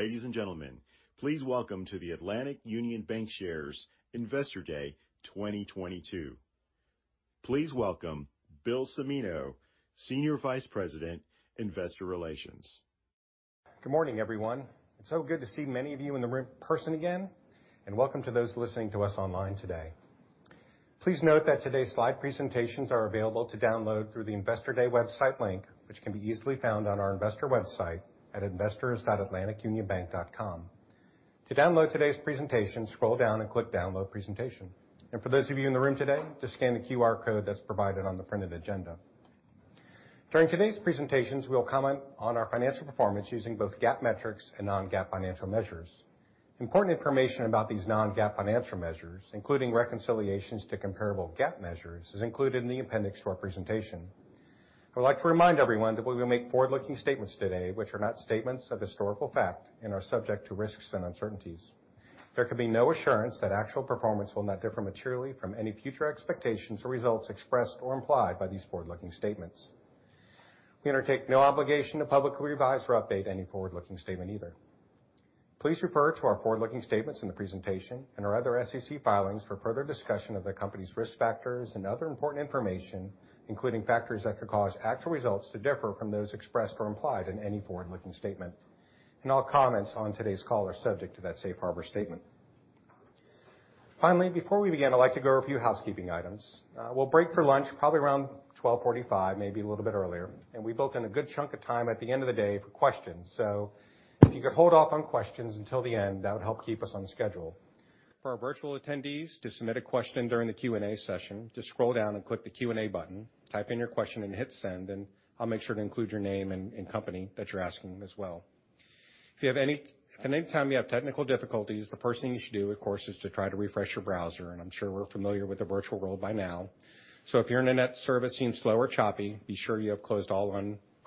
Ladies and gentlemen, please welcome to the Atlantic Union Bankshares Investor Day 2022. Please welcome Bill Cimino, Senior Vice President, Investor Relations. Good morning, everyone. It's so good to see many of you in the room in person again, and welcome to those listening to us online today. Please note that today's slide presentations are available to download through the Investor Day website link, which can be easily found on our investor website at investors.atlanticunionbank.com. To download today's presentation, scroll down and click Download Presentation. For those of you in the room today, just scan the QR code that's provided on the printed agenda. During today's presentations, we'll comment on our financial performance using both GAAP metrics and non-GAAP financial measures. Important information about these non-GAAP financial measures, including reconciliations to comparable GAAP measures, is included in the appendix to our presentation. I would like to remind everyone that we will make forward-looking statements today which are not statements of historical fact and are subject to risks and uncertainties. There can be no assurance that actual performance will not differ materially from any future expectations or results expressed or implied by these forward-looking statements. We undertake no obligation to publicly revise or update any forward-looking statement either. Please refer to our forward-looking statements in the presentation and our other SEC filings for further discussion of the company's risk factors and other important information, including factors that could cause actual results to differ from those expressed or implied in any forward-looking statement. All comments on today's call are subject to that safe harbor statement. Finally, before we begin, I'd like to go over a few housekeeping items. We'll break for lunch probably around 12:45 P.M., maybe a little bit earlier, and we built in a good chunk of time at the end of the day for questions. If you could hold off on questions until the end, that would help keep us on schedule. For our virtual attendees, to submit a question during the Q&A session, just scroll down and click the Q&A button, type in your question and hit Send, and I'll make sure to include your name and company that you're asking as well. If at any time you have technical difficulties, the first thing you should do, of course, is to try to refresh your browser. I'm sure we're familiar with the virtual world by now. If your internet service seems slow or choppy, be sure you have closed all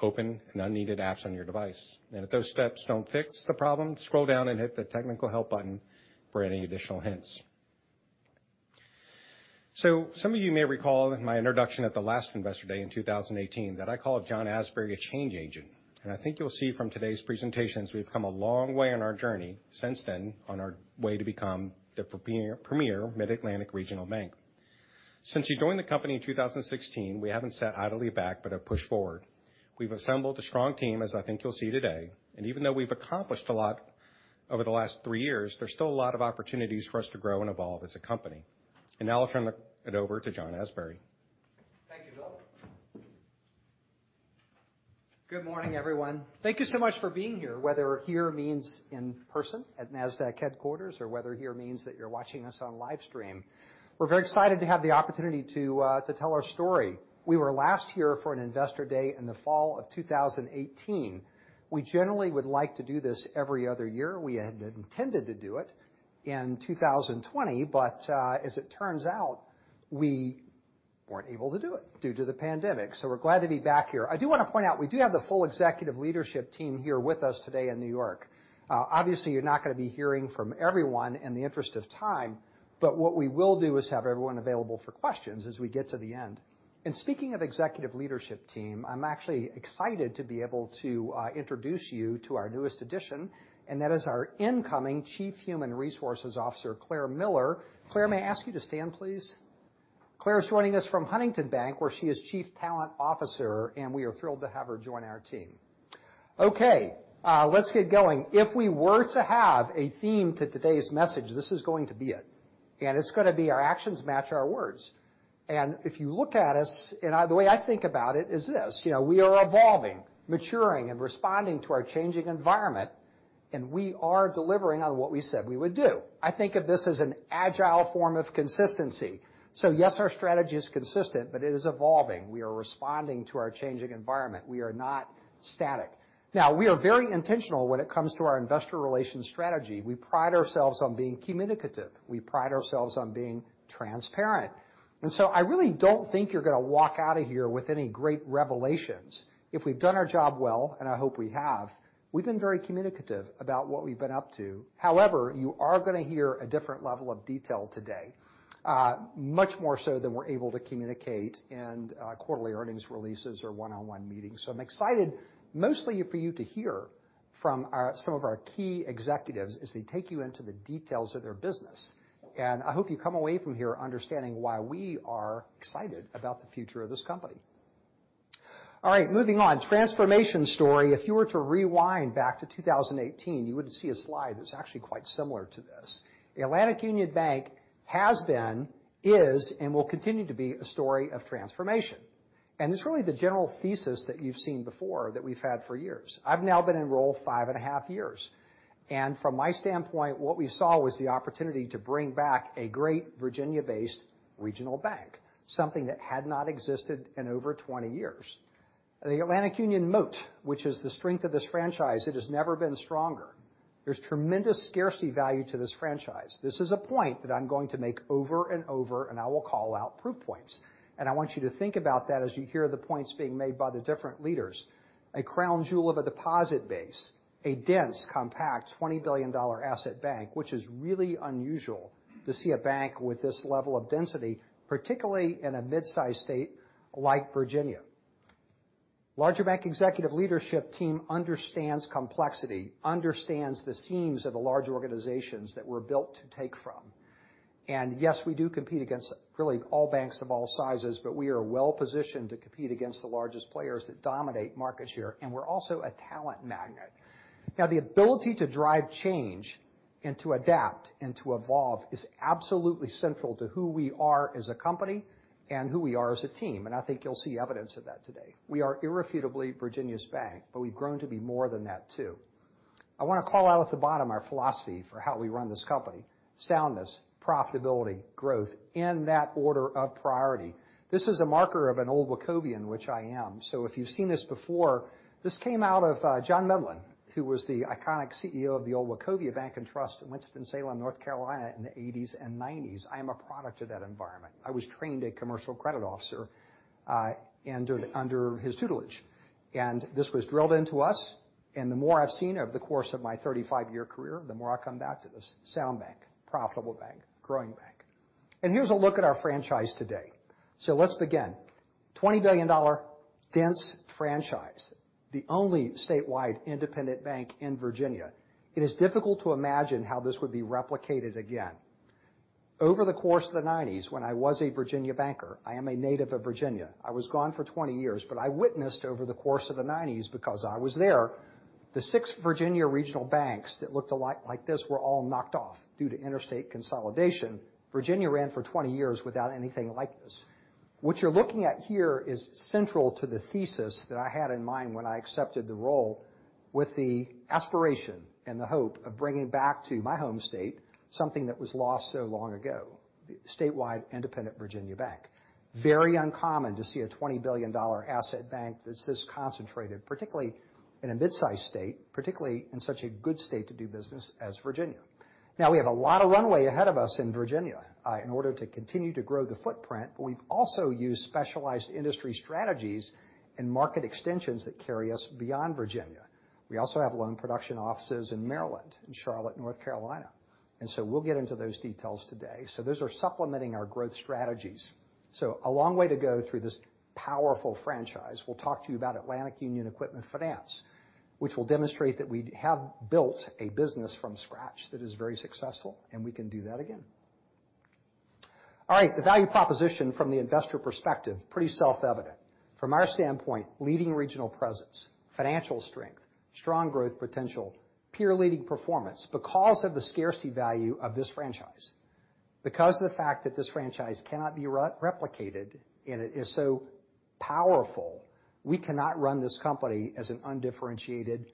open and unneeded apps on your device. If those steps don't fix the problem, scroll down and hit the technical help button for any additional hints. Some of you may recall in my introduction at the last Investor Day in 2018, that I called John Asbury a change agent. I think you'll see from today's presentations we've come a long way on our journey since then on our way to become the premier Mid-Atlantic regional bank. Since he joined the company in 2016, we haven't sat idly back, but have pushed forward. We've assembled a strong team, as I think you'll see today. Even though we've accomplished a lot over the last three years, there's still a lot of opportunities for us to grow and evolve as a company. Now I'll turn it over to John Asbury. Thank you, Bill. Good morning, everyone. Thank you so much for being here, whether here means in person at Nasdaq headquarters or whether here means that you're watching us on live stream. We're very excited to have the opportunity to tell our story. We were last here for an Investor Day in the fall of 2018. We generally would like to do this every other year. We had intended to do it in 2020, but as it turns out, we weren't able to do it due to the pandemic. We're glad to be back here. I do want to point out we do have the full executive leadership team here with us today in New York. Obviously, you're not gonna be hearing from everyone in the interest of time, but what we will do is have everyone available for questions as we get to the end. Speaking of executive leadership team, I'm actually excited to be able to introduce you to our newest addition, and that is our incoming Chief Human Resources Officer, Clare Miller. Clare, may I ask you to stand, please? Clare is joining us from Huntington Bank, where she is Chief Talent Officer, and we are thrilled to have her join our team. Okay, let's get going. If we were to have a theme to today's message, this is going to be it. It's gonna be our actions match our words. If you look at us, the way I think about it is this, you know, we are evolving, maturing, and responding to our changing environment, and we are delivering on what we said we would do. I think of this as an agile form of consistency. Yes, our strategy is consistent, but it is evolving. We are responding to our changing environment. We are not static. Now, we are very intentional when it comes to our investor relations strategy. We pride ourselves on being communicative. We pride ourselves on being transparent. I really don't think you're gonna walk out of here with any great revelations. If we've done our job well, and I hope we have, we've been very communicative about what we've been up to. However, you are gonna hear a different level of detail today, much more so than we're able to communicate in, quarterly earnings releases or one-on-one meetings. I'm excited mostly for you to hear from some of our key executives as they take you into the details of their business. I hope you come away from here understanding why we are excited about the future of this company. All right, moving on. Transformation story. If you were to rewind back to 2018, you would see a slide that's actually quite similar to this. The Atlantic Union Bank has been, is, and will continue to be a story of transformation. It's really the general thesis that you've seen before that we've had for years. I've now been in role 5.5 years. From my standpoint, what we saw was the opportunity to bring back a great Virginia-based regional bank, something that had not existed in over 20 years. The Atlantic Union moat, which is the strength of this franchise, it has never been stronger. There's tremendous scarcity value to this franchise. This is a point that I'm going to make over and over, and I will call out proof points. I want you to think about that as you hear the points being made by the different leaders. A crown jewel of a deposit base, a dense, compact, $20 billion asset bank, which is really unusual to see a bank with this level of density, particularly in a mid-sized state like Virginia. Larger bank executive leadership team understands complexity, understands the seams of the large organizations that we're built to take from. Yes, we do compete against really all banks of all sizes, but we are well-positioned to compete against the largest players that dominate market share, and we're also a talent magnet. Now, the ability to drive change and to adapt and to evolve is absolutely central to who we are as a company and who we are as a team. I think you'll see evidence of that today. We are irrefutably Virginia's bank, but we've grown to be more than that, too. I wanna call out at the bottom our philosophy for how we run this company, soundness, profitability, growth in that order of priority. This is a marker of an old Wachovian, which I am. If you've seen this before, this came out of John Medlin, who was the iconic CEO of the old Wachovia Bank and Trust in Winston-Salem, North Carolina, in the 1980s and 1990s. I am a product of that environment. I was trained as a commercial credit officer under his tutelage, and this was drilled into us. The more I've seen over the course of my 35-year career, the more I come back to this, sound bank, profitable bank, growing bank. Here's a look at our franchise today. Let's begin. $20 billion dense franchise, the only statewide independent bank in Virginia. It is difficult to imagine how this would be replicated again. Over the course of the 1990s, when I was a Virginia banker, I am a native of Virginia. I was gone for 20 years, but I witnessed over the course of the 1990s because I was there, the six Virginia regional banks that looked a lot like this were all knocked off due to interstate consolidation. Virginia ran for 20 years without anything like this. What you're looking at here is central to the thesis that I had in mind when I accepted the role with the aspiration and the hope of bringing back to my home state something that was lost so long ago, statewide independent Virginia bank. Very uncommon to see a $20 billion asset bank that's this concentrated, particularly in a mid-sized state, particularly in such a good state to do business as Virginia. Now, we have a lot of runway ahead of us in Virginia in order to continue to grow the footprint, but we've also used specialized industry strategies and market extensions that carry us beyond Virginia. We also have loan production offices in Maryland and Charlotte, North Carolina. We'll get into those details today. Those are supplementing our growth strategies. A long way to go through this powerful franchise. We'll talk to you about Atlantic Union Equipment Finance, which will demonstrate that we have built a business from scratch that is very successful, and we can do that again. All right, the value proposition from the investor perspective, pretty self-evident. From our standpoint, leading regional presence, financial strength, strong growth potential, peer-leading performance. Because of the scarcity value of this franchise, because of the fact that this franchise cannot be replicated and it is so powerful, we cannot run this company as an undifferentiated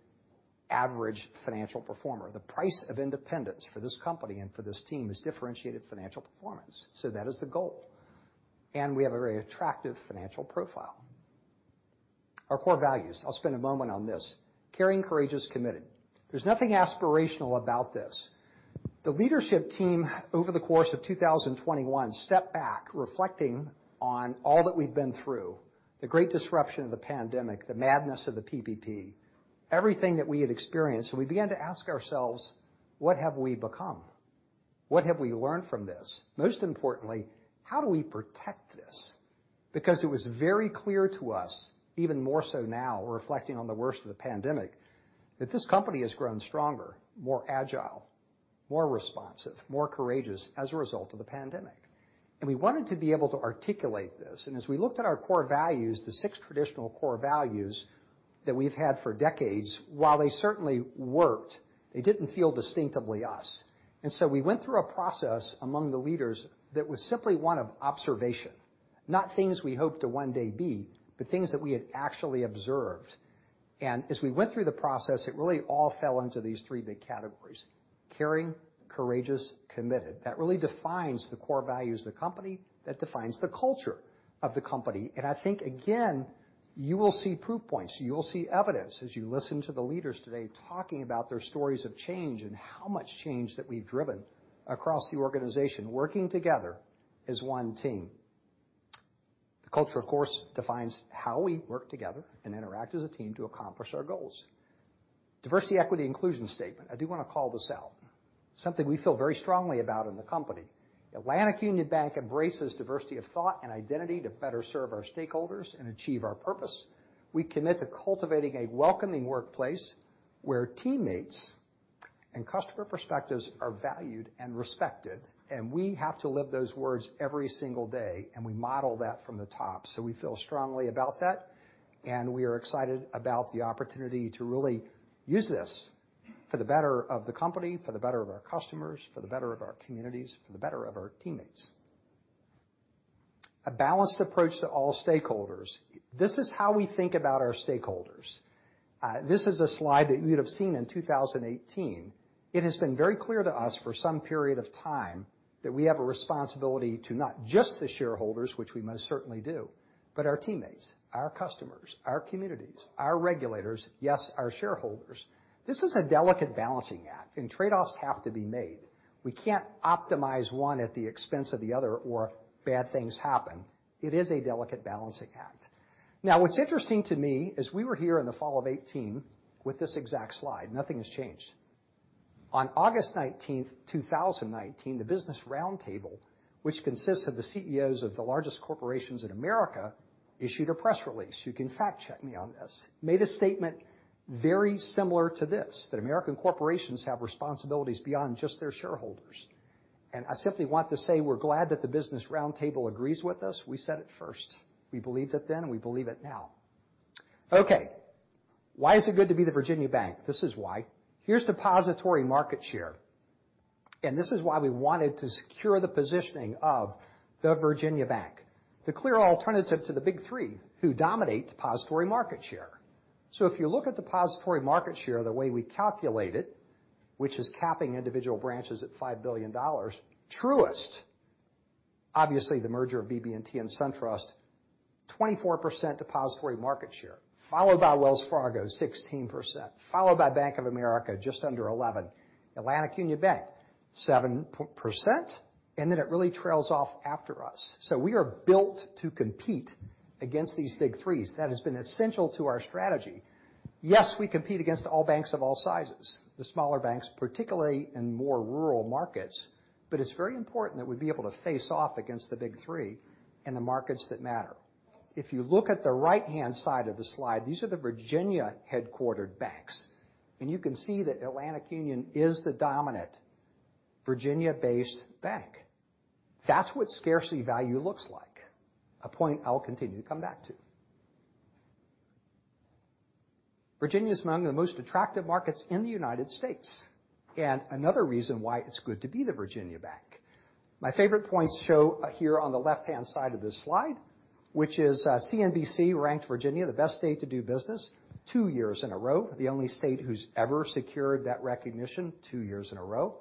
average financial performer. The price of independence for this company and for this team is differentiated financial performance. That is the goal. We have a very attractive financial profile. Our core values, I'll spend a moment on this. Caring, courageous, committed. There's nothing aspirational about this. The leadership team over the course of 2021 stepped back, reflecting on all that we've been through, the great disruption of the pandemic, the madness of the PPP, everything that we had experienced. We began to ask ourselves, "What have we become? What have we learned from this?" Most importantly, "How do we protect this?" Because it was very clear to us, even more so now, reflecting on the worst of the pandemic, that this company has grown stronger, more agile, more responsive, more courageous as a result of the pandemic. We wanted to be able to articulate this. As we looked at our core values, the six traditional core values that we've had for decades. While they certainly worked, they didn't feel distinctively us. We went through a process among the leaders that was simply one of observation, not things we hope to one day be, but things that we had actually observed. As we went through the process, it really all fell into these three big categories, caring, courageous, committed. That really defines the core values of the company, that defines the culture of the company. I think, again, you will see proof points, you will see evidence as you listen to the leaders today talking about their stories of change and how much change that we've driven across the organization, working together as one team. The culture, of course, defines how we work together and interact as a team to accomplish our goals. Diversity, equity, and inclusion statement. I do wanna call this out. Something we feel very strongly about in the company. Atlantic Union Bank embraces diversity of thought and identity to better serve our stakeholders and achieve our purpose. We commit to cultivating a welcoming workplace where teammates and customer perspectives are valued and respected, and we have to live those words every single day, and we model that from the top. We feel strongly about that, and we are excited about the opportunity to really use this for the better of the company, for the better of our customers, for the better of our communities, for the better of our teammates. A balanced approach to all stakeholders. This is how we think about our stakeholders. This is a slide that you'd have seen in 2018. It has been very clear to us for some period of time that we have a responsibility to not just the shareholders, which we most certainly do, but our teammates, our customers, our communities, our regulators, yes, our shareholders. This is a delicate balancing act, and trade-offs have to be made. We can't optimize one at the expense of the other or bad things happen. It is a delicate balancing act. Now, what's interesting to me is we were here in the fall of 2018 with this exact slide. Nothing has changed. On August 19th, 2019, the Business Roundtable, which consists of the CEOs of the largest corporations in America, issued a press release. You can fact-check me on this. Made a statement very similar to this, that American corporations have responsibilities beyond just their shareholders. I simply want to say we're glad that the Business Roundtable agrees with us. We said it first. We believed it then, we believe it now. Okay. Why is it good to be the Virginia Bank? This is why. Here's depository market share. This is why we wanted to secure the positioning of the Virginia Bank, the clear alternative to the Big Three, who dominate depository market share. If you look at depository market share, the way we calculate it, which is capping individual branches at $5 billion, Truist, obviously, the merger of BB&T and SunTrust, 24% depository market share, followed by Wells Fargo, 16%, followed by Bank of America, just under 11%, Atlantic Union Bank, 7%, and then it really trails off after us. We are built to compete against these Big Threes. That has been essential to our strategy. Yes, we compete against all banks of all sizes, the smaller banks, particularly in more rural markets, but it's very important that we be able to face off against the Big Three in the markets that matter. If you look at the right-hand side of the slide, these are the Virginia-headquartered banks, and you can see that Atlantic Union is the dominant Virginia-based bank. That's what scarcity value looks like, a point I'll continue to come back to. Virginia is among the most attractive markets in the United States, and another reason why it's good to be the Virginia Bank. My favorite points show here on the left-hand side of this slide, which is, CNBC ranked Virginia the best state to do business two years in a row, the only state who's ever secured that recognition two years in a row.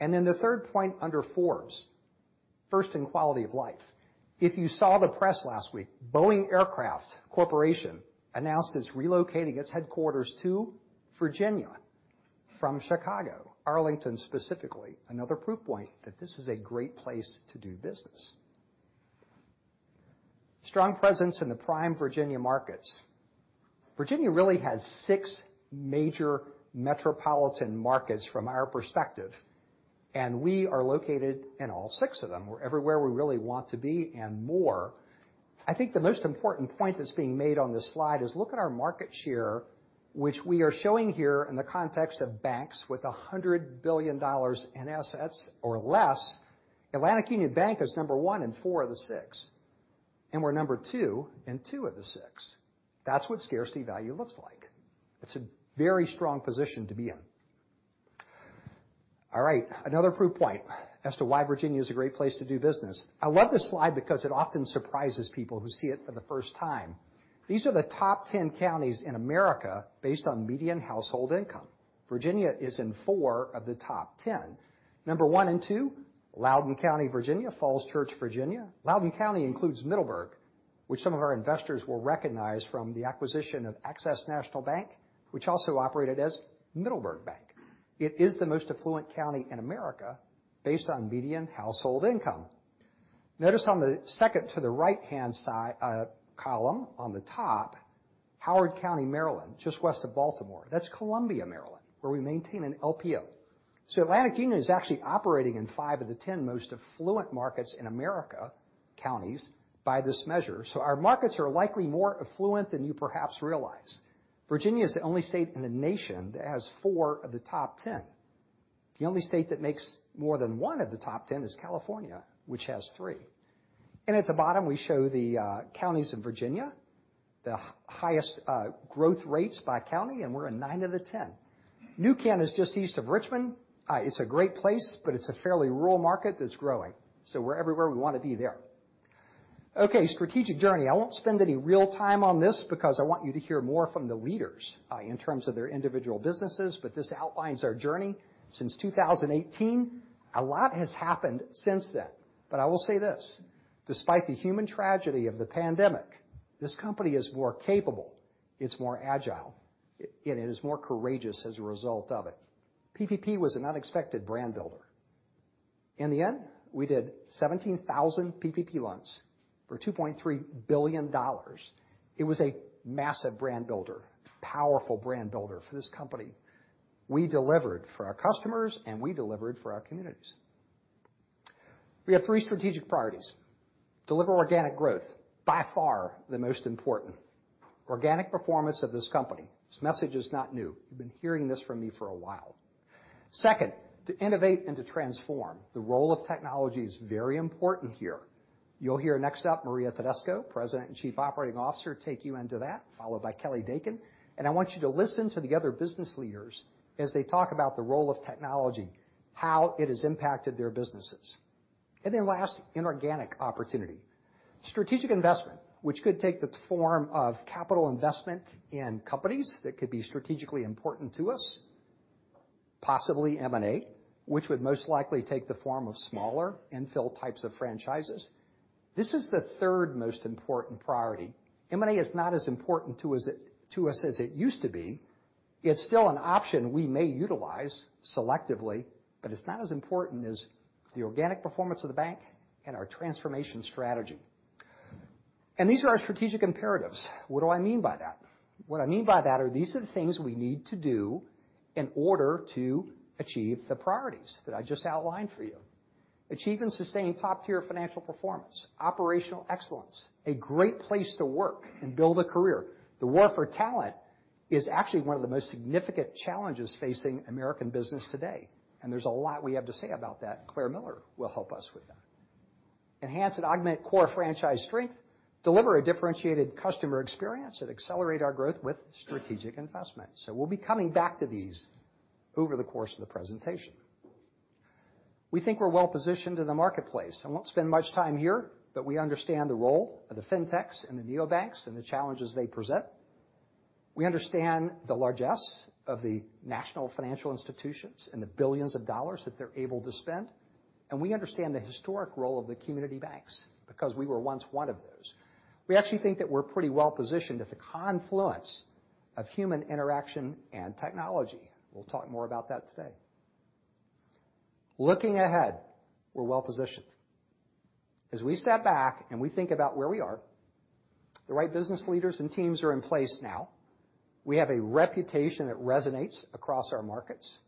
Then the third point under Forbes, first in quality of life. If you saw the press last week, Boeing Aircraft Corporation announced it's relocating its headquarters to Virginia from Chicago, Arlington, specifically. Another proof point that this is a great place to do business. Strong presence in the prime Virginia markets. Virginia really has six major metropolitan markets from our perspective, and we are located in all six of them. We're everywhere we really want to be and more. I think the most important point that's being made on this slide is look at our market share, which we are showing here in the context of banks with $100 billion in assets or less. Atlantic Union Bank is number one in four of the six, and we're number two in two of the six. That's what scarcity value looks like. It's a very strong position to be in. All right, another proof point as to why Virginia is a great place to do business. I love this slide because it often surprises people who see it for the first time. These are the top 10 counties in America based on median household income. Virginia is in four of the top 10. Number one and two, Loudoun County, Virginia, Falls Church, Virginia. Loudoun County includes Middleburg, which some of our investors will recognize from the acquisition of Access National Bank, which also operated as Middleburg Bank. It is the most affluent county in America based on median household income. Notice on the second to the right-hand side column on the top, Howard County, Maryland, just west of Baltimore. That's Columbia, Maryland, where we maintain an LPO. Atlantic Union is actually operating in five of the 10 most affluent markets in America, counties, by this measure. Our markets are likely more affluent than you perhaps realize. Virginia is the only state in the nation that has four of the top 10. The only state that makes more than one of the top 10 is California, which has three. At the bottom, we show the counties in Virginia, the highest growth rates by county, and we're in nine of the ten. New Kent is just east of Richmond. It's a great place, but it's a fairly rural market that's growing. We're everywhere we wanna be there. Okay, strategic journey. I won't spend any real time on this because I want you to hear more from the leaders in terms of their individual businesses, but this outlines our journey since 2018. A lot has happened since then. I will say this, despite the human tragedy of the pandemic, this company is more capable, it's more agile, it is more courageous as a result of it. PPP was an unexpected brand builder. In the end, we did 17,000 PPP loans for $2.3 billion. It was a massive brand builder, powerful brand builder for this company. We delivered for our customers, and we delivered for our communities. We have three strategic priorities. Deliver organic growth, by far the most important. Organic performance of this company. This message is not new. You've been hearing this from me for a while. Second, to innovate and to transform. The role of technology is very important here. You'll hear next up, Maria Tedesco, President and Chief Operating Officer, take you into that, followed by Kelly Dakin. I want you to listen to the other business leaders as they talk about the role of technology, how it has impacted their businesses. Last, inorganic opportunity. Strategic investment, which could take the form of capital investment in companies that could be strategically important to us, possibly M&A, which would most likely take the form of smaller infill types of franchises. This is the third most important priority. M&A is not as important to us as it used to be. It's still an option we may utilize selectively, but it's not as important as the organic performance of the bank and our transformation strategy. These are our strategic imperatives. What do I mean by that? What I mean by that are these are the things we need to do in order to achieve the priorities that I just outlined for you. Achieve and sustain top-tier financial performance, operational excellence, a great place to work and build a career. The war for talent is actually one of the most significant challenges facing American business today, and there's a lot we have to say about that. Clare Miller will help us with that. Enhance and augment core franchise strength, deliver a differentiated customer experience, and accelerate our growth with strategic investments. We'll be coming back to these over the course of the presentation. We think we're well-positioned in the marketplace. I won't spend much time here, but we understand the role of the fintechs and the neobanks and the challenges they present. We understand the largesse of the national financial institutions and the billions of dollars that they're able to spend, and we understand the historic role of the community banks because we were once one of those. We actually think that we're pretty well-positioned at the confluence of human interaction and technology. We'll talk more about that today. Looking ahead, we're well-positioned. As we step back and we think about where we are, the right business leaders and teams are in place now. We have a reputation that resonates across our markets.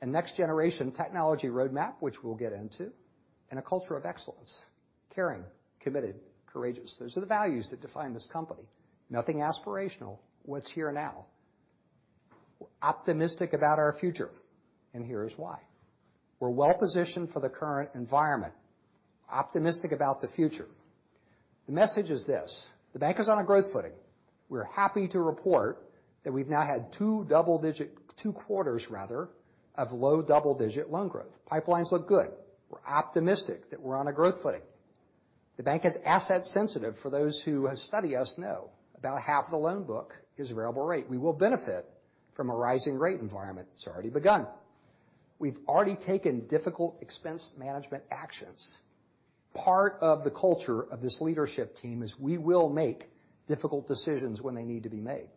A next-generation technology roadmap, which we'll get into, and a culture of excellence, caring, committed, courageous. Those are the values that define this company. Nothing aspirational. What's here now. We're optimistic about our future, and here's why. We're well-positioned for the current environment, optimistic about the future. The message is this: The bank is on a growth footing. We're happy to report that we've now had two quarters, rather, of low double-digit loan growth. Pipelines look good. We're optimistic that we're on a growth footing. The bank is asset sensitive. For those who study us, know about half the loan book is variable rate. We will benefit from a rising rate environment. It's already begun. We've already taken difficult expense management actions. Part of the culture of this leadership team is we will make difficult decisions when they need to be made.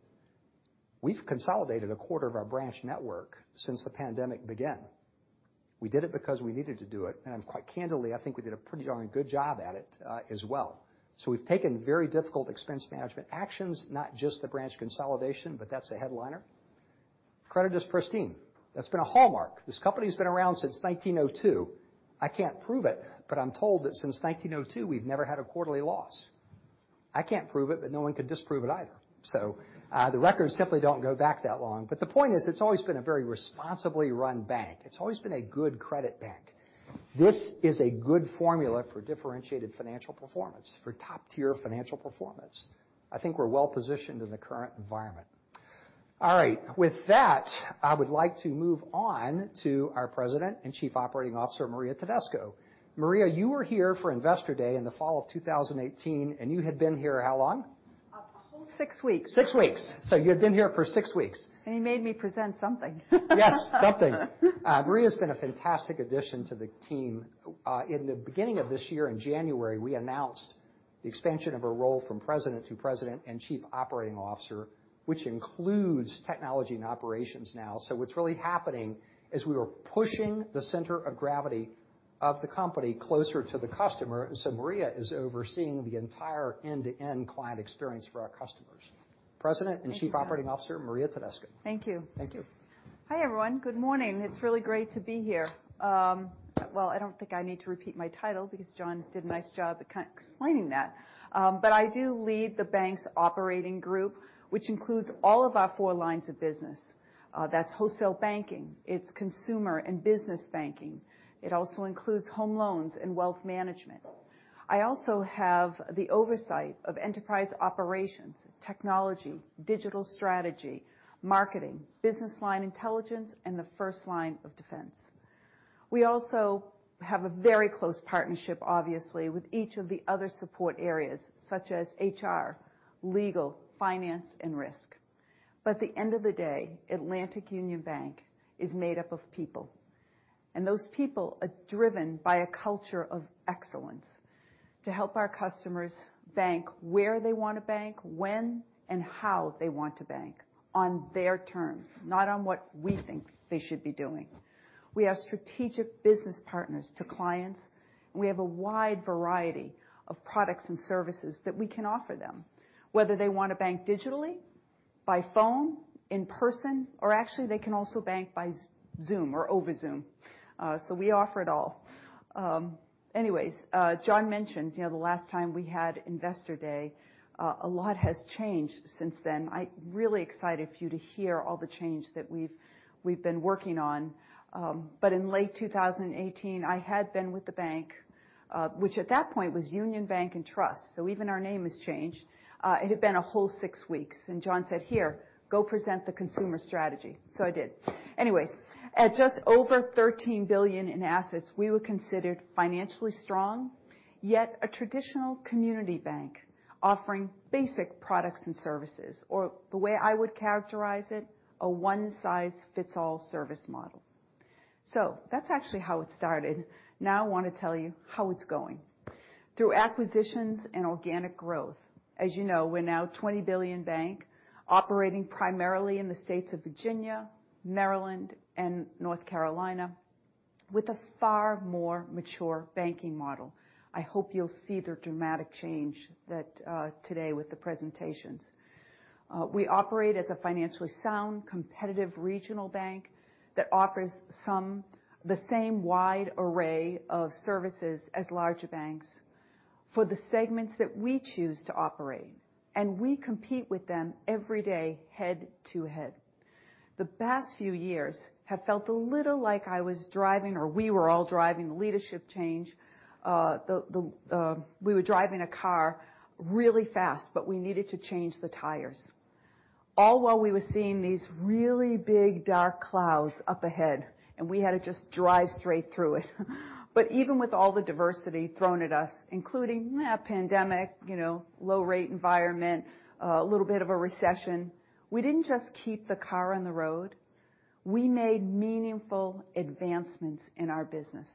We've consolidated a quarter of our branch network since the pandemic began. We did it because we needed to do it, and quite candidly, I think we did a pretty darn good job at it, as well. We've taken very difficult expense management actions, not just the branch consolidation, but that's a headliner. Credit is pristine. That's been a hallmark. This company has been around since 1902. I can't prove it, but I'm told that since 1902 we've never had a quarterly loss. I can't prove it, but no one can disprove it either. The records simply don't go back that long. The point is, it's always been a very responsibly run bank. It's always been a good credit bank. This is a good formula for differentiated financial performance, for top-tier financial performance. I think we're well-positioned in the current environment. All right. With that, I would like to move on to our President and Chief Operating Officer, Maria Tedesco. Maria, you were here for Investor Day in the fall of 2018, and you had been here how long? A whole six weeks. Six weeks. You had been here for six weeks. He made me present something. Maria's been a fantastic addition to the team. In the beginning of this year, in January, we announced the expansion of her role from President to President and Chief Operating Officer, which includes technology and operations now. What's really happening is we were pushing the center of gravity of the company closer to the customer. Maria is overseeing the entire end-to-end client experience for our customers. President and Chief Operating Officer, Maria Tedesco. Thank you. Thank you. Hi, everyone. Good morning. It's really great to be here. Well, I don't think I need to repeat my title because John did a nice job kind of explaining that. I do lead the bank's operating group, which includes all of our four lines of business. That's wholesale banking. It's consumer and business banking. It also includes home loans and wealth management. I also have the oversight of enterprise operations, technology, digital strategy, marketing, business line intelligence, and the first line of defense. We also have a very close partnership, obviously, with each of the other support areas such as HR, legal, finance, and risk. At the end of the day, Atlantic Union Bank is made up of people, and those people are driven by a culture of excellence to help our customers bank where they want to bank, when and how they want to bank on their terms, not on what we think they should be doing. We are strategic business partners to clients. We have a wide variety of products and services that we can offer them, whether they want to bank digitally, by phone, in person, or actually, they can also bank by Zoom or over Zoom. So we offer it all. Anyways, John mentioned, you know, the last time we had Investor Day. A lot has changed since then. I'm really excited for you to hear all the change that we've been working on. in late 2018, I had been with the bank, which at that point was Union Bank & Trust, so even our name has changed. it had been a whole six weeks, and John said, "Here, go present the consumer strategy." So I did. Anyways, at just over $13 billion in assets, we were considered financially strong, yet a traditional community bank offering basic products and services, or the way I would characterize it, a one size fits all service model. So that's actually how it started. Now I wanna tell you how it's going. Through acquisitions and organic growth, as you know, we're now a $20 billion bank operating primarily in the states of Virginia, Maryland, and North Carolina. With a far more mature banking model. I hope you'll see the dramatic change that today with the presentations. We operate as a financially sound, competitive regional bank that offers the same wide array of services as larger banks for the segments that we choose to operate, and we compete with them every day head to head. The past few years have felt a little like I was driving, or we were all driving the leadership change, we were driving a car really fast, but we needed to change the tires. All while we were seeing these really big, dark clouds up ahead, and we had to just drive straight through it. Even with all the adversity thrown at us, including a pandemic, you know, low rate environment, a little bit of a recession, we didn't just keep the car on the road, we made meaningful advancements in our business.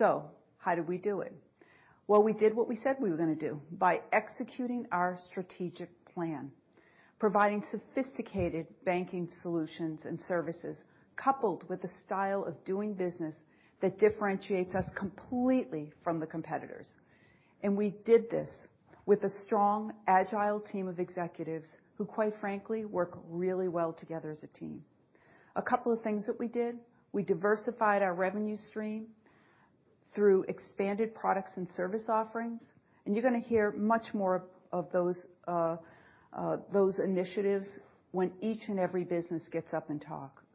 How did we do it? Well, we did what we said we were gonna do. By executing our strategic plan, providing sophisticated banking solutions and services, coupled with the style of doing business that differentiates us completely from the competitors. We did this with a strong, agile team of executives who, quite frankly, work really well together as a team. A couple of things that we did. We diversified our revenue stream through expanded products and service offerings, and you're gonna hear much more of those initiatives when each and every business gets up and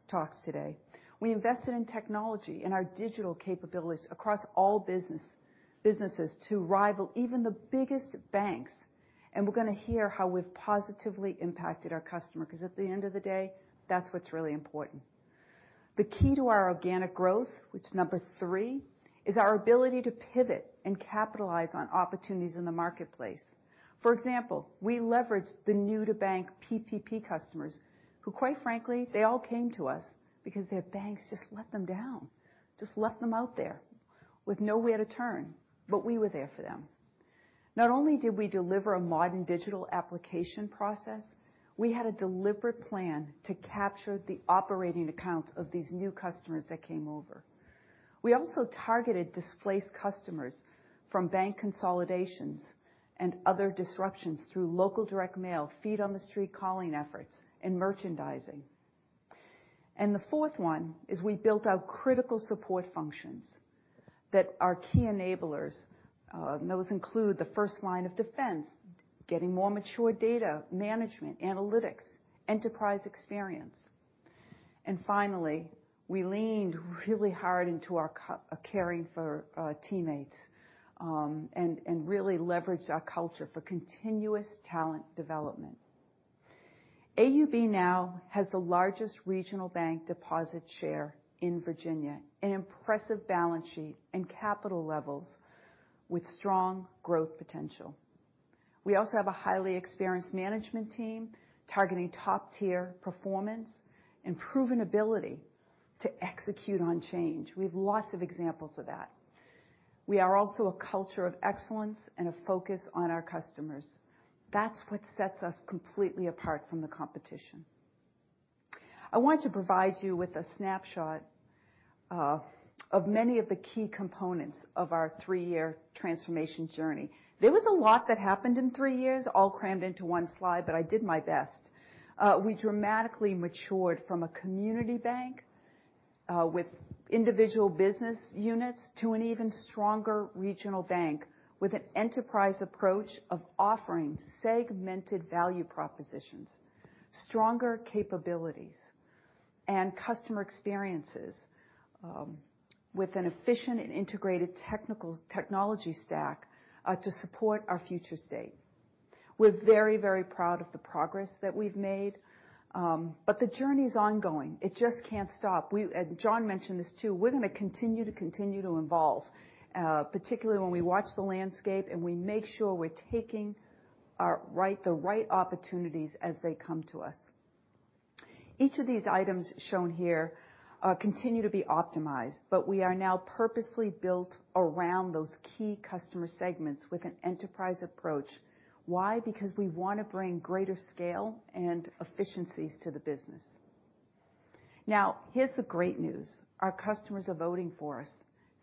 talks today. We invested in technology and our digital capabilities across all businesses to rival even the biggest banks. We're gonna hear how we've positively impacted our customer, 'cause at the end of the day, that's what's really important. The key to our organic growth, which is number three, is our ability to pivot and capitalize on opportunities in the marketplace. For example, we leveraged the new-to-bank PPP customers who, quite frankly, they all came to us because their banks just let them down, just left them out there with nowhere to turn. But we were there for them. Not only did we deliver a modern digital application process, we had a deliberate plan to capture the operating accounts of these new customers that came over. We also targeted displaced customers from bank consolidations and other disruptions through local direct mail, feet on the street calling efforts and merchandising. The fourth one is we built out critical support functions that are key enablers. Those include the first line of defense, getting more mature data management, analytics, enterprise experience. Finally, we leaned really hard into our caring for teammates and really leveraged our culture for continuous talent development. AUB now has the largest regional bank deposit share in Virginia, an impressive balance sheet and capital levels with strong growth potential. We also have a highly experienced management team targeting top-tier performance and proven ability to execute on change. We have lots of examples of that. We are also a culture of excellence and a focus on our customers. That's what sets us completely apart from the competition. I want to provide you with a snapshot of many of the key components of our three-year transformation journey. There was a lot that happened in three years, all crammed into one slide, but I did my best. We dramatically matured from a community bank with individual business units to an even stronger regional bank with an enterprise approach of offering segmented value propositions, stronger capabilities and customer experiences with an efficient and integrated technology stack to support our future state. We're very, very proud of the progress that we've made, but the journey is ongoing. It just can't stop. John mentioned this too, we're gonna continue to evolve, particularly when we watch the landscape and we make sure we're taking the right opportunities as they come to us. Each of these items shown here continue to be optimized, but we are now purposely built around those key customer segments with an enterprise approach. Why? Because we want to bring greater scale and efficiencies to the business. Now, here's the great news. Our customers are voting for us.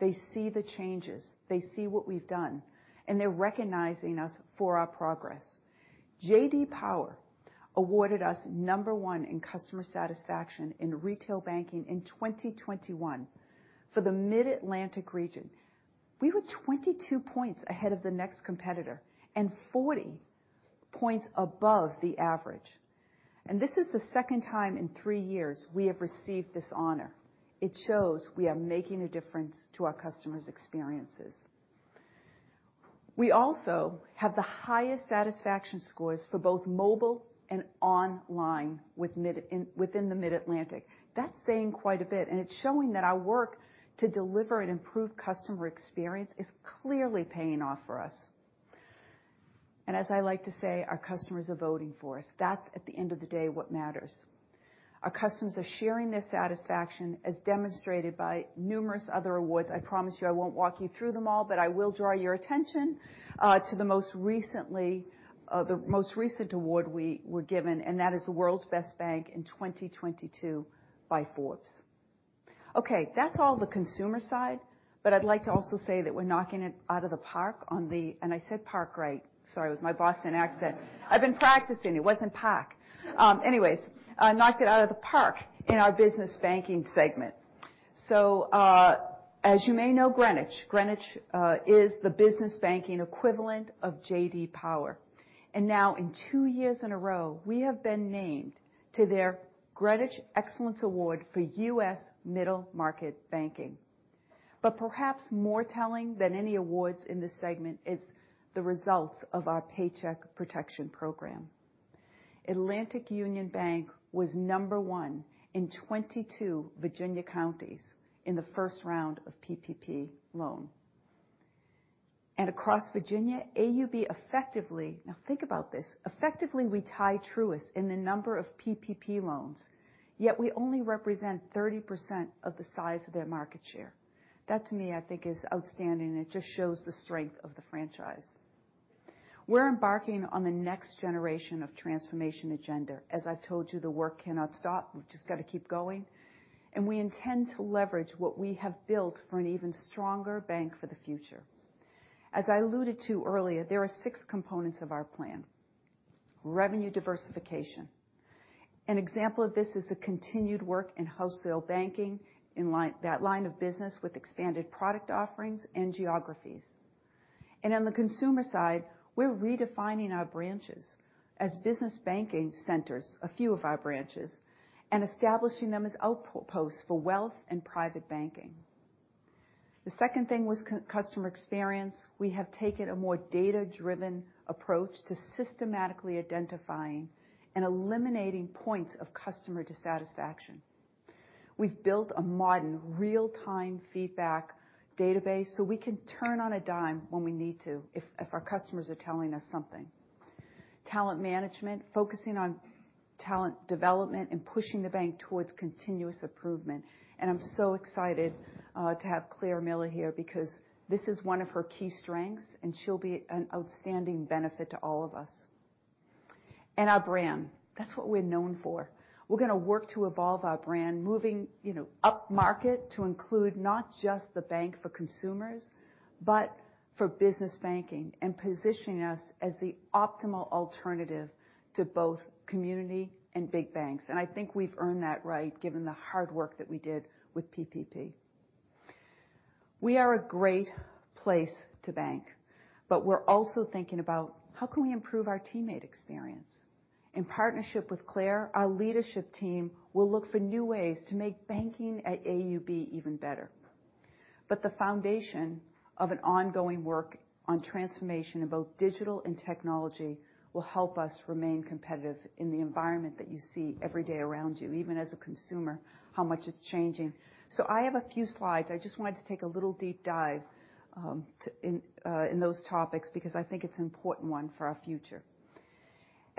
They see the changes, they see what we've done, and they're recognizing us for our progress. J.D. Power awarded us number one in customer satisfaction in retail banking in 2021 for the Mid-Atlantic region. We were 22 points ahead of the next competitor and 40 points above the average. This is the second time in three years we have received this honor. It shows we are making a difference to our customers' experiences. We also have the highest satisfaction scores for both mobile and online within the Mid-Atlantic. That's saying quite a bit, and it's showing that our work to deliver an improved customer experience is clearly paying off for us. As I like to say, our customers are voting for us. That's, at the end of the day, what matters. Our customers are sharing their satisfaction, as demonstrated by numerous other awards. I promise you I won't walk you through them all, but I will draw your attention to the most recent award we were given, and that is the World's Best Bank in 2022 by Forbes. Okay. That's all the consumer side. I'd like to also say that we're knocking it out of the park on the park. I said park right. Sorry, with my Boston accent. I've been practicing. It wasn't pack. Anyways, knocked it out of the park in our business banking segment. As you may know, Greenwich is the business banking equivalent of J.D. Power. Now, in two years in a row, we have been named to their Greenwich Excellence Award for U.S. Middle Market Banking. Perhaps more telling than any awards in this segment is the results of our Paycheck Protection Program. Atlantic Union Bank was number one in 22 Virginia counties in the first round of PPP loan. Now think about this, effectively, we tie Truist in the number of PPP loans, yet we only represent 30% of the size of their market share. That, to me, I think is outstanding, and it just shows the strength of the franchise. We're embarking on the next generation of transformation agenda. As I've told you, the work cannot stop. We've just gotta keep going. We intend to leverage what we have built for an even stronger bank for the future. As I alluded to earlier, there are six components of our plan. Revenue diversification. An example of this is the continued work in wholesale banking in line with that line of business with expanded product offerings and geographies. On the consumer side, we're redefining our branches as business banking centers, a few of our branches, and establishing them as outposts for wealth and private banking. The second thing was customer experience. We have taken a more data-driven approach to systematically identifying and eliminating points of customer dissatisfaction. We've built a modern real-time feedback database so we can turn on a dime when we need to if our customers are telling us something. Talent management. Focusing on talent development and pushing the bank towards continuous improvement. I'm so excited to have Clare Miller here because this is one of her key strengths, and she'll be an outstanding benefit to all of us. Our brand. That's what we're known for. We're gonna work to evolve our brand, moving, you know, upmarket to include not just the bank for consumers, but for business banking and positioning us as the optimal alternative to both community and big banks. I think we've earned that right given the hard work that we did with PPP. We are a great place to bank, but we're also thinking about how can we improve our teammate experience. In partnership with Clare, our leadership team will look for new ways to make banking at AUB even better. The foundation of an ongoing work on transformation in both digital and technology will help us remain competitive in the environment that you see every day around you, even as a consumer, how much it's changing. I have a few slides. I just wanted to take a little deep dive in those topics because I think it's an important one for our future.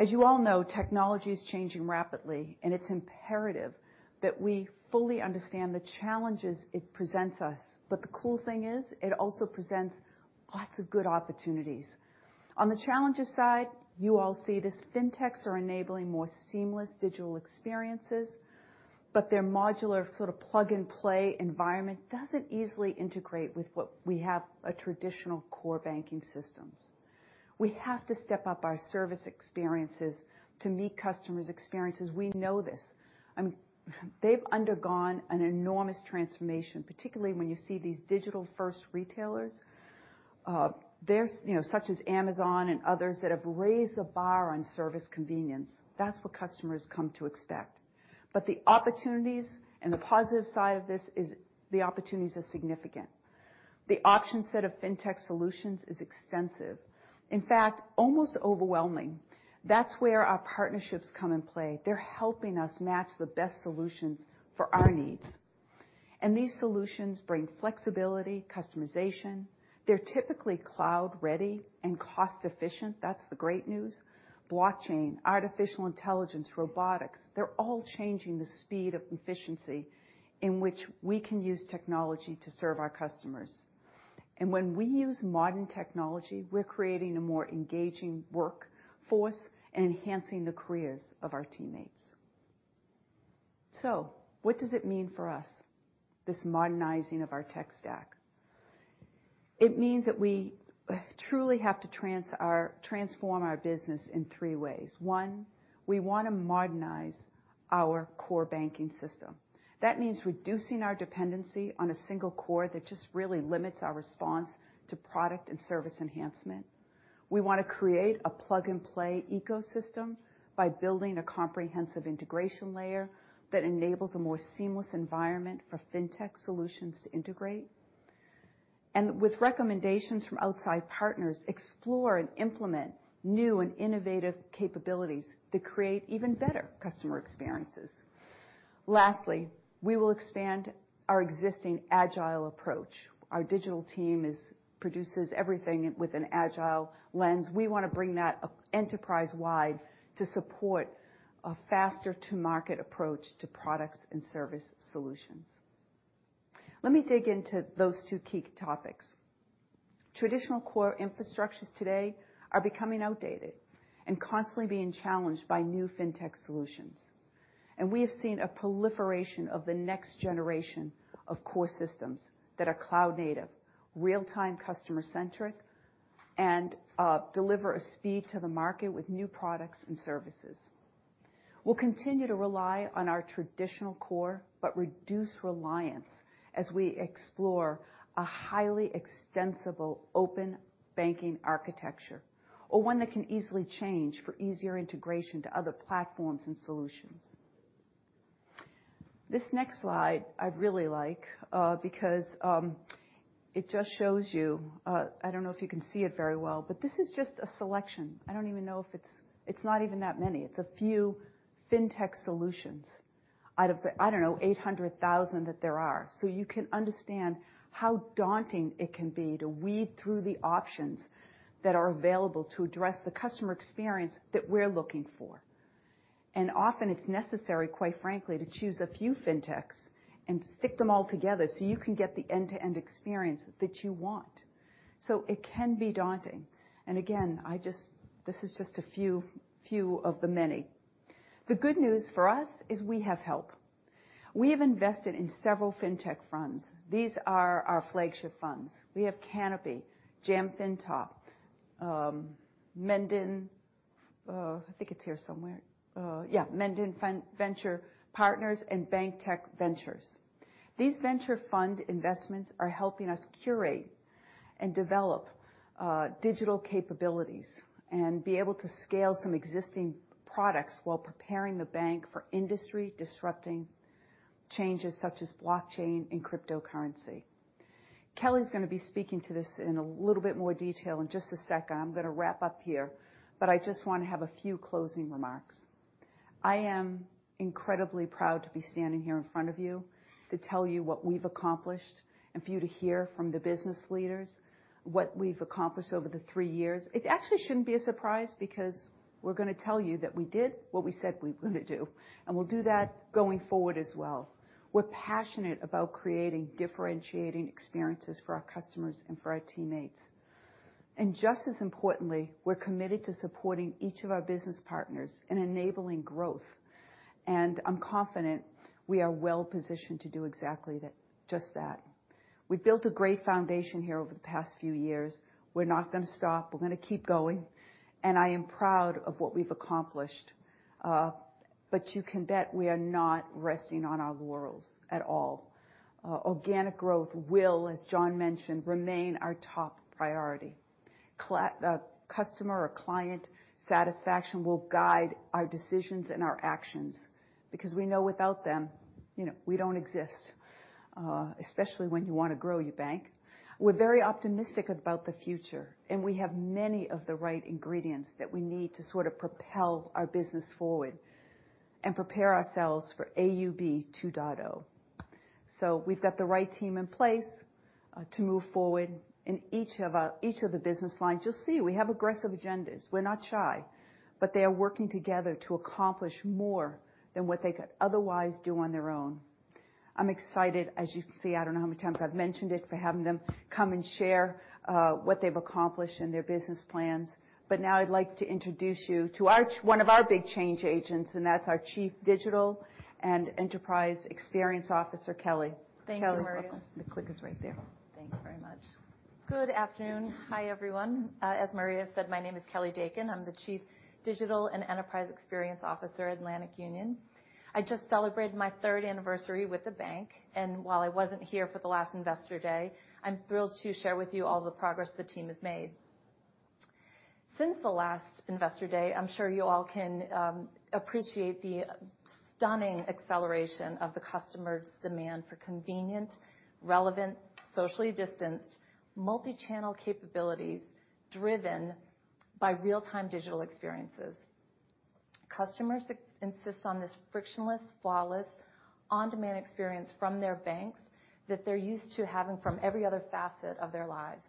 As you all know, technology is changing rapidly, and it's imperative that we fully understand the challenges it presents us. The cool thing is, it also presents lots of good opportunities. On the challenges side, you all see this. Fintechs are enabling more seamless digital experiences, but their modular sort of plug-and-play environment doesn't easily integrate with our traditional core banking systems. We have to step up our service experiences to meet customers' expectations. We know this. They've undergone an enormous transformation, particularly when you see these digital-first retailers, you know, such as Amazon and others that have raised the bar on service convenience. That's what customers come to expect. The opportunities and the positive side of this is the opportunities are significant. The option set of fintech solutions is extensive, in fact, almost overwhelming. That's where our partnerships come in play. They're helping us match the best solutions for our needs. These solutions bring flexibility, customization. They're typically cloud-ready and cost-efficient. That's the great news. Blockchain, artificial intelligence, robotics. They're all changing the speed of efficiency in which we can use technology to serve our customers. When we use modern technology, we're creating a more engaging workforce and enhancing the careers of our teammates. What does it mean for us, this modernizing of our tech stack? It means that we truly have to transform our business in three ways. One, we wanna modernize our core banking system. That means reducing our dependency on a single core that just really limits our response to product and service enhancement. We wanna create a plug-and-play ecosystem by building a comprehensive integration layer that enables a more seamless environment for fintech solutions to integrate. With recommendations from outside partners, explore and implement new and innovative capabilities to create even better customer experiences. Lastly, we will expand our existing agile approach. Our digital team produces everything with an agile lens. We wanna bring that enterprise-wide to support a faster-to-market approach to products and service solutions. Let me dig into those two key topics. Traditional core infrastructures today are becoming outdated and constantly being challenged by new fintech solutions. We have seen a proliferation of the next generation of core systems that are cloud native, real-time customer centric, and deliver a speed to the market with new products and services. We'll continue to rely on our traditional core, but reduce reliance as we explore a highly extensible open banking architecture or one that can easily change for easier integration to other platforms and solutions. This next slide I really like, because it just shows you. I don't know if you can see it very well, but this is just a selection. It's not even that many. It's a few fintech solutions out of, I don't know, 800,000 that there are. So you can understand how daunting it can be to weed through the options that are available to address the customer experience that we're looking for. Often it's necessary, quite frankly, to choose a few fintechs and stick them all together so you can get the end-to-end experience that you want. It can be daunting. This is just a few of the many. The good news for us is we have help. We have invested in several fintech funds. These are our flagship funds. We have Canapi, JAM FINTOP, Mendon Venture Partners, and BankTech Ventures. These venture fund investments are helping us curate and develop digital capabilities and be able to scale some existing products while preparing the bank for industry disrupting changes such as blockchain and cryptocurrency. Kelly's gonna be speaking to this in a little bit more detail in just a second. I'm gonna wrap up here, but I just wanna have a few closing remarks. I am incredibly proud to be standing here in front of you, to tell you what we've accomplished, and for you to hear from the business leaders what we've accomplished over the three years. It actually shouldn't be a surprise because we're gonna tell you that we did what we said we were gonna do, and we'll do that going forward as well. We're passionate about creating differentiating experiences for our customers and for our teammates. Just as importantly, we're committed to supporting each of our business partners in enabling growth. I'm confident we are well-positioned to do exactly that, just that. We've built a great foundation here over the past few years. We're not gonna stop. We're gonna keep going. I am proud of what we've accomplished. But you can bet we are not resting on our laurels at all. Organic growth will, as John mentioned, remain our top priority. Customer or client satisfaction will guide our decisions and our actions because we know without them, you know, we don't exist, especially when you wanna grow your bank. We're very optimistic about the future, and we have many of the right ingredients that we need to sort of propel our business forward and prepare ourselves for AUB 2.0. We've got the right team in place to move forward in each of the business lines. You'll see we have aggressive agendas. We're not shy. They are working together to accomplish more than what they could otherwise do on their own. I'm excited, as you can see, I don't know how many times I've mentioned it, for having them come and share what they've accomplished in their business plans. Now I'd like to introduce you to one of our big change agents, and that's our Chief Digital and Enterprise Experience Officer, Kelly. Thank you, Maria. Kelly, welcome. The clicker's right there. Thanks very much. Good afternoon. Hi, everyone. As Maria said, my name is Kelly Dakin. I'm the Chief Digital and Enterprise Experience Officer at Atlantic Union Bank. I just celebrated my third anniversary with the bank, and while I wasn't here for the last Investor Day, I'm thrilled to share with you all the progress the team has made. Since the last Investor Day, I'm sure you all can appreciate the stunning acceleration of the customer's demand for convenient, relevant, socially distanced, multi-channel capabilities driven by real-time digital experiences. Customers insist on this frictionless, flawless, on-demand experience from their banks that they're used to having from every other facet of their lives.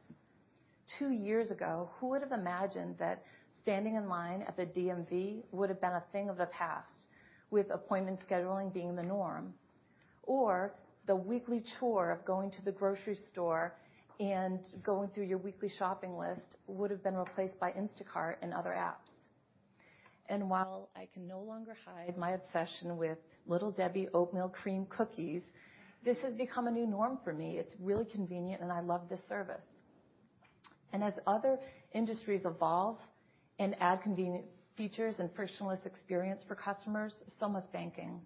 Two years ago, who would have imagined that standing in line at the DMV would have been a thing of the past, with appointment scheduling being the norm? The weekly chore of going to the grocery store and going through your weekly shopping list would have been replaced by Instacart and other apps? While I can no longer hide my obsession with Little Debbie Oatmeal Crème Cookies, this has become a new norm for me. It's really convenient, and I love this service. As other industries evolve and add convenient features and frictionless experience for customers, so must banking.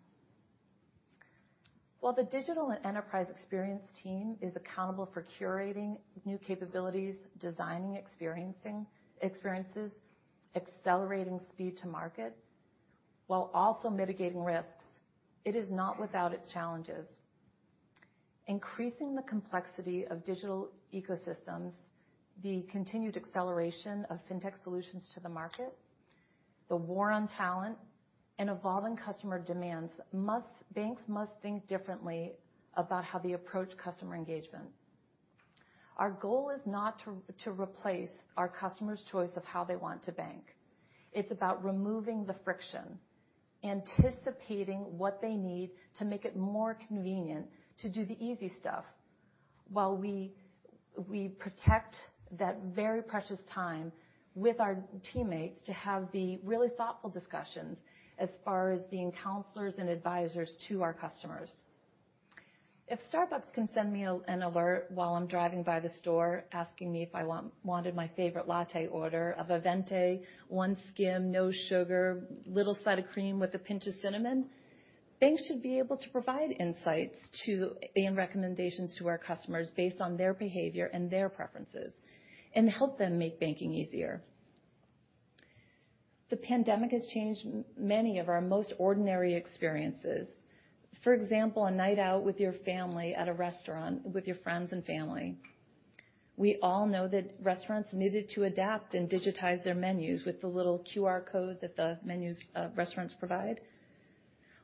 While the digital and enterprise experience team is accountable for curating new capabilities, designing experiences, accelerating speed to market, while also mitigating risks, it is not without its challenges. Increasing the complexity of digital ecosystems, the continued acceleration of Fintech solutions to the market, the war on talent, and evolving customer demands, banks must think differently about how they approach customer engagement. Our goal is not to replace our customer's choice of how they want to bank. It's about removing the friction, anticipating what they need to make it more convenient to do the easy stuff, while we protect that very precious time with our teammates to have the really thoughtful discussions as far as being counselors and advisors to our customers. If Starbucks can send me an alert while I'm driving by the store asking me if I wanted my favorite latte order of a venti, one skim, no sugar, little side of cream with a pinch of cinnamon, banks should be able to provide insights to, and recommendations to our customers based on their behavior and their preferences, and help them make banking easier. The pandemic has changed many of our most ordinary experiences. For example, a night out with your family at a restaurant with your friends and family. We all know that restaurants needed to adapt and digitize their menus with the little QR code that the menus, restaurants provide.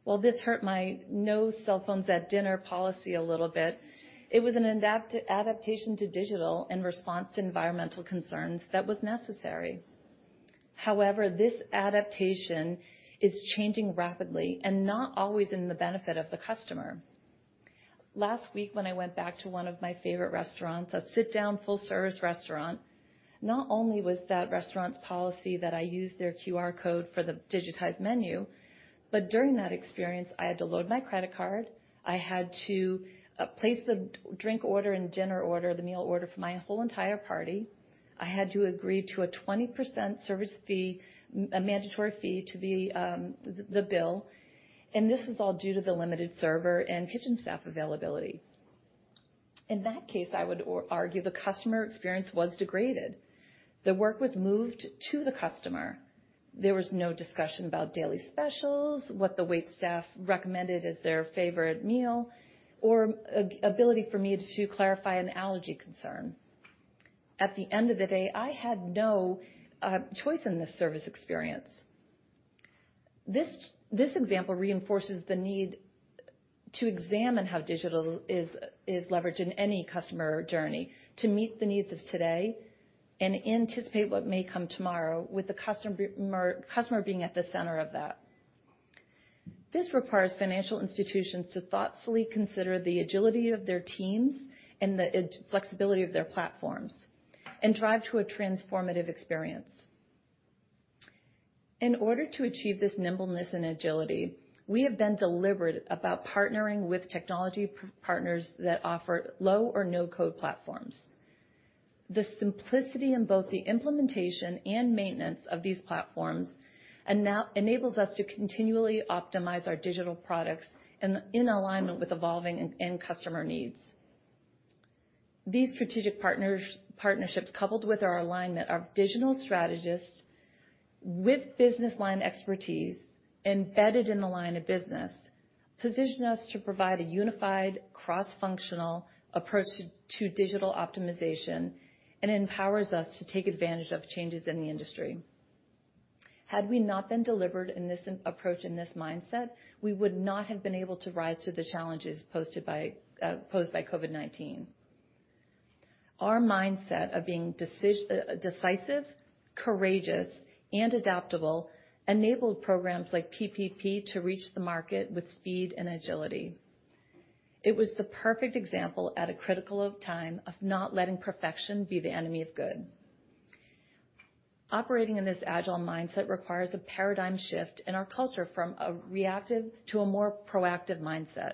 While this hurt my no cell phones at dinner policy a little bit, it was an adaptation to digital in response to environmental concerns that was necessary. However, this adaptation is changing rapidly and not always in the benefit of the customer. Last week when I went back to one of my favorite restaurants, a sit-down full service restaurant, not only was that restaurant's policy that I used their QR code for the digitized menu, but during that experience, I had to load my credit card. I had to place the drink order and dinner order, the meal order for my whole entire party. I had to agree to a 20% service fee, mandatory fee to the bill, and this was all due to the limited server and kitchen staff availability. In that case, I would argue the customer experience was degraded. The work was moved to the customer. There was no discussion about daily specials, what the wait staff recommended as their favorite meal or ability for me to clarify an allergy concern. At the end of the day, I had no choice in this service experience. This example reinforces the need to examine how digital is leveraged in any customer journey to meet the needs of today and anticipate what may come tomorrow with the customer being at the center of that. This requires financial institutions to thoughtfully consider the agility of their teams and the flexibility of their platforms and drive to a transformative experience. In order to achieve this nimbleness and agility, we have been deliberate about partnering with technology partners that offer low or no-code platforms. The simplicity in both the implementation and maintenance of these platforms enables us to continually optimize our digital products in alignment with evolving end customer needs. These strategic partnerships, coupled with our alignment, our digital strategists with business line expertise embedded in the line of business, position us to provide a unified cross-functional approach to digital optimization and empowers us to take advantage of changes in the industry. Had we not been deliberate in this approach and this mindset, we would not have been able to rise to the challenges posed by COVID-19. Our mindset of being decisive, courageous, and adaptable enabled programs like PPP to reach the market with speed and agility. It was the perfect example at a critical time of not letting perfection be the enemy of good. Operating in this agile mindset requires a paradigm shift in our culture from a reactive to a more proactive mindset.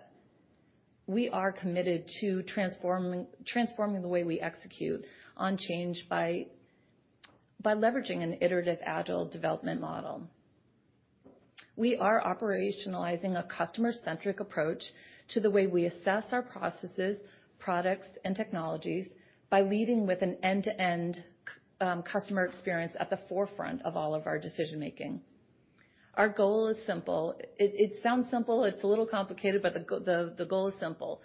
We are committed to transforming the way we execute on change by leveraging an iterative agile development model. We are operationalizing a customer-centric approach to the way we assess our processes, products, and technologies by leading with an end-to-end customer experience at the forefront of all of our decision-making. Our goal is simple. It sounds simple. It's a little complicated, but the goal is simple.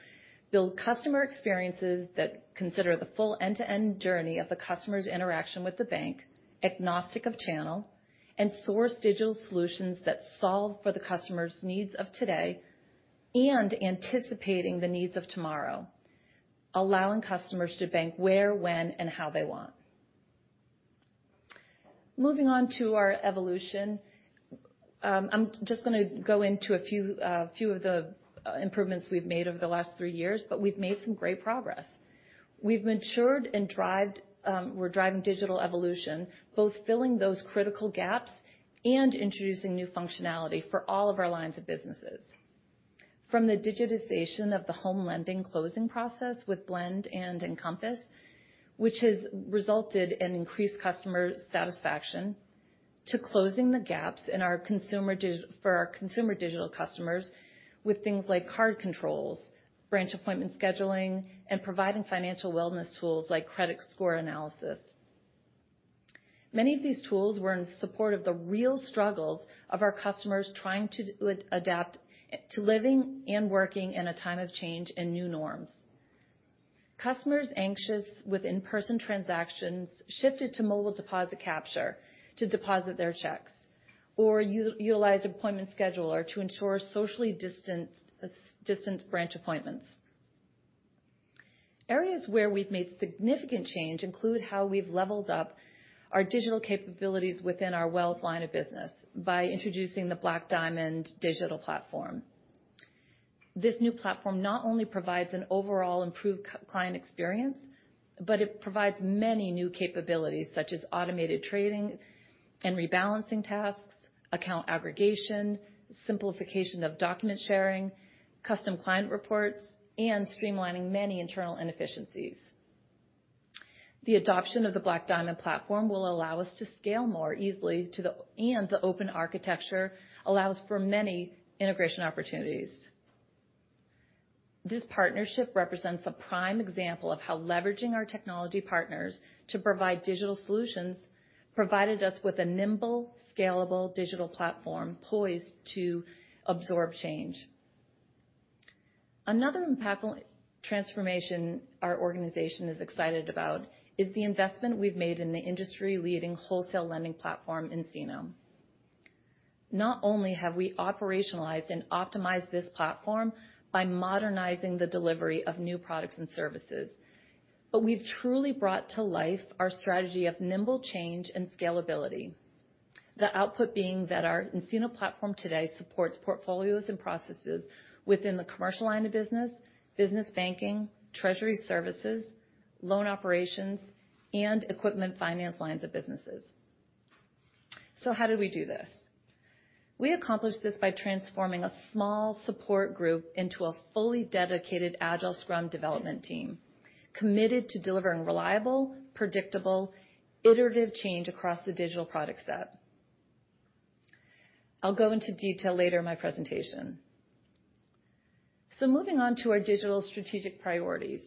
Build customer experiences that consider the full end-to-end journey of the customer's interaction with the bank, agnostic of channel, and source digital solutions that solve for the customer's needs of today and anticipating the needs of tomorrow, allowing customers to bank where, when, and how they want. Moving on to our evolution. I'm just gonna go into a few of the improvements we've made over the last three years, but we've made some great progress. We're driving digital evolution, both filling those critical gaps and introducing new functionality for all of our lines of businesses. From the digitization of the home lending closing process with Blend and Encompass, which has resulted in increased customer satisfaction to closing the gaps in our consumer digital customers with things like card controls, branch appointment scheduling, and providing financial wellness tools like credit score analysis. Many of these tools were in support of the real struggles of our customers trying to adapt to living and working in a time of change and new norms. Customers anxious with in-person transactions shifted to mobile deposit capture to deposit their checks, or utilized appointment scheduler to ensure socially distant branch appointments. Areas where we've made significant change include how we've leveled up our digital capabilities within our wealth line of business by introducing the Black Diamond digital platform. This new platform not only provides an overall improved client experience, but it provides many new capabilities such as automated trading and rebalancing tasks, account aggregation, simplification of document sharing, custom client reports, and streamlining many internal inefficiencies. The adoption of the Black Diamond platform will allow us to scale more easily, and the open architecture allows for many integration opportunities. This partnership represents a prime example of how leveraging our technology partners to provide digital solutions provided us with a nimble, scalable digital platform poised to absorb change. Another impactful transformation our organization is excited about is the investment we've made in the industry-leading wholesale lending platform, nCino. Not only have we operationalized and optimized this platform by modernizing the delivery of new products and services, but we've truly brought to life our strategy of nimble change and scalability. The output being that our nCino platform today supports portfolios and processes within the commercial line of business banking, treasury services, loan operations, and equipment finance lines of businesses. How did we do this? We accomplished this by transforming a small support group into a fully dedicated Agile Scrum development team, committed to delivering reliable, predictable, iterative change across the digital product set. I'll go into detail later in my presentation. Moving on to our digital strategic priorities.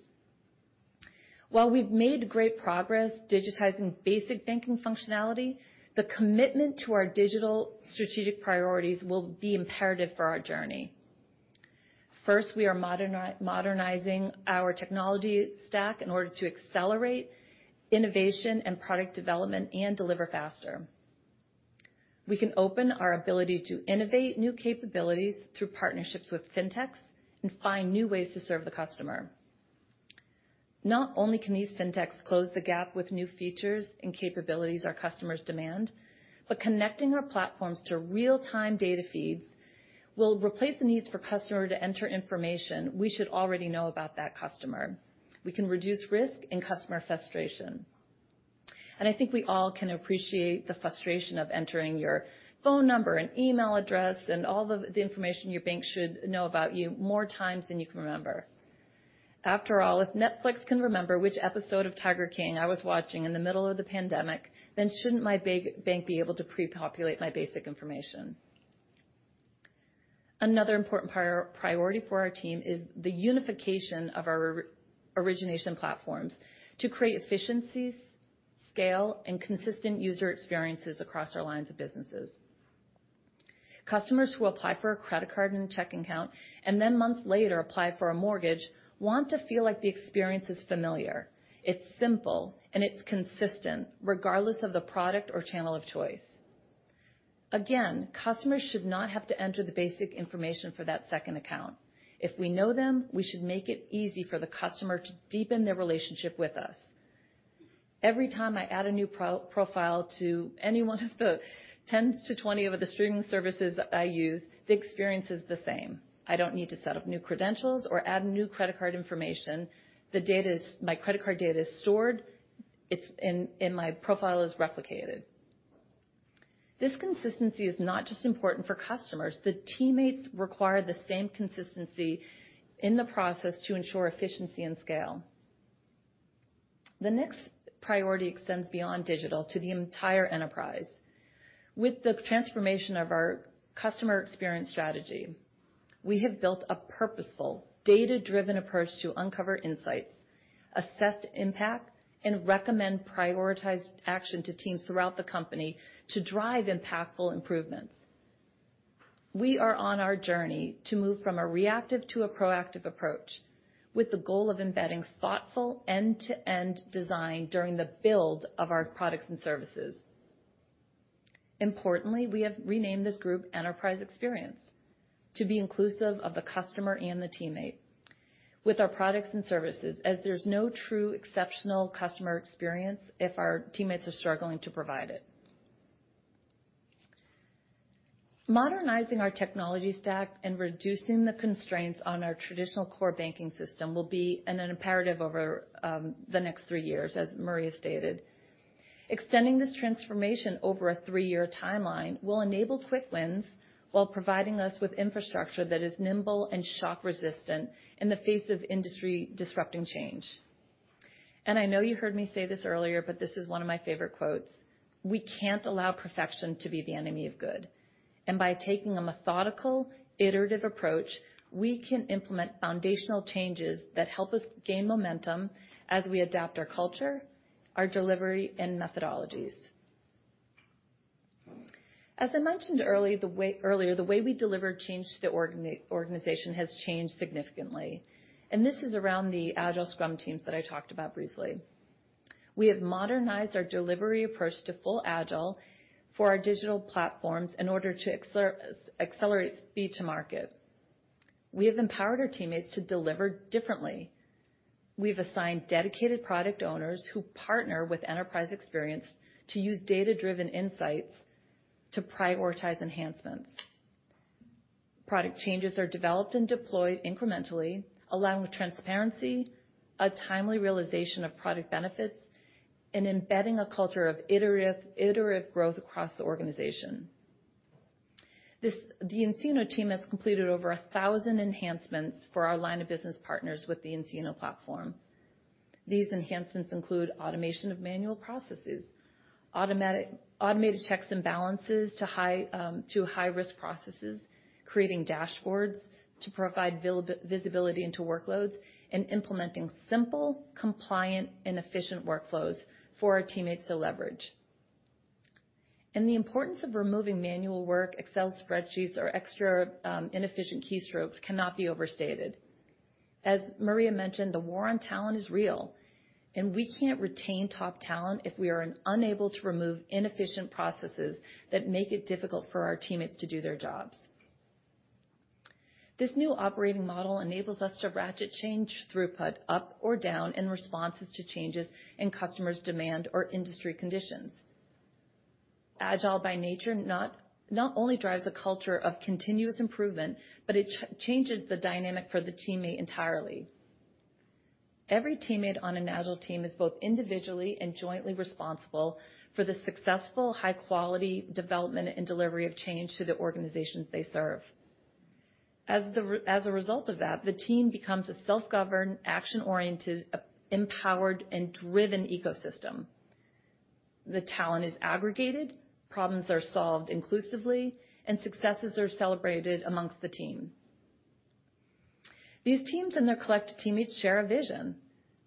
While we've made great progress digitizing basic banking functionality, the commitment to our digital strategic priorities will be imperative for our journey. First, we are modernizing our technology stack in order to accelerate innovation and product development, and deliver faster. We can open our ability to innovate new capabilities through partnerships with fintechs and find new ways to serve the customer. Not only can these fintechs close the gap with new features and capabilities our customers demand, but connecting our platforms to real-time data feeds will replace the needs for customer to enter information we should already know about that customer. We can reduce risk and customer frustration. I think we all can appreciate the frustration of entering your phone number and email address and all the information your bank should know about you more times than you can remember. After all, if Netflix can remember which episode of Tiger King I was watching in the middle of the pandemic, then shouldn't my big bank be able to pre-populate my basic information? Another important priority for our team is the unification of our re-origination platforms to create efficiencies, scale, and consistent user experiences across our lines of businesses. Customers who apply for a credit card and a checking account, and then months later apply for a mortgage, want to feel like the experience is familiar, it's simple, and it's consistent regardless of the product or channel of choice. Customers should not have to enter the basic information for that second account. If we know them, we should make it easy for the customer to deepen their relationship with us. Every time I add a new profile to any one of the 10-20 of the streaming services I use, the experience is the same. I don't need to set up new credentials or add new credit card information. My credit card data is stored. It's in my profile is replicated. This consistency is not just important for customers. The teammates require the same consistency in the process to ensure efficiency and scale. The next priority extends beyond digital to the entire enterprise. With the transformation of our customer experience strategy, we have built a purposeful data-driven approach to uncover insights, assess impact, and recommend prioritized action to teams throughout the company to drive impactful improvements. We are on our journey to move from a reactive to a proactive approach with the goal of embedding thoughtful end-to-end design during the build of our products and services. Importantly, we have renamed this group Enterprise Experience to be inclusive of the customer and the teammate with our products and services as there's no true exceptional customer experience if our teammates are struggling to provide it. Modernizing our technology stack and reducing the constraints on our traditional core banking system will be an imperative over the next three years, as Maria stated. Extending this transformation over a three-year timeline will enable quick wins while providing us with infrastructure that is nimble and shock-resistant in the face of industry-disrupting change. I know you heard me say this earlier, but this is one of my favorite quotes: We can't allow perfection to be the enemy of good. By taking a methodical, iterative approach, we can implement foundational changes that help us gain momentum as we adapt our culture, our delivery, and methodologies. As I mentioned earlier, the way we deliver change to the organization has changed significantly, and this is around the Agile Scrum teams that I talked about briefly. We have modernized our delivery approach to full Agile for our digital platforms in order to accelerate speed to market. We have empowered our teammates to deliver differently. We've assigned dedicated product owners who partner with enterprise experience to use data-driven insights to prioritize enhancements. Product changes are developed and deployed incrementally, allowing transparency, a timely realization of product benefits, and embedding a culture of iterative growth across the organization. The nCino team has completed over a thousand enhancements for our line of business partners with the nCino platform. These enhancements include automation of manual processes, automated checks and balances to high-risk processes, creating dashboards to provide visibility into workloads, and implementing simple, compliant, and efficient workflows for our teammates to leverage. The importance of removing manual work, Excel spreadsheets, or extra inefficient keystrokes cannot be overstated. As Maria mentioned, the war on talent is real, and we can't retain top talent if we are unable to remove inefficient processes that make it difficult for our teammates to do their jobs. This new operating model enables us to ratchet change throughput up or down in responses to changes in customers' demand or industry conditions. Agile, by nature, not only drives a culture of continuous improvement, but it changes the dynamic for the teammate entirely. Every teammate on an agile team is both individually and jointly responsible for the successful high-quality development and delivery of change to the organizations they serve. As a result of that, the team becomes a self-governed, action-oriented, empowered, and driven ecosystem. The talent is aggregated, problems are solved inclusively, and successes are celebrated amongst the team. These teams and their collective teammates share a vision.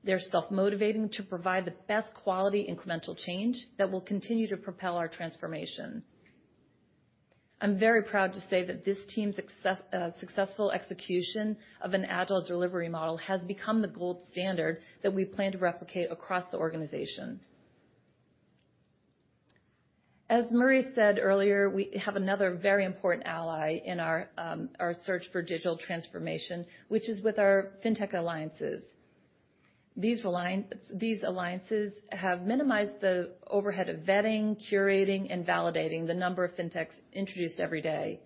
They're self-motivating to provide the best quality incremental change that will continue to propel our transformation. I'm very proud to say that this team's successful execution of an agile delivery model has become the gold standard that we plan to replicate across the organization. As Maria said earlier, we have another very important ally in our search for digital transformation, which is with our fintech alliances. These alliances have minimized the overhead of vetting, curating, and validating the number of fintechs introduced every day.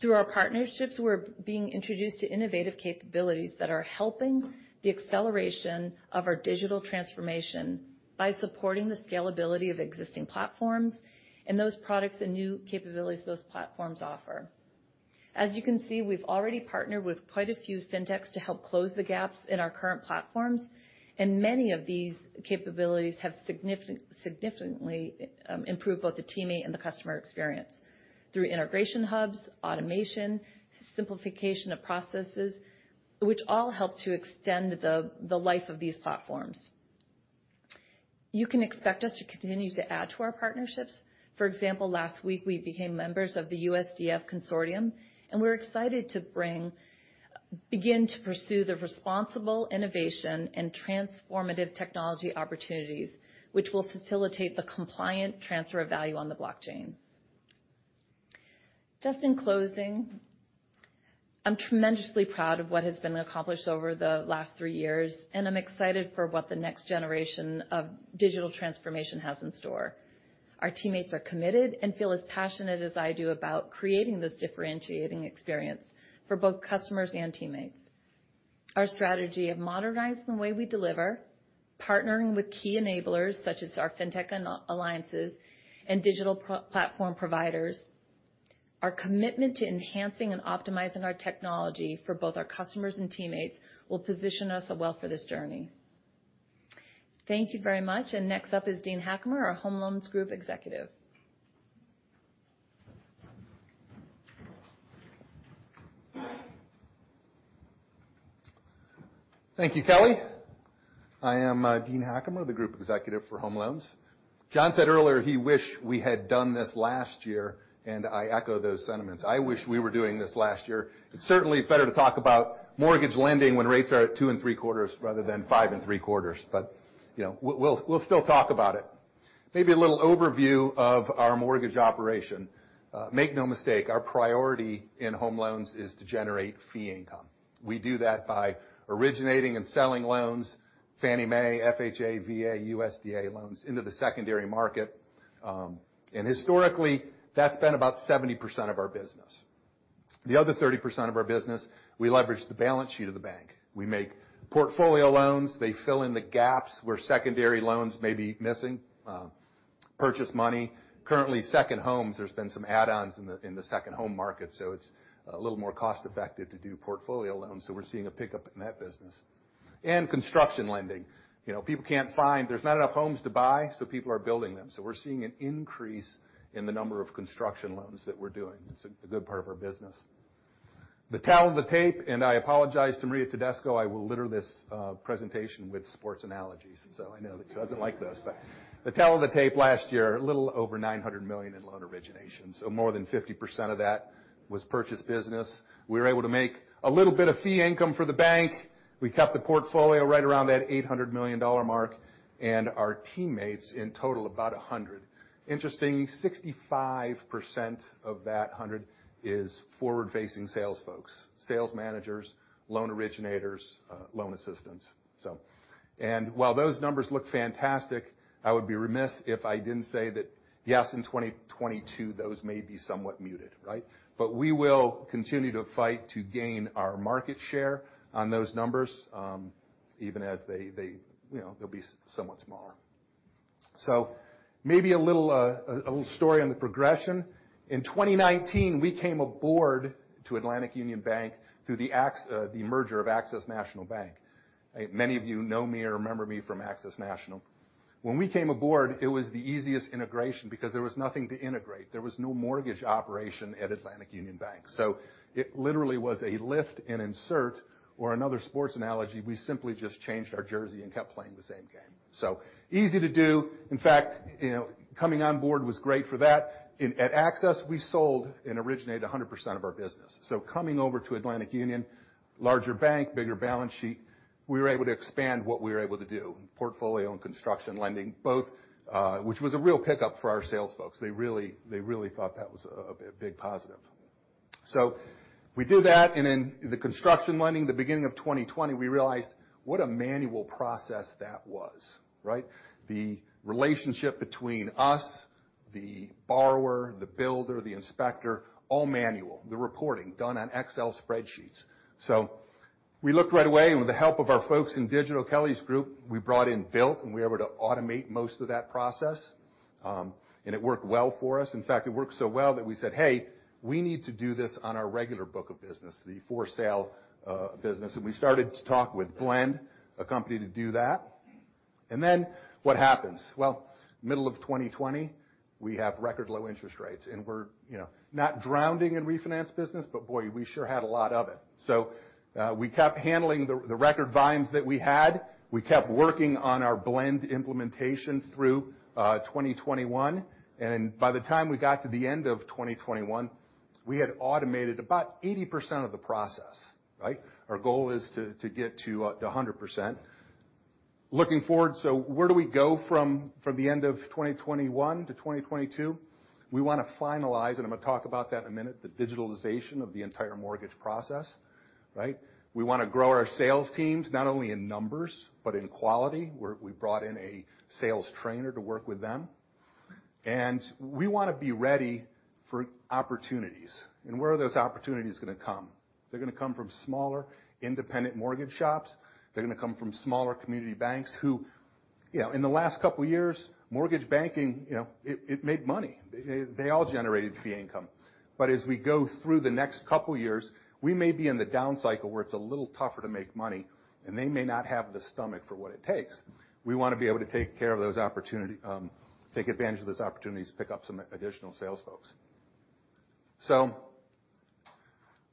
Through our partnerships, we're being introduced to innovative capabilities that are helping the acceleration of our digital transformation by supporting the scalability of existing platforms and those products and new capabilities those platforms offer. As you can see, we've already partnered with quite a few fintechs to help close the gaps in our current platforms, and many of these capabilities have significantly improved both the teammate and the customer experience through integration hubs, automation, simplification of processes, which all help to extend the life of these platforms. You can expect us to continue to add to our partnerships. For example, last week we became members of the USDF Consortium, and we're excited to begin to pursue the responsible innovation and transformative technology opportunities which will facilitate the compliant transfer of value on the blockchain. Just in closing, I'm tremendously proud of what has been accomplished over the last three years, and I'm excited for what the next generation of digital transformation has in store. Our teammates are committed and feel as passionate as I do about creating this differentiating experience for both customers and teammates. Our strategy of modernizing the way we deliver, partnering with key enablers such as our fintech and alliances and digital platform providers. Our commitment to enhancing and optimizing our technology for both our customers and teammates will position us well for this journey. Thank you very much. Next up is Dean Hackemer, our Home Loans Group Executive. Thank you, Kelly. I am Dean Hackemer, the Group Executive for Home Loans. John said earlier he wished we had done this last year, and I echo those sentiments. I wish we were doing this last year. It's certainly better to talk about mortgage lending when rates are at two and three quarters rather than five and three quarters. You know, we'll still talk about it. Maybe a little overview of our mortgage operation. Make no mistake, our priority in home loans is to generate fee income. We do that by originating and selling loans, Fannie Mae, FHA, VA, USDA loans into the secondary market. Historically, that's been about 70% of our business. The other 30% of our business, we leverage the balance sheet of the bank. We make portfolio loans. They fill in the gaps where secondary loans may be missing, purchase money. Currently, second homes, there's been some add-ons in the second home market, so it's a little more cost-effective to do portfolio loans, so we're seeing a pickup in that business. Construction lending. People can't find. There's not enough homes to buy, so people are building them. We're seeing an increase in the number of construction loans that we're doing. It's a good part of our business. The tale of the tape, and I apologize to Maria Tedesco, I will litter this presentation with sports analogies. I know that she doesn't like those. The tale of the tape last year, a little over $900 million in loan originations. More than 50% of that was purchased business. We were able to make a little bit of fee income for the bank. We kept the portfolio right around that $800 million mark, and our teammates in total, about 100. Interesting, 65% of that 100 is forward-facing sales folks, sales managers, loan originators, loan assistants. While those numbers look fantastic, I would be remiss if I didn't say that, yes, in 2022, those may be somewhat muted, right? But we will continue to fight to gain our market share on those numbers, even as they, you know, they'll be somewhat smaller. Maybe a little story on the progression. In 2019, we came aboard to Atlantic Union Bank through the merger of Access National Bank. Many of you know me or remember me from Access National. When we came aboard, it was the easiest integration because there was nothing to integrate. There was no mortgage operation at Atlantic Union Bank. It literally was a lift and insert or another sports analogy, we simply just changed our jersey and kept playing the same game. Easy to do. In fact, you know, coming on board was great for that. At Access, we sold and originated 100% of our business. Coming over to Atlantic Union, larger bank, bigger balance sheet, we were able to expand what we were able to do. Portfolio and construction lending, both, which was a real pickup for our sales folks. They really thought that was a big positive. We did that, and then the construction lending, the beginning of 2020, we realized what a manual process that was, right? The relationship between us, the borrower, the builder, the inspector, all manual. The reporting done on Excel spreadsheets. We looked right away, and with the help of our folks in Kelly's group, we brought in Built, and we were able to automate most of that process. It worked well for us. In fact, it worked so well that we said, "Hey, we need to do this on our regular book of business," the for sale business. We started to talk with Blend, a company to do that. Then what happens? Well, middle of 2020, we have record low interest rates, and we're, you know, not drowning in refinance business, but boy, we sure had a lot of it. We kept handling the record volumes that we had. We kept working on our Blend implementation through 2021. By the time we got to the end of 2021, we had automated about 80% of the process, right? Our goal is to get to 100%. Looking forward, where do we go from the end of 2021 to 2022? We wanna finalize, and I'm gonna talk about that in a minute, the digitalization of the entire mortgage process, right? We wanna grow our sales teams, not only in numbers, but in quality. We brought in a sales trainer to work with them. We wanna be ready for opportunities. Where are those opportunities gonna come? They're gonna come from smaller independent mortgage shops. They're gonna come from smaller community banks who, you know, in the last couple years, mortgage banking, you know, it made money. They all generated fee income. As we go through the next couple years, we may be in the down cycle where it's a little tougher to make money, and they may not have the stomach for what it takes. We wanna be able to take care of those opportunity, take advantage of those opportunities to pick up some additional sales folks.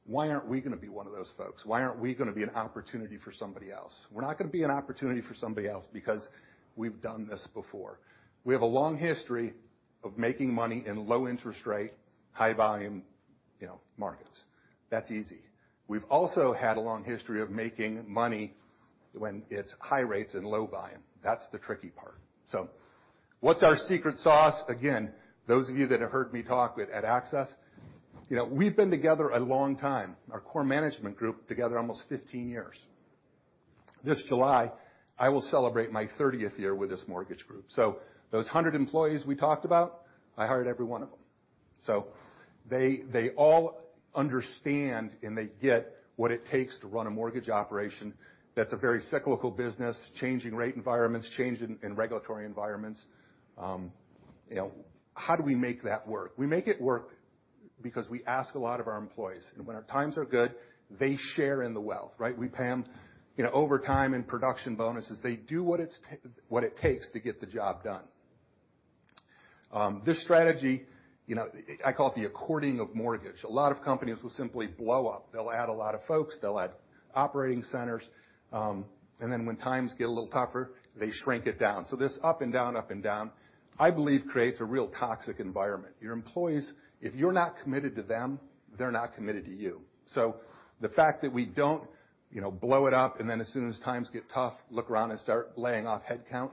Why aren't we gonna be one of those folks? Why aren't we gonna be an opportunity for somebody else? We're not gonna be an opportunity for somebody else because we've done this before. We have a long history of making money in low interest rate, high volume, you know, markets. That's easy. We've also had a long history of making money when it's high rates and low volume. That's the tricky part. What's our secret sauce? Again, those of you that have heard me talk about Access, you know, we've been together a long time. Our core management group together almost 15 years. This July, I will celebrate my 30th year with this mortgage group. Those 100 employees we talked about, I hired every one of them. They all understand and they get what it takes to run a mortgage operation that's a very cyclical business, changing rate environments, change in regulatory environments. You know, how do we make that work? We make it work because we ask a lot of our employees. When our times are good, they share in the wealth, right? We pay them, you know, over time and production bonuses. They do what it takes to get the job done. This strategy, you know, I call it the accordion of mortgage. A lot of companies will simply blow up. They'll add a lot of folks. They'll add operating centers. When times get a little tougher, they shrink it down. This up and down, up and down, I believe creates a real toxic environment. Your employees, if you're not committed to them, they're not committed to you. The fact that we don't, you know, blow it up, and then as soon as times get tough, look around and start laying off head count,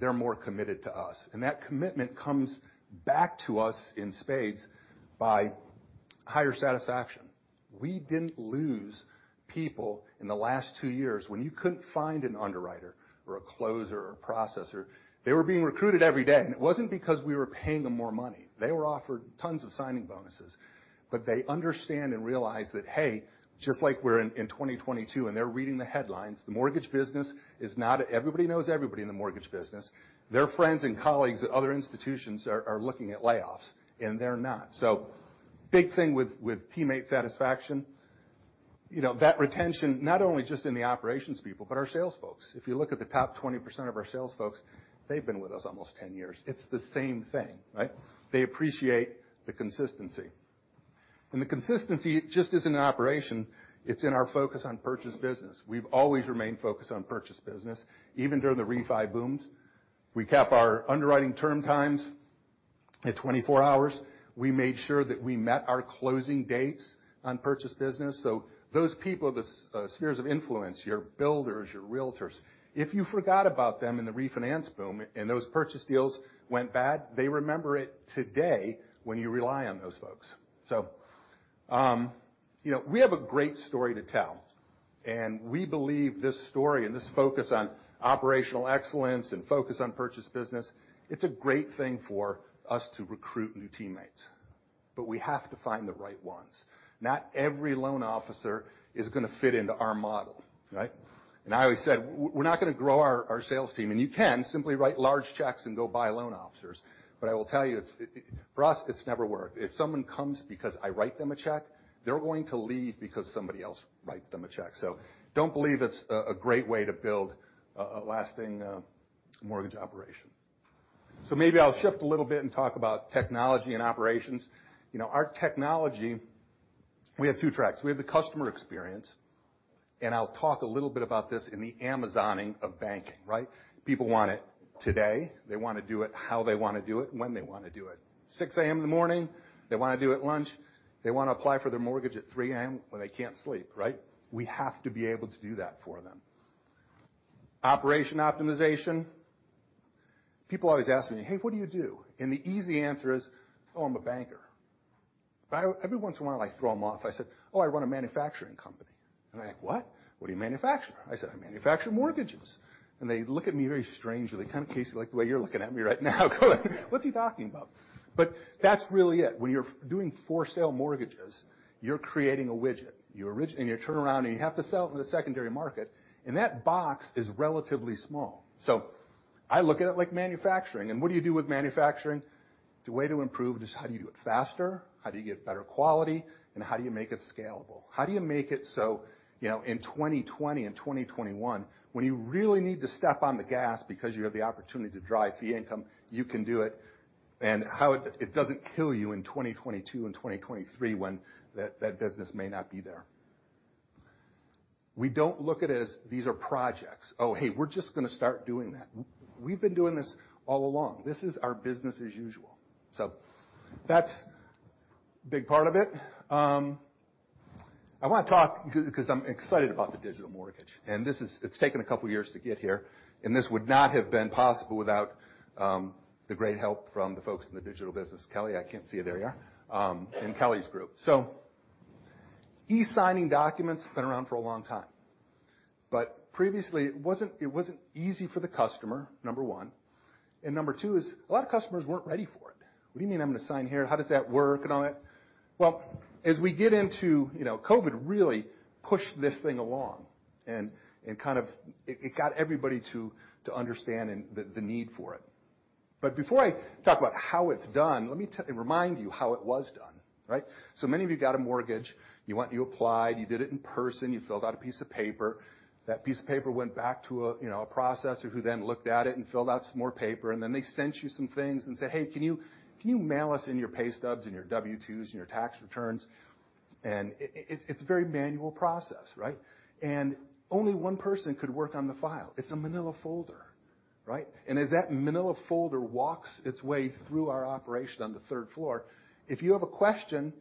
they're more committed to us. That commitment comes back to us in spades by higher satisfaction. We didn't lose people in the last two years when you couldn't find an underwriter or a closer or processor. They were being recruited every day. It wasn't because we were paying them more money. They were offered tons of signing bonuses. They understand and realize that, hey, just like we're in 2022 and they're reading the headlines, the mortgage business is not—everybody knows everybody in the mortgage business. Their friends and colleagues at other institutions are looking at layoffs, and they're not. So big thing with teammate satisfaction. You know, that retention, not only just in the operations people, but our sales folks. If you look at the top 20% of our sales folks, they've been with us almost 10 years. It's the same thing, right? They appreciate the consistency. The consistency just isn't operation. It's in our focus on purchase business. We've always remained focused on purchase business, even during the refi booms. We kept our underwriting term times at 24 hours. We made sure that we met our closing dates on purchase business. Those people, the spheres of influence, your builders, your realtors, if you forgot about them in the refinance boom, and those purchase deals went bad, they remember it today when you rely on those folks. You know, we have a great story to tell, and we believe this story and this focus on operational excellence and focus on purchase business, it's a great thing for us to recruit new teammates, but we have to find the right ones. Not every loan officer is gonna fit into our model, right? I always said, we're not gonna grow our sales team. You can simply write large checks and go buy loan officers. I will tell you, it's for us, it's never worked. If someone comes because I write them a check, they're going to leave because somebody else writes them a check. Don't believe it's a great way to build a lasting mortgage operation. Maybe I'll shift a little bit and talk about technology and operations. Our technology, we have two tracks. We have the customer experience, and I'll talk a little bit about this in the Amazoning of banking, right? People want it today. They wanna do it how they wanna do it, when they wanna do it. 6 A.M. in the morning, they wanna do it lunch, they wanna apply for their mortgage at 3 A.M. when they can't sleep, right? We have to be able to do that for them. Operation optimization. People always ask me, "Hey, what do you do?" The easy answer is, "Oh, I'm a banker." But every once in a while, I throw them off. I say, "Oh, I run a manufacturing company." They're like, "What? What do you manufacture?" I say, "I manufacture mortgages." They look at me very strangely, kind of like the way you're looking at me right now, going, "What's he talking about?" That's really it. When you're doing for-sale mortgages, you're creating a widget. You turn around, and you have to sell it in the secondary market, and that box is relatively small. I look at it like manufacturing. What do you do with manufacturing? The way to improve is how do you do it faster, how do you get better quality, and how do you make it scalable? How do you make it so, you know, in 2020 and 2021, when you really need to step on the gas because you have the opportunity to drive fee income, you can do it. It doesn't kill you in 2022 and 2023 when that business may not be there. We don't look at it as these are projects. Oh, hey, we're just gonna start doing that. We've been doing this all along. This is our business as usual. That's big part of it. I wanna talk because I'm excited about the digital mortgage, and it's taken a couple of years to get here, and this would not have been possible without the great help from the folks in the digital business. Kelly, I can't see you. There you are. And Kelly's group. E-signing documents been around for a long time, but previously it wasn't easy for the customer, number one. Number two is a lot of customers weren't ready for it. What do you mean I'm gonna sign here? How does that work and all that? Well, as we get into, you know, COVID-19 really pushed this thing along and kind of it got everybody to understand the need for it. Before I talk about how it's done, let me remind you how it was done, right? Many of you got a mortgage, you went, you applied, you did it in person, you filled out a piece of paper. That piece of paper went back to a, you know, a processor who then looked at it and filled out some more paper, and then they sent you some things and said, "Hey, can you mail us in your pay stubs and your W-2s and your tax returns?" It's a very manual process, right? Only one person could work on the file. It's a manila folder, right? As that manila folder walks its way through our operation on the third floor, if you have a question,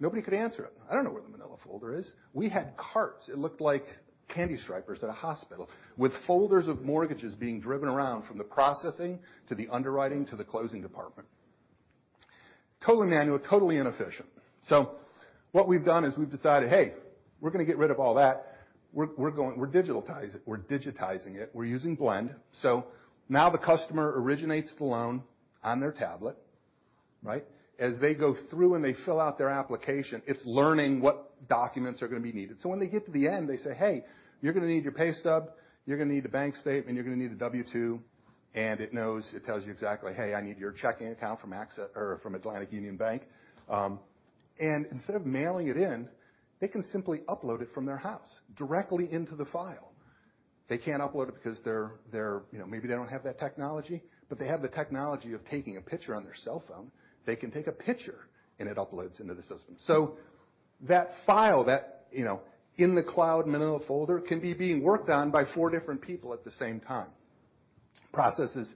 nobody could answer it. I don't know where the manila folder is. We had carts. It looked like candy stripers at a hospital with folders of mortgages being driven around from the processing to the underwriting to the closing department. Totally manual, totally inefficient. What we've done is we've decided, hey, we're gonna get rid of all that. We're digitizing it. We're using Blend. Now the customer originates the loan on their tablet, right? As they go through and they fill out their application, it's learning what documents are gonna be needed. When they get to the end, they say, "Hey, you're gonna need your pay stub, you're gonna need a bank statement, you're gonna need a W-2," and it knows. It tells you exactly, "Hey, I need your checking account from Access or from Atlantic Union Bank." And instead of mailing it in, they can simply upload it from their house directly into the file. They can't upload it because they're, you know, maybe they don't have that technology, but they have the technology of taking a picture on their cell phone. They can take a picture, and it uploads into the system. That file that, you know, in the cloud manila folder can be being worked on by four different people at the same time. Process is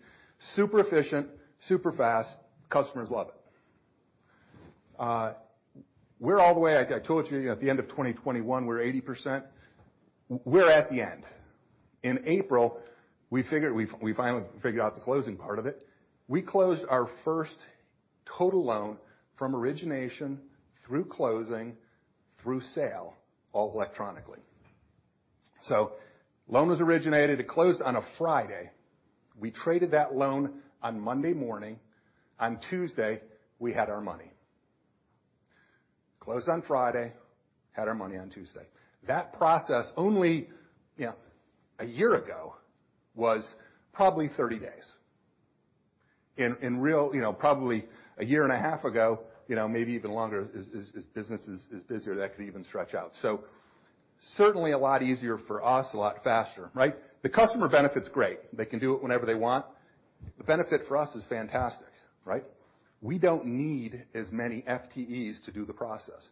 super efficient, super fast. Customers love it. I told you at the end of 2021, we're 80%. We're at the end. In April, we finally figured out the closing part of it. We closed our first total loan from origination through closing, through sale, all electronically. Loan was originated. It closed on a Friday. We traded that loan on Monday morning. On Tuesday, we had our money. Closed on Friday, had our money on Tuesday. That process only, you know, a year ago was probably 30 days. In reality, you know, probably a year and a half ago, you know, maybe even longer as business is busier, that could even stretch out. Certainly a lot easier for us, a lot faster, right? The customer benefit's great. They can do it whenever they want. The benefit for us is fantastic, right? We don't need as many FTEs to do the process.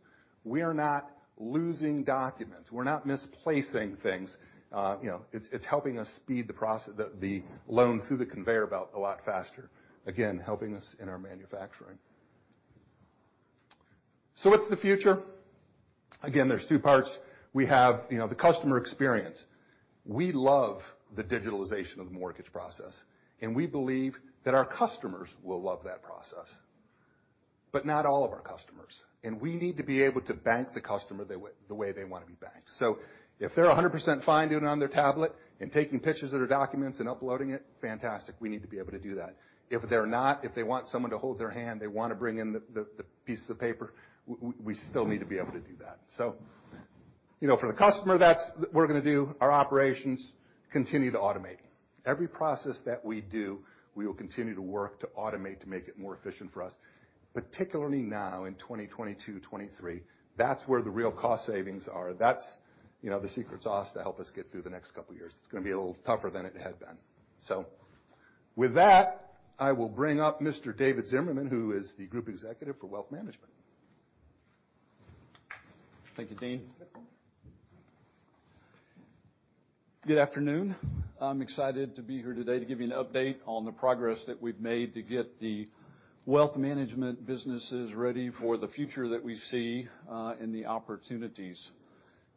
We are not losing documents. We're not misplacing things. You know, it's helping us speed the loan through the conveyor belt a lot faster, again, helping us in our manufacturing. What's the future? Again, there's two parts. We have, you know, the customer experience. We love the digitalization of the mortgage process, and we believe that our customers will love that process. But not all of our customers, and we need to be able to bank the customer the way they wanna be banked. If they're 100% fine doing it on their tablet and taking pictures of their documents and uploading it, fantastic. We need to be able to do that. If they're not, if they want someone to hold their hand, they wanna bring in the pieces of paper, we still need to be able to do that. You know, for the customer, that's what we're gonna do. Our operations continue to automate. Every process that we do, we will continue to work to automate to make it more efficient for us. Particularly now in 2022, 2023, that's where the real cost savings are. That's, you know, the secret sauce to help us get through the next couple years. It's gonna be a little tougher than it had been. With that, I will bring up Mr. David Zimmerman, who is the Group Executive for Wealth Management. Thank you, Dean. Welcome. Good afternoon. I'm excited to be here today to give you an update on the progress that we've made to get the wealth management businesses ready for the future that we see, and the opportunities.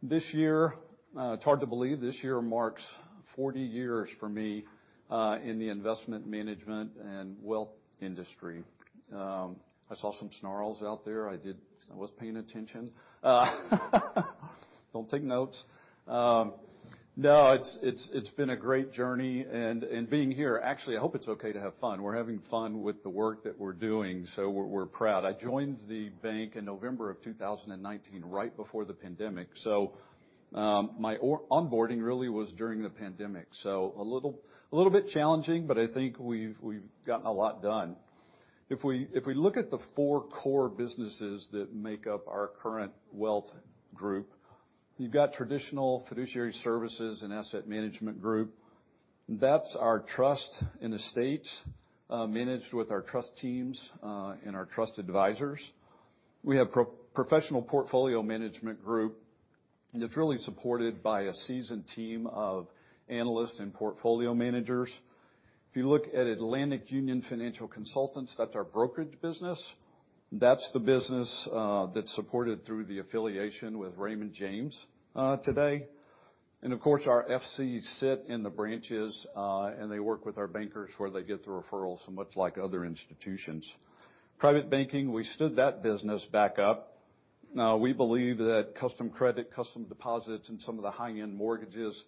This year, it's hard to believe this year marks 40 years for me, in the investment management and wealth industry. I saw some snarls out there. I was paying attention. Don't take notes. No, it's been a great journey. Being here, actually, I hope it's okay to have fun. We're having fun with the work that we're doing, so we're proud. I joined the bank in November of 2019, right before the pandemic. My onboarding really was during the pandemic. A little bit challenging, but I think we've gotten a lot done. If we look at the four core businesses that make up our current wealth group, you've got traditional fiduciary services and asset management group. That's our trust and estates, managed with our trust teams, and our trust advisors. We have professional portfolio management group, and it's really supported by a seasoned team of analysts and portfolio managers. If you look at Atlantic Union Financial Consultants, that's our brokerage business. That's the business that's supported through the affiliation with Raymond James today. Of course, our FCs sit in the branches, and they work with our bankers where they get the referrals, so much like other institutions. Private banking, we stood that business back up. Now, we believe that custom credit, custom deposits, and some of the high-end mortgages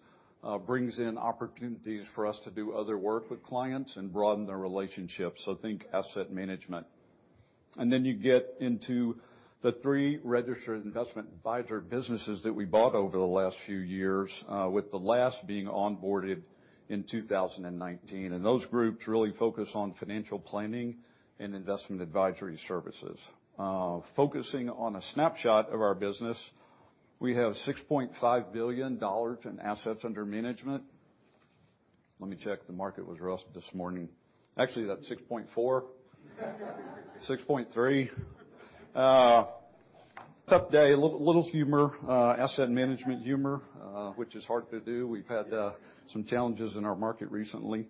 brings in opportunities for us to do other work with clients and broaden their relationships. Think asset management. Then you get into the three registered investment advisor businesses that we bought over the last few years, with the last being onboarded in 2019. Those groups really focus on financial planning and investment advisory services. Focusing on a snapshot of our business, we have $6.5 billion in assets under management. Let me check. The market was rough this morning. Actually, that's $6.4 billion. $6.3 billion. Tough day. A little humor, asset management humor, which is hard to do. We've had some challenges in our market recently.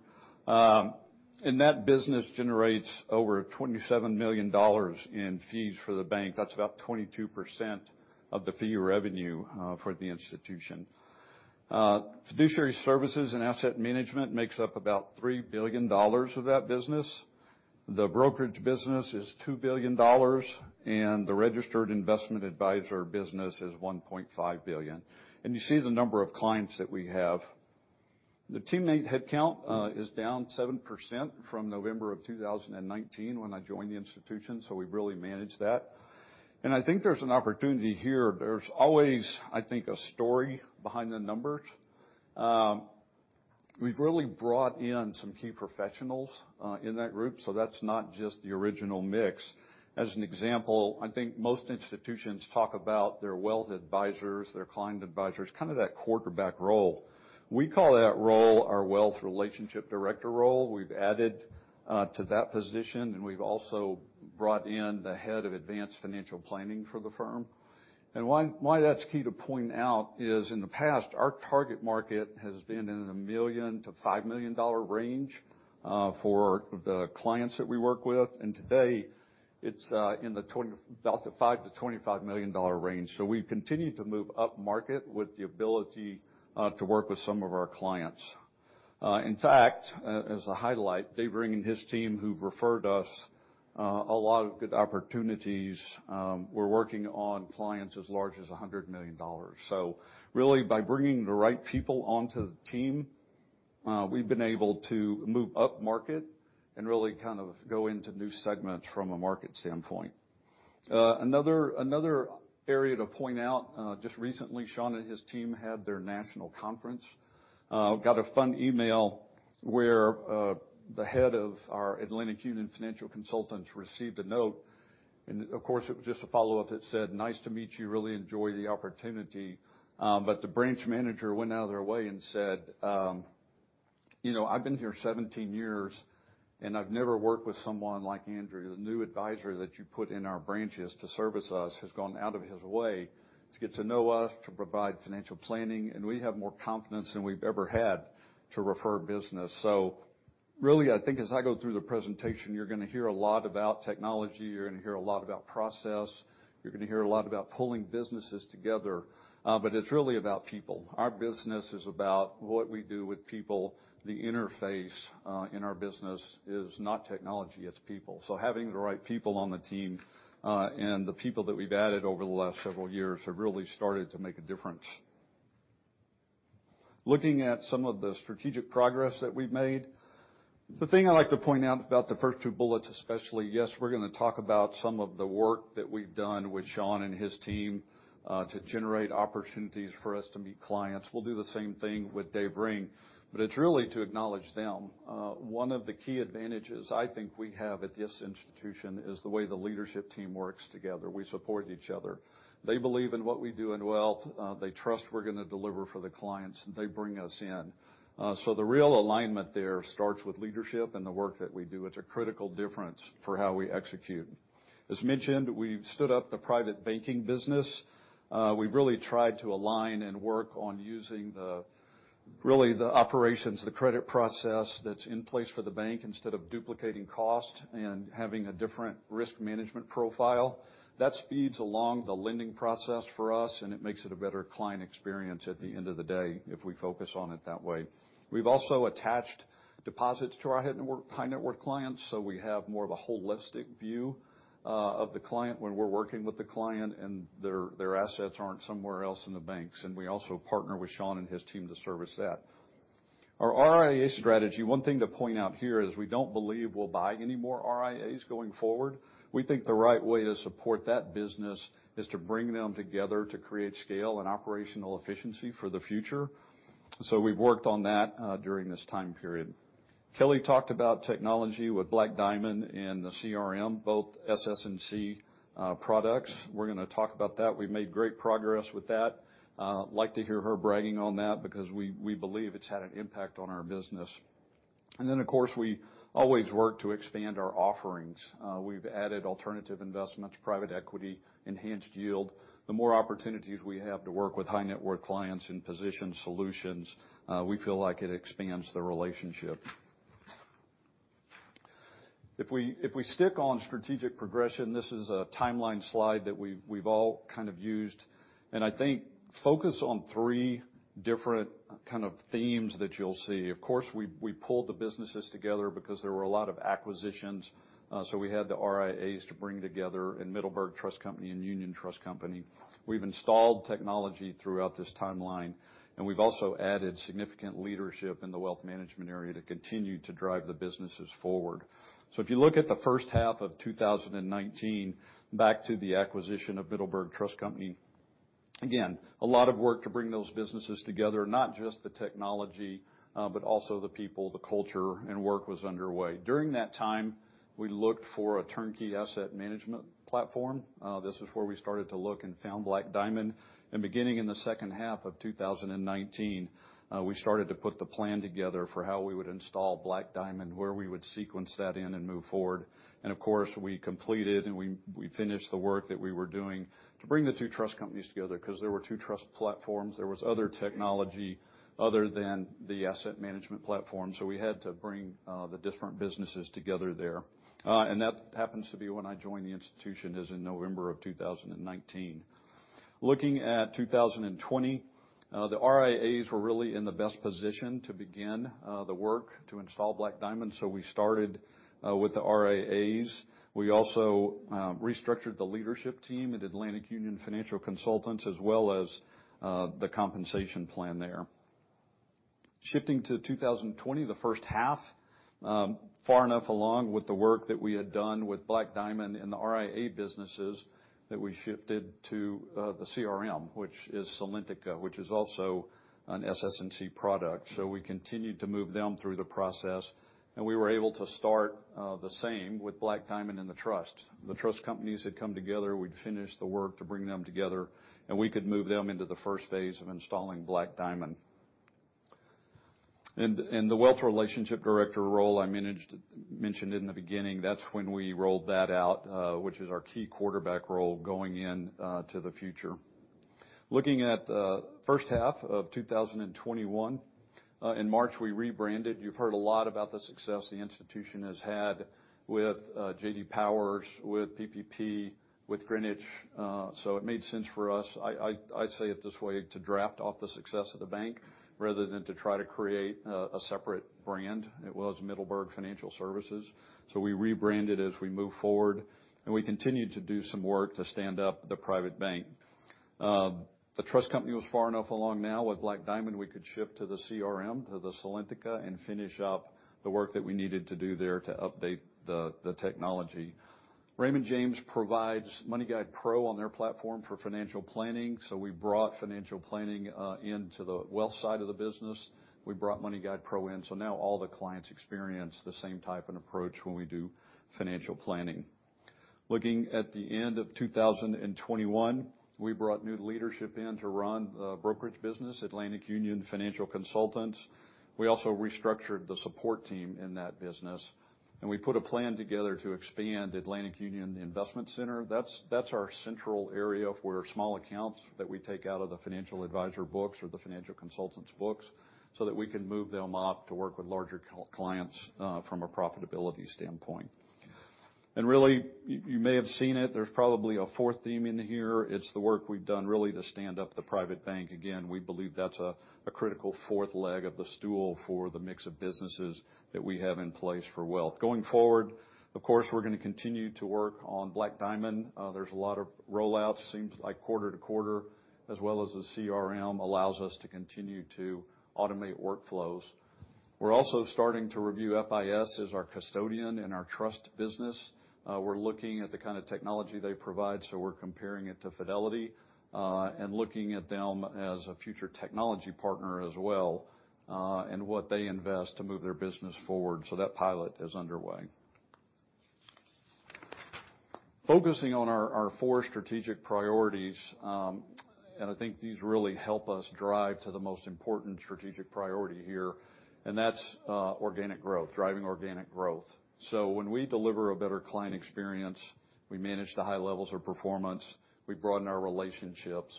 That business generates over $27 million in fees for the bank. That's about 22% of the fee revenue for the institution. Fiduciary services and asset management makes up about $3 billion of that business. The brokerage business is $2 billion, and the registered investment advisor business is $1.5 billion. You see the number of clients that we have. The teammate headcount is down 7% from November 2019 when I joined the institution, so we've really managed that. I think there's an opportunity here. There's always, I think, a story behind the numbers. We've really brought in some key professionals in that group, so that's not just the original mix. As an example, I think most institutions talk about their wealth advisors, their client advisors, kinda that quarterback role. We call that role our wealth relationship director role. We've added to that position, and we've also brought in the head of advanced financial planning for the firm. Why that's key to point out is, in the past, our target market has been in the $1 million-$5 million range for the clients that we work with. Today, it's about the $5 million-$25 million range. We continue to move upmarket with the ability to work with some of our clients. In fact, as a highlight, David Ring and his team, who've referred us a lot of good opportunities, we're working on clients as large as $100 million. Really by bringing the right people onto the team, we've been able to move upmarket and really kind of go into new segments from a market standpoint. Another area to point out, just recently, Shawn and his team had their national conference. Got a fun email where the head of our Atlantic Union Financial Consultants received a note. And of course, it was just a follow-up that said, "Nice to meet you, really enjoy the opportunity." The branch manager went out of their way and said, you know, "I've been here 17 years, and I've never worked with someone like Andrew. The new advisor that you put in our branches to service us has gone out of his way to get to know us, to provide financial planning, and we have more confidence than we've ever had to refer business." Really, I think as I go through the presentation, you're gonna hear a lot about technology, you're gonna hear a lot about process, you're gonna hear a lot about pulling businesses together. It's really about people. Our business is about what we do with people. The interface in our business is not technology, it's people. Having the right people on the team, and the people that we've added over the last several years have really started to make a difference. Looking at some of the strategic progress that we've made. The thing I like to point out about the first two bullets especially, yes, we're gonna talk about some of the work that we've done with Shawn and his team, to generate opportunities for us to meet clients. We'll do the same thing with Dave Ring, but it's really to acknowledge them. One of the key advantages I think we have at this institution is the way the leadership team works together. We support each other. They believe in what we do in wealth. They trust we're gonna deliver for the clients they bring us in. The real alignment there starts with leadership and the work that we do. It's a critical difference for how we execute. As mentioned, we've stood up the private banking business. We've really tried to align and work on using the, really, the operations, the credit process that's in place for the bank instead of duplicating cost and having a different risk management profile. That speeds along the lending process for us, and it makes it a better client experience at the end of the day if we focus on it that way. We've also attached deposits to our wealth network high-net-worth clients, so we have more of a holistic view of the client when we're working with the client, and their assets aren't somewhere else in the banks. We also partner with Shawn and his team to service that. Our RIA strategy, one thing to point out here is we don't believe we'll buy any more RIAs going forward. We think the right way to support that business is to bring them together to create scale and operational efficiency for the future. We've worked on that during this time period. Kelly talked about technology with Black Diamond and the CRM, both SS&C products. We're gonna talk about that. We've made great progress with that. Like to hear her bragging on that because we believe it's had an impact on our business. Then, of course, we always work to expand our offerings. We've added alternative investments, private equity, enhanced yield. The more opportunities we have to work with high-net-worth clients and position solutions, we feel like it expands the relationship. If we stick on strategic progression, this is a timeline slide that we've all kind of used. I think focus on three different kind of themes that you'll see. Of course, we pulled the businesses together because there were a lot of acquisitions. We had the RIAs to bring together in Middleburg Trust Company and Union Trust Company. We've installed technology throughout this timeline, and we've also added significant leadership in the wealth management area to continue to drive the businesses forward. If you look at the first half of 2019, back to the acquisition of Middleburg Trust Company, again, a lot of work to bring those businesses together, not just the technology, but also the people, the culture, and work was underway. During that time, we looked for a turnkey asset management platform. This is where we started to look and found Black Diamond. Beginning in the second half of 2019, we started to put the plan together for how we would install Black Diamond, where we would sequence that in and move forward. Of course, we completed and we finished the work that we were doing to bring the two trust companies together because there were two trust platforms. There was other technology other than the asset management platform. We had to bring the different businesses together there. That happens to be when I joined the institution in November 2019. Looking at 2020, the RIAs were really in the best position to begin the work to install Black Diamond. We started with the RIAs. We also restructured the leadership team at Atlantic Union Financial Consultants, as well as the compensation plan there. Shifting to 2020, the first half, far enough along with the work that we had done with Black Diamond and the RIA businesses that we shifted to the CRM, which is Salentica, which is also an SS&C product. We continued to move them through the process, and we were able to start the same with Black Diamond and the trust. The trust companies had come together. We'd finished the work to bring them together, and we could move them into the first phase of installing Black Diamond. The wealth relationship director role I mentioned in the beginning, that's when we rolled that out, which is our key quarterback role going in to the future. Looking at first half of 2021, in March, we rebranded. You've heard a lot about the success the institution has had with J.D. Power, with PPP, with Greenwich. It made sense for us, I say it this way, to draft off the success of the bank rather than to try to create a separate brand. It was Middleburg Financial Services. We rebranded as we move forward, and we continued to do some work to stand up the private bank. The trust company was far enough along now with Black Diamond, we could shift to the CRM, to the Salentica, and finish up the work that we needed to do there to update the technology. Raymond James provides MoneyGuidePro on their platform for financial planning, so we brought financial planning into the wealth side of the business. We brought MoneyGuidePro in. Now all the clients experience the same type of approach when we do financial planning. Looking at the end of 2021, we brought new leadership in to run brokerage business, Atlantic Union Financial Consultants. We also restructured the support team in that business. We put a plan together to expand Atlantic Union, the investment center. That's our central area for small accounts that we take out of the financial advisor books or the financial consultants books, so that we can move them up to work with larger clients from a profitability standpoint. Really, you may have seen it, there's probably a fourth theme in here. It's the work we've done really to stand up the private bank. Again, we believe that's a critical fourth leg of the stool for the mix of businesses that we have in place for wealth. Going forward, of course, we're gonna continue to work on Black Diamond. There's a lot of rollouts, seems like quarter-to-quarter, as well as the CRM allows us to continue to automate workflows. We're also starting to review FIS as our custodian in our trust business. We're looking at the kind of technology they provide, so we're comparing it to Fidelity, and looking at them as a future technology partner as well, and what they invest to move their business forward. That pilot is underway. Focusing on our four strategic priorities, and I think these really help us drive to the most important strategic priority here, and that's organic growth, driving organic growth. When we deliver a better client experience, we manage the high levels of performance, we broaden our relationships,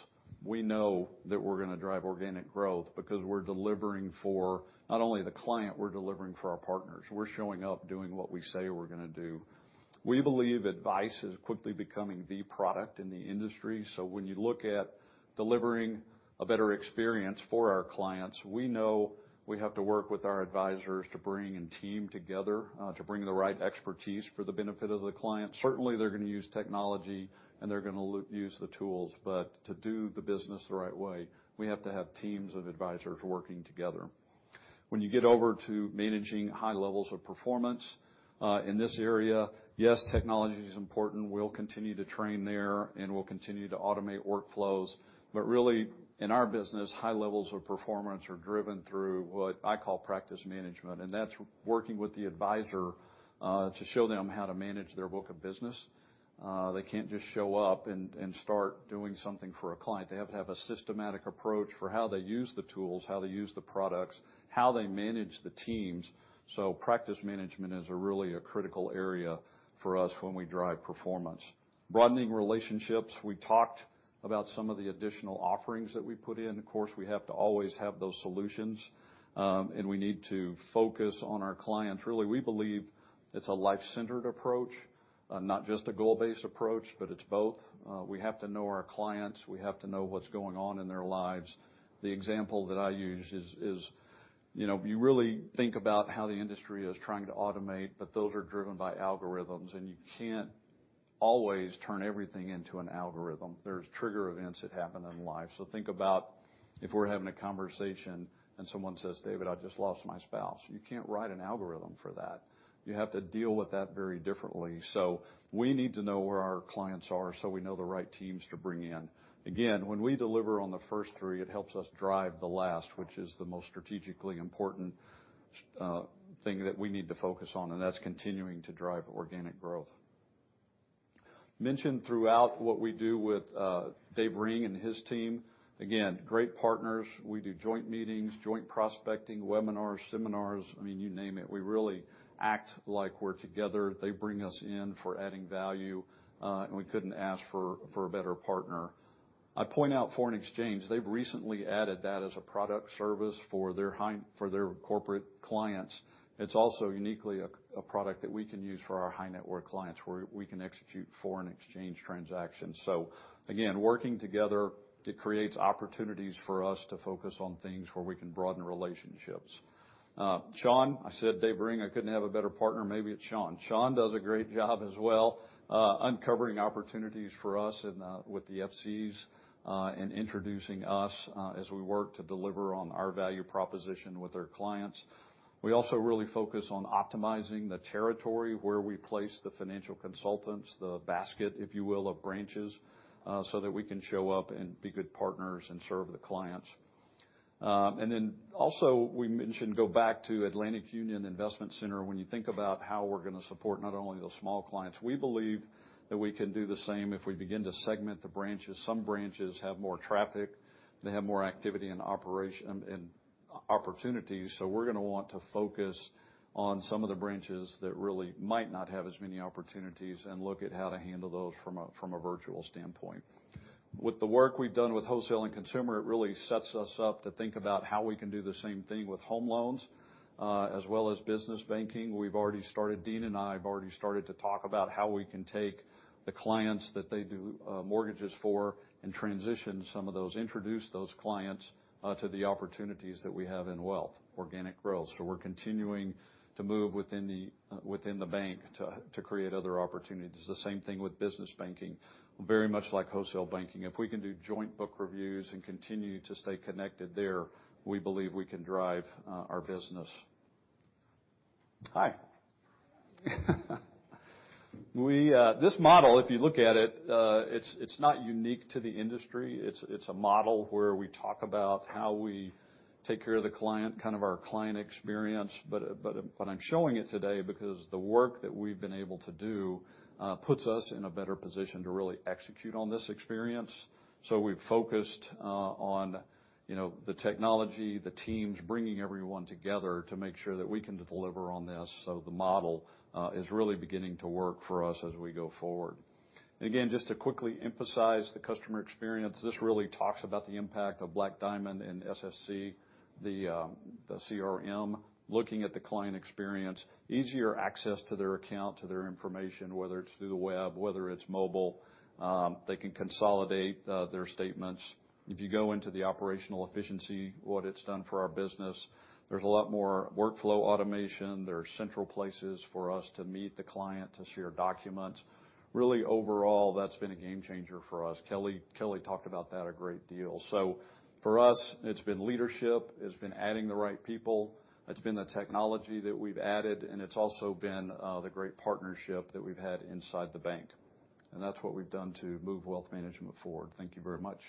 we know that we're gonna drive organic growth because we're delivering for not only the client, we're delivering for our partners. We're showing up, doing what we say we're gonna do. We believe advice is quickly becoming the product in the industry. When you look at delivering a better experience for our clients, we know we have to work with our advisors to bring the team together to bring the right expertise for the benefit of the client. Certainly, they're gonna use technology and they're gonna use the tools, but to do the business the right way, we have to have teams of advisors working together. When you get over to managing high levels of performance, in this area, yes, technology is important. We'll continue to train there and we'll continue to automate workflows. Really, in our business, high levels of performance are driven through what I call practice management, and that's working with the advisor, to show them how to manage their book of business. They can't just show up and start doing something for a client. They have to have a systematic approach for how they use the tools, how they use the products, how they manage the teams. Practice management is a really critical area for us when we drive performance. Broadening relationships. We talked about some of the additional offerings that we put in. Of course, we have to always have those solutions, and we need to focus on our clients. Really, we believe it's a life-centered approach, not just a goal-based approach, but it's both. We have to know our clients. We have to know what's going on in their lives. The example that I use is, you know, you really think about how the industry is trying to automate, but those are driven by algorithms, and you can't always turn everything into an algorithm. There's trigger events that happen in life. So think about if we're having a conversation and someone says, "David, I just lost my spouse." You can't write an algorithm for that. You have to deal with that very differently. We need to know where our clients are so we know the right teams to bring in. Again, when we deliver on the first three, it helps us drive the last, which is the most strategically important thing that we need to focus on, and that's continuing to drive organic growth. Mentioned throughout what we do with Dave Ring and his team. Again, great partners. We do joint meetings, joint prospecting, webinars, seminars, I mean, you name it. We really act like we're together. They bring us in for adding value, and we couldn't ask for a better partner. I point out foreign exchange. They've recently added that as a product service for their corporate clients. It's also uniquely a product that we can use for our high net worth clients, where we can execute foreign exchange transactions. Again, working together, it creates opportunities for us to focus on things where we can broaden relationships. Dave Ring, I couldn't have a better partner. Maybe it's Shawn. Shawn does a great job as well, uncovering opportunities for us and with the FCs and introducing us as we work to deliver on our value proposition with their clients. We also really focus on optimizing the territory where we place the financial consultants, the basket, if you will, of branches, so that we can show up and be good partners and serve the clients. We mentioned go back to Atlantic Union Investment Center. When you think about how we're gonna support not only the small clients, we believe that we can do the same if we begin to segment the branches. Some branches have more traffic, they have more activity and operations and opportunities. We're gonna want to focus on some of the branches that really might not have as many opportunities and look at how to handle those from a virtual standpoint. With the work we've done with wholesale and consumer, it really sets us up to think about how we can do the same thing with home loans, as well as business banking. Dean and I have already started to talk about how we can take the clients that they do mortgages for and transition some of those, introduce those clients to the opportunities that we have in wealth, organic growth. We're continuing to move within the bank to create other opportunities. The same thing with business banking, very much like wholesale banking. If we can do joint book reviews and continue to stay connected there, we believe we can drive our business. Hi. We, this model, if you look at it's not unique to the industry. It's a model where we talk about how we take care of the client, kind of our client experience. But I'm showing it today because the work that we've been able to do puts us in a better position to really execute on this experience. We've focused on, you know, the technology, the teams, bringing everyone together to make sure that we can deliver on this. The model is really beginning to work for us as we go forward. Again, just to quickly emphasize the customer experience. This really talks about the impact of Black Diamond and SS&C, the CRM, looking at the client experience, easier access to their account, to their information, whether it's through the web, whether it's mobile. They can consolidate their statements. If you go into the operational efficiency, what it's done for our business, there's a lot more workflow automation. There are central places for us to meet the client, to share documents. Really, overall, that's been a game changer for us. Kelly talked about that a great deal. For us, it's been leadership, it's been adding the right people, it's been the technology that we've added, and it's also been the great partnership that we've had inside the bank. That's what we've done to move wealth management forward. Thank you very much.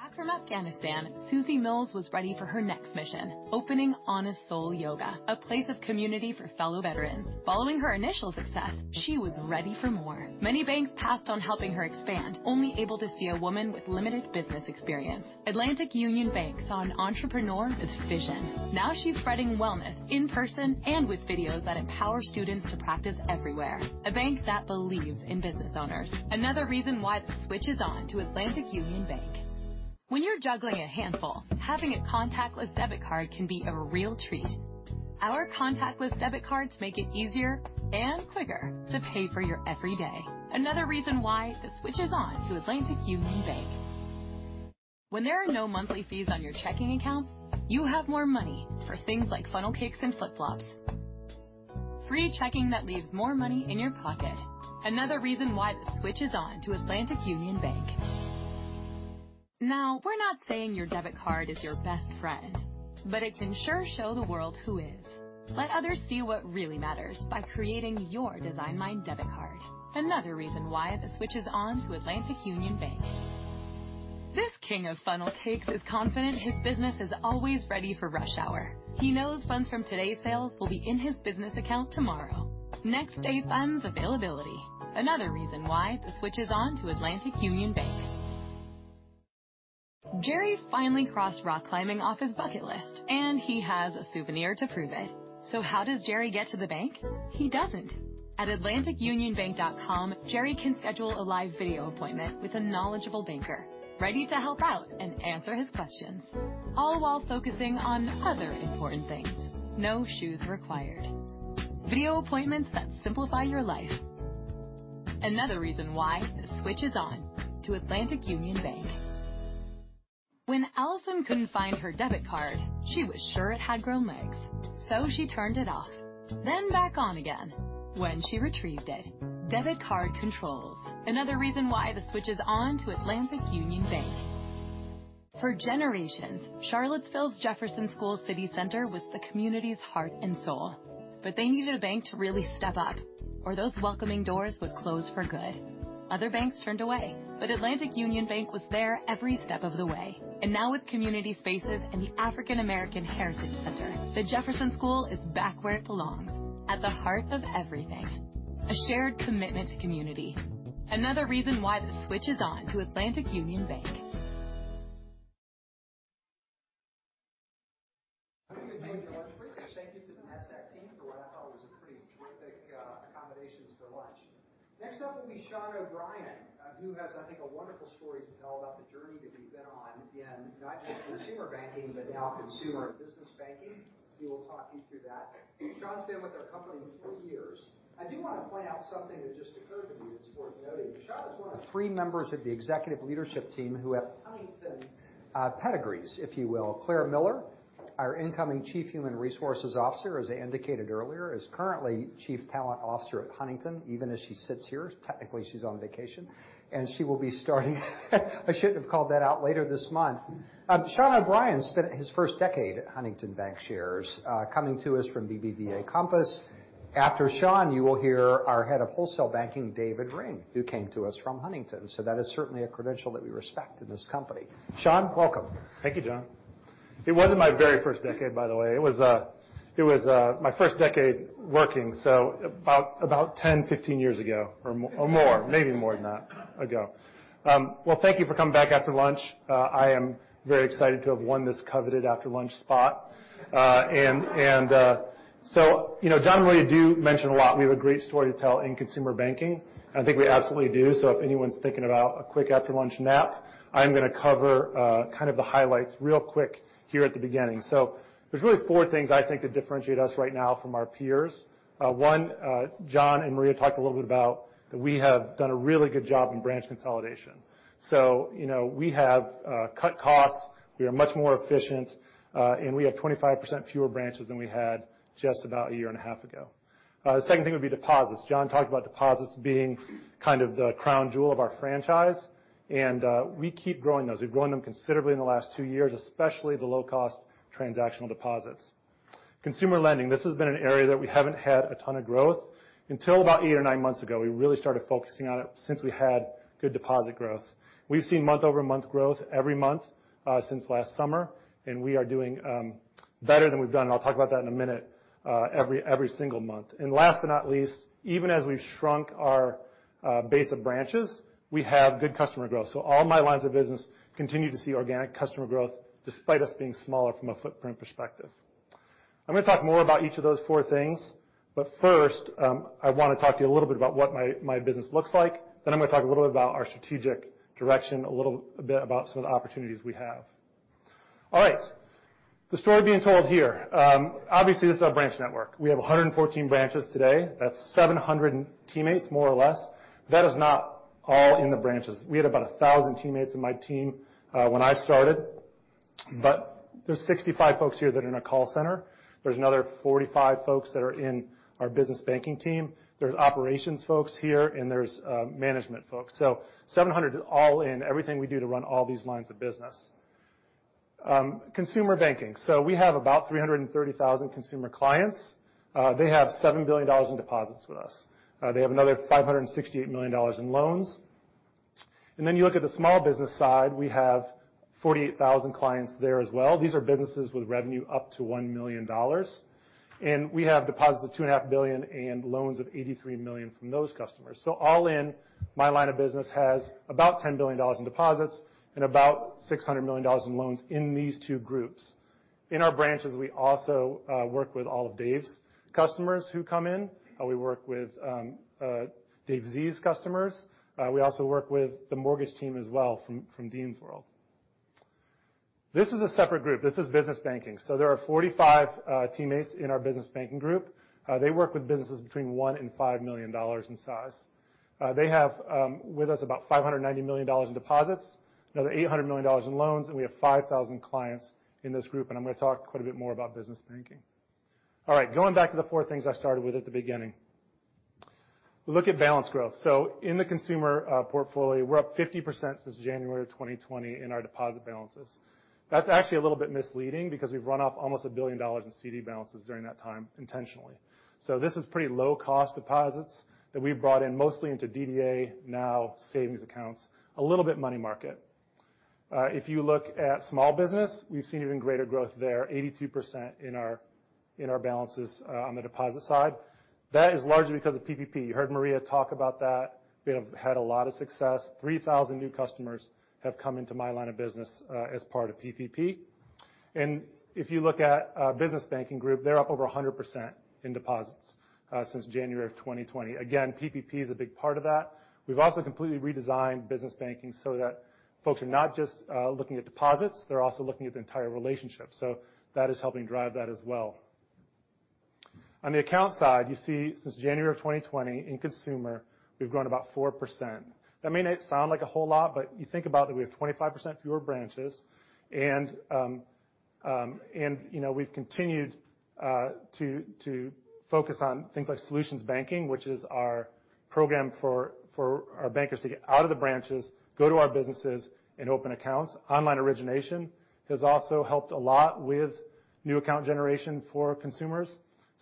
Back from Afghanistan, Susie Mills was ready for her next mission, opening Honest Soul Yoga, a place of community for fellow veterans. Following her initial success, she was ready for more. Many banks passed on helping her expand, only able to see a woman with limited business experience. Atlantic Union Bank saw an entrepreneur with vision. Now she's spreading wellness in person and with videos that empower students to practice everywhere. A bank that believes in business owners. Another reason why the switch is on to Atlantic Union Bank. When you're juggling a handful, having a contactless debit card can be a real treat. Our contactless debit cards make it easier and quicker to pay for your every day. Another reason why the switch is on to Atlantic Union Bank. When there are no monthly fees on your checking account, you have more money for things like funnel cakes and flip-flops. Free checking that leaves more money in your pocket. Another reason why the switch is on to Atlantic Union Bank. Now, we're not saying your debit card is your best friend, but it can sure show the world who is. Let others see what really matters by creating your design-my-debit card. Another reason why the switch is on to Atlantic Union Bank. This king of funnel cakes is confident his business is always ready for rush hour. He knows funds from today's sales will be in his business account tomorrow. Next day funds availability. Another reason why the switch is on to Atlantic Union Bank. Jerry finally crossed rock climbing off his bucket list, and he has a souvenir to prove it. How does Jerry get to the bank? He doesn't. At atlanticunionbank.com, Jerry can schedule a live video appointment with a knowledgeable banker, ready to help out and answer his questions, all while focusing on other important things. No shoes required. Video appointments that simplify your life. Another reason why the switch is on to Atlantic Union Bank. When Allison couldn't find her debit card, she was sure it had grown legs. She turned it off, then back on again when she retrieved it. Debit card controls. Another reason why the switch is on to Atlantic Union Bank. For generations, Charlottesville's Jefferson School African American Heritage Center was the community's heart and soul. They needed a bank to really step up, or those welcoming doors would close for good. Other banks turned away, but Atlantic Union Bank was there every step of the way. Now with community spaces and the African American Heritage Center, the Jefferson School is back where it belongs, at the heart of everything. A shared commitment to community. Another reason why the switch is on to Atlantic Union Bank. Thank you to the Nasdaq team for what I thought was a pretty terrific accommodations for lunch. Next up will be Shawn O'Brien, who has, I think, a wonderful story to tell about the journey that we've been on in not just consumer banking, but now consumer and business banking. He will talk you through that. Shawn's been with our company for three years. I do wanna point out something that just occurred to me that's worth noting. Shawn is one of three members of the executive leadership team who have Huntington pedigrees, if you will. Clare Miller, our incoming Chief Human Resources Officer, as I indicated earlier, is currently Chief Talent Officer at Huntington, even as she sits here. Technically, she's on vacation, and she will be starting. I shouldn't have called that out, later this month. Shawn O'Brien spent his first decade at Huntington Bancshares, coming to us from BBVA Compass. After Shawn, you will hear our head of wholesale banking, David Ring, who came to us from Huntington. That is certainly a credential that we respect in this company. Shawn, welcome. Thank you, John. It wasn't my very first decade, by the way. It was my first decade working, so about 10, 15 years ago or more, maybe more than that ago. Well, thank you for coming back after lunch. I am very excited to have won this coveted after lunch spot. You know, John and Maria do mention a lot, we have a great story to tell in consumer banking. I think we absolutely do. If anyone's thinking about a quick after-lunch nap, I'm gonna cover kind of the highlights real quick here at the beginning. There's really four things I think that differentiate us right now from our peers. One, John and Maria talked a little bit about that we have done a really good job in branch consolidation. You know, we have cut costs, we are much more efficient, and we have 25% fewer branches than we had just about a year and a half ago. The second thing would be deposits. John talked about deposits being kind of the crown jewel of our franchise, and we keep growing those. We've grown them considerably in the last two years, especially the low-cost transactional deposits. Consumer lending. This has been an area that we haven't had a ton of growth until about eight or nine months ago. We really started focusing on it since we had good deposit growth. We've seen month-over-month growth every month since last summer, and we are doing better than we've done, I'll talk about that in a minute, every single month. Last but not least, even as we've shrunk our base of branches, we have good customer growth. All my lines of business continue to see organic customer growth despite us being smaller from a footprint perspective. I'm gonna talk more about each of those four things. First, I wanna talk to you a little bit about what my business looks like. I'm gonna talk a little bit about our strategic direction, a little bit about some of the opportunities we have. All right. The story being told here. Obviously, this is our branch network. We have 114 branches today. That's 700 teammates, more or less. That is not all in the branches. We had about 1,000 teammates in my team when I started, but there's 65 folks here that are in our call center. There's another 45 folks that are in our business banking team. There's operations folks here, and there's management folks. So 700 all in, everything we do to run all these lines of business. Consumer banking. So we have about 330,000 consumer clients. They have $7 billion in deposits with us. They have another $568 million in loans. You look at the small business side, we have 48,000 clients there as well. These are businesses with revenue up to $1 million. We have deposits of $2.5 billion and loans of $83 million from those customers. All in, my line of business has about $10 billion in deposits and about $600 million in loans in these two groups. In our branches, we also work with all of Dave's customers who come in. We work with Dave Z's customers. We also work with the mortgage team as well from Dean's world. This is a separate group. This is business banking. There are 45 teammates in our business banking group. They work with businesses between $1 million and $5 million in size. They have with us about $590 million in deposits, another $800 million in loans, and we have 5,000 clients in this group. I'm gonna talk quite a bit more about business banking. All right, going back to the four things I started with at the beginning. Look at balance growth. In the consumer portfolio, we're up 50% since January of 2020 in our deposit balances. That's actually a little bit misleading because we've run off almost $1 billion in CD balances during that time intentionally. This is pretty low cost deposits that we've brought in mostly into DDA, now savings accounts, a little bit money market. If you look at small business, we've seen even greater growth there, 82% in our balances on the deposit side. That is largely because of PPP. You heard Maria talk about that. We have had a lot of success. 3,000 new customers have come into my line of business as part of PPP. If you look at business banking group, they're up over 100% in deposits since January 2020. Again, PPP is a big part of that. We've also completely redesigned business banking so that folks are not just looking at deposits, they're also looking at the entire relationship. That is helping drive that as well. On the account side, you see since January 2020 in consumer, we've grown about 4%. That may not sound like a whole lot, but you think about that we have 25% fewer branches. You know, we've continued to focus on things like solutions banking, which is our program for our bankers to get out of the branches, go to our businesses and open accounts. Online origination has also helped a lot with new account generation for consumers.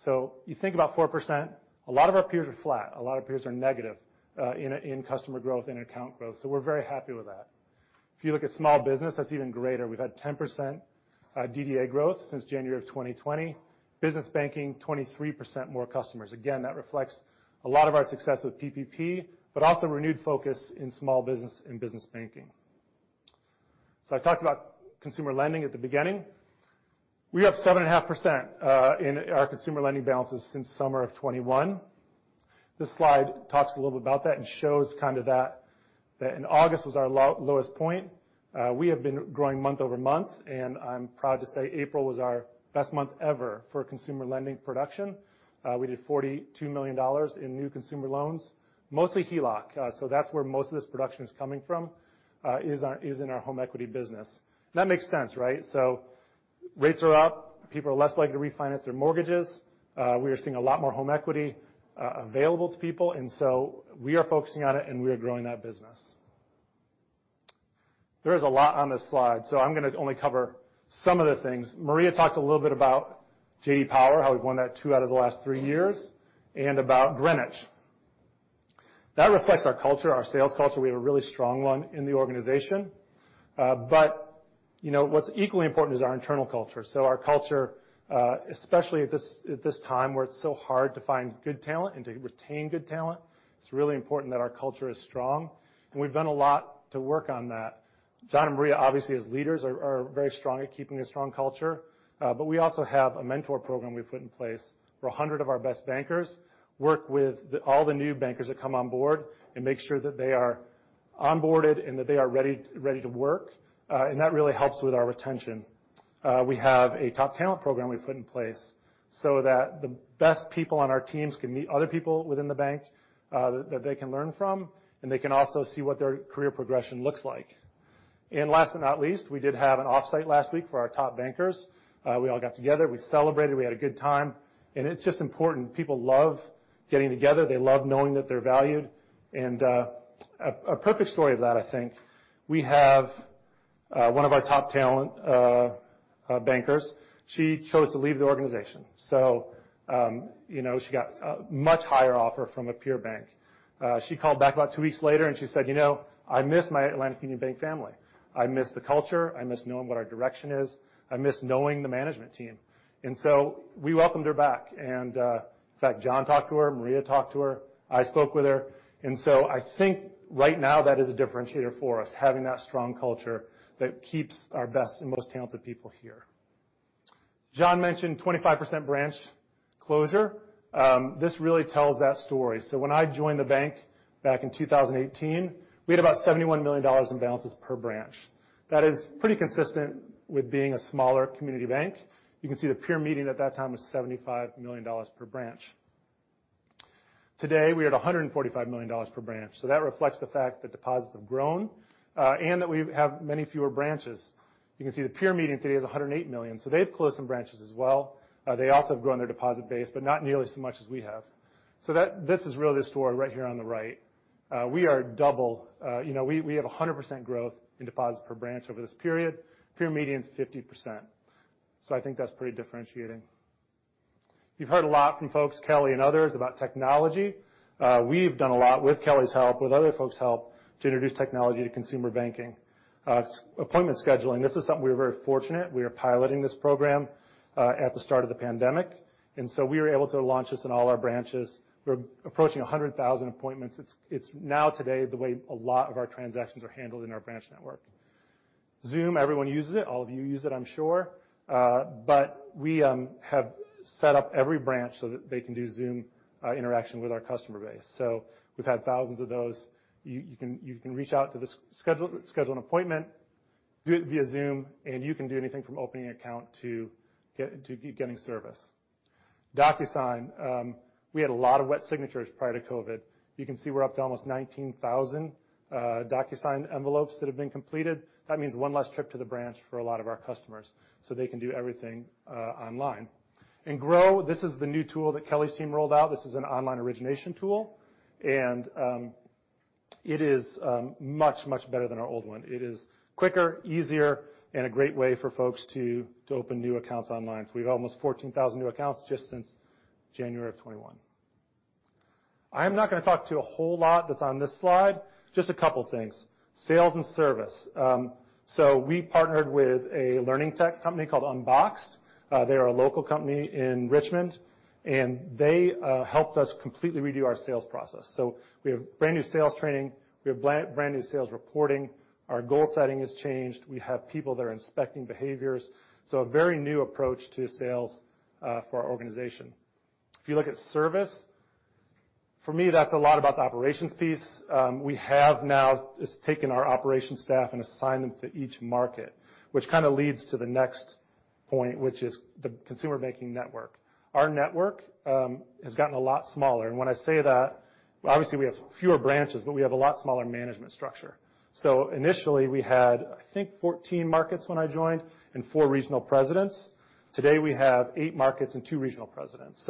You think about 4%, a lot of our peers are flat, a lot of peers are negative in customer growth and account growth. We're very happy with that. If you look at small business, that's even greater. We've had 10% DDA growth since January of 2020. Business banking, 23% more customers. Again, that reflects a lot of our success with PPP, but also renewed focus in small business and business banking. I talked about consumer lending at the beginning. We have 7.5% in our consumer lending balances since summer of 2021. This slide talks a little bit about that and shows kinda that in August was our lowest point. We have been growing month-over-month, and I'm proud to say April was our best month ever for consumer lending production. We did $42 million in new consumer loans, mostly HELOC. So that's where most of this production is coming from is in our home equity business. That makes sense, right? Rates are up. People are less likely to refinance their mortgages. We are seeing a lot more home equity available to people, and we are focusing on it and we are growing that business. There is a lot on this slide, so I'm gonna only cover some of the things. Maria talked a little bit about J.D. Power, how we've won that two out of the last three years, and about Greenwich. That reflects our culture, our sales culture. We have a really strong one in the organization. You know, what's equally important is our internal culture. Our culture, especially at this time where it's so hard to find good talent and to retain good talent, it's really important that our culture is strong, and we've done a lot to work on that. John and Maria, obviously, as leaders are very strong at keeping a strong culture. We also have a mentor program we've put in place where 100 of our best bankers work with all the new bankers that come on board and make sure that they are onboarded and that they are ready to work. That really helps with our retention. We have a top talent program we've put in place so that the best people on our teams can meet other people within the bank that they can learn from, and they can also see what their career progression looks like. Last but not least, we did have an off-site last week for our top bankers. We all got together. We celebrated. We had a good time. It's just important. People love getting together. They love knowing that they're valued. A perfect story of that, I think. We have one of our top talent bankers. She chose to leave the organization. You know, she got a much higher offer from a peer bank. She called back about two weeks later, and she said, "You know, I miss my Atlantic Union Bank family. I miss the culture. I miss knowing what our direction is. I miss knowing the management team." We welcomed her back. In fact, John talked to her, Maria talked to her, I spoke with her. I think right now that is a differentiator for us, having that strong culture that keeps our best and most talented people here. John mentioned 25% branch closure. This really tells that story. When I joined the bank back in 2018, we had about $71 million in balances per branch. That is pretty consistent with being a smaller community bank. You can see the peer median at that time was $75 million per branch. Today, we're at $145 million per branch. That reflects the fact that deposits have grown, and that we have many fewer branches. You can see the peer median today is $108 million. They've closed some branches as well. They also have grown their deposit base, but not nearly as much as we have. This is really the story right here on the right. We are double. You know, we have 100% growth in deposits per branch over this period. Peer median is 50%. I think that's pretty differentiating. You've heard a lot from folks, Kelly and others, about technology. We've done a lot with Kelly's help, with other folks' help to introduce technology to consumer banking. Appointment scheduling. This is something we were very fortunate. We are piloting this program at the start of the pandemic, and so we were able to launch this in all our branches. We're approaching 100,000 appointments. It's now today the way a lot of our transactions are handled in our branch network. Zoom, everyone uses it. All of you use it, I'm sure. But we have set up every branch so that they can do Zoom interaction with our customer base. So we've had thousands of those. You can reach out to schedule an appointment, do it via Zoom, and you can do anything from opening an account to getting service. DocuSign. We had a lot of wet signatures prior to COVID. You can see we're up to almost 19,000 DocuSign envelopes that have been completed. That means one less trip to the branch for a lot of our customers, so they can do everything online. Grow, this is the new tool that Kelly's team rolled out. This is an online origination tool, and it is much better than our old one. It is quicker, easier, and a great way for folks to open new accounts online. We have almost 14,000 new accounts just since January 2021. I'm not gonna talk to you a whole lot that's on this slide, just a couple things. Sales and service. We partnered with a learning tech company called Unboxed. They're a local company in Richmond, and they helped us completely redo our sales process. We have brand new sales training, we have brand new sales reporting. Our goal setting has changed. We have people that are inspecting behaviors. A very new approach to sales for our organization. If you look at service, for me, that's a lot about the operations piece. We have now just taken our operations staff and assigned them to each market, which kinda leads to the next point, which is the consumer banking network. Our network has gotten a lot smaller. When I say that, obviously, we have fewer branches, but we have a lot smaller management structure. Initially, we had, I think, 14 markets when I joined and four regional presidents. Today, we have eight markets and two regional presidents.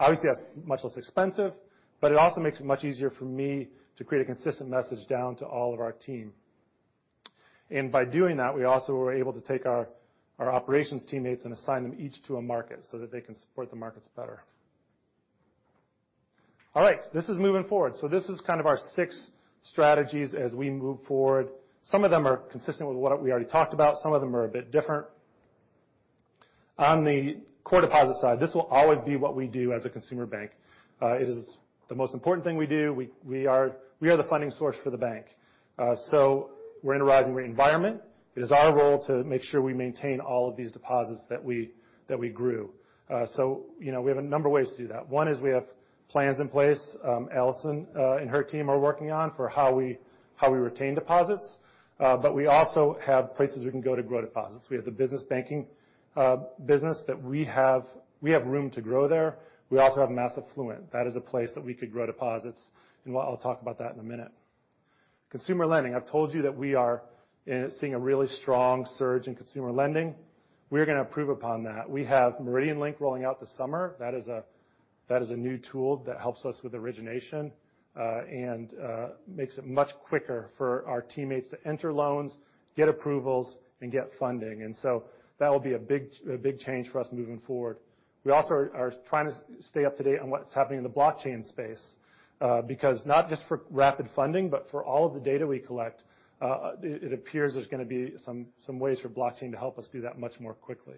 Obviously, that's much less expensive, but it also makes it much easier for me to create a consistent message down to all of our team. By doing that, we also were able to take our operations teammates and assign them each to a market so that they can support the markets better. All right, this is moving forward. This is kind of our six strategies as we move forward. Some of them are consistent with what we already talked about. Some of them are a bit different. On the core deposit side, this will always be what we do as a consumer bank. It is the most important thing we do. We are the funding source for the bank. We're in a rising rate environment. It is our role to make sure we maintain all of these deposits that we grew. You know, we have a number of ways to do that. One is we have plans in place, Allison, and her team are working on for how we retain deposits. We also have places we can go to grow deposits. We have the business banking business that we have. We have room to grow there. We also have mass affluent. That is a place that we could grow deposits. I'll talk about that in a minute. Consumer lending. I've told you that we are seeing a really strong surge in consumer lending. We're gonna improve upon that. We have MeridianLink rolling out this summer. That is a new tool that helps us with origination, and makes it much quicker for our teammates to enter loans, get approvals, and get funding. That will be a big change for us moving forward. We also are trying to stay up to date on what's happening in the blockchain space, because not just for rapid funding, but for all of the data we collect, it appears there's gonna be some ways for blockchain to help us do that much more quickly.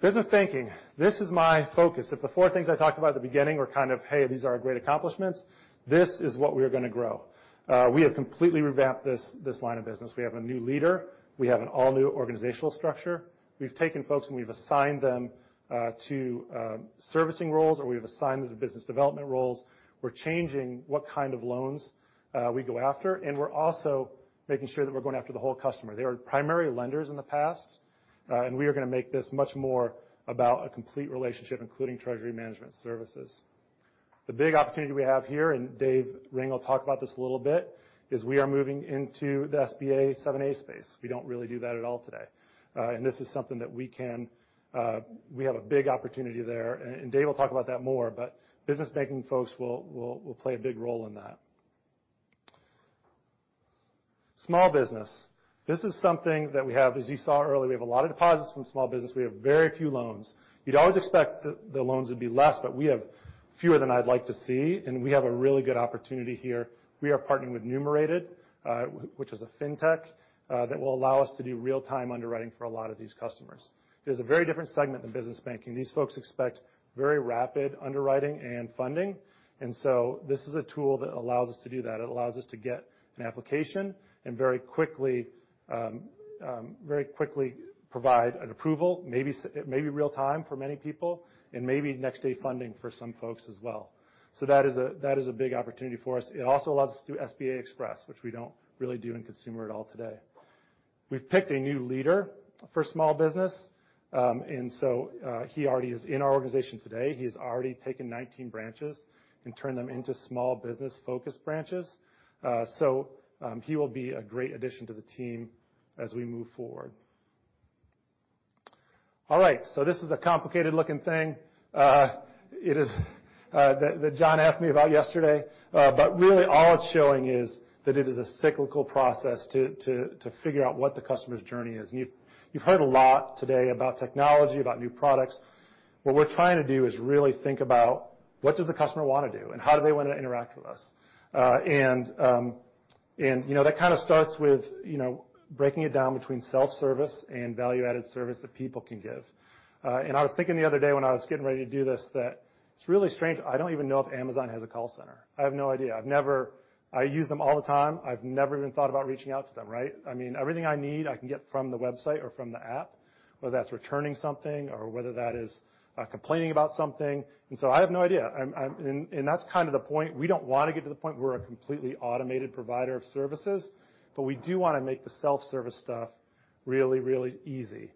Business banking. This is my focus. If the four things I talked about at the beginning were kind of, "Hey, these are our great accomplishments," this is what we are gonna grow. We have completely revamped this line of business. We have a new leader. We have an all-new organizational structure. We've taken folks, and we've assigned them to servicing roles, or we have assigned them to business development roles. We're changing what kind of loans we go after, and we're also making sure that we're going after the whole customer. They were primary lenders in the past, and we are gonna make this much more about a complete relationship, including treasury management services. The big opportunity we have here, and Dave Ring will talk about this a little bit, is we are moving into the SBA 7(a) space. We don't really do that at all today. We have a big opportunity there, and Dave will talk about that more, but business banking folks will play a big role in that. Small business. This is something that we have. As you saw earlier, we have a lot of deposits from small business. We have very few loans. You'd always expect the loans would be less, but we have fewer than I'd like to see, and we have a really good opportunity here. We are partnering with Numerated, which is a fintech that will allow us to do real-time underwriting for a lot of these customers. It is a very different segment than business banking. These folks expect very rapid underwriting and funding. This is a tool that allows us to do that. It allows us to get an application and very quickly provide an approval, maybe real time for many people and maybe next-day funding for some folks as well. That is a big opportunity for us. It also allows us to do SBA Express, which we don't really do in consumer at all today. We've picked a new leader for small business, and he already is in our organization today. He has already taken 19 branches and turned them into small business-focused branches. He will be a great addition to the team as we move forward. All right. This is a complicated-looking thing. It is that John asked me about yesterday. Really all it's showing is that it is a cyclical process to figure out what the customer's journey is. You've heard a lot today about technology, about new products. What we're trying to do is really think about what does the customer wanna do, and how do they wanna interact with us? You know, that kind of starts with, you know, breaking it down between self-service and value-added service that people can give. I was thinking the other day when I was getting ready to do this that it's really strange. I don't even know if Amazon has a call center. I have no idea. I've never. I use them all the time. I've never even thought about reaching out to them, right? I mean, everything I need, I can get from the website or from the app, whether that's returning something or whether that is complaining about something. I have no idea. That's kind of the point. We don't wanna get to the point we're a completely automated provider of services, but we do wanna make the self-service stuff really, really easy.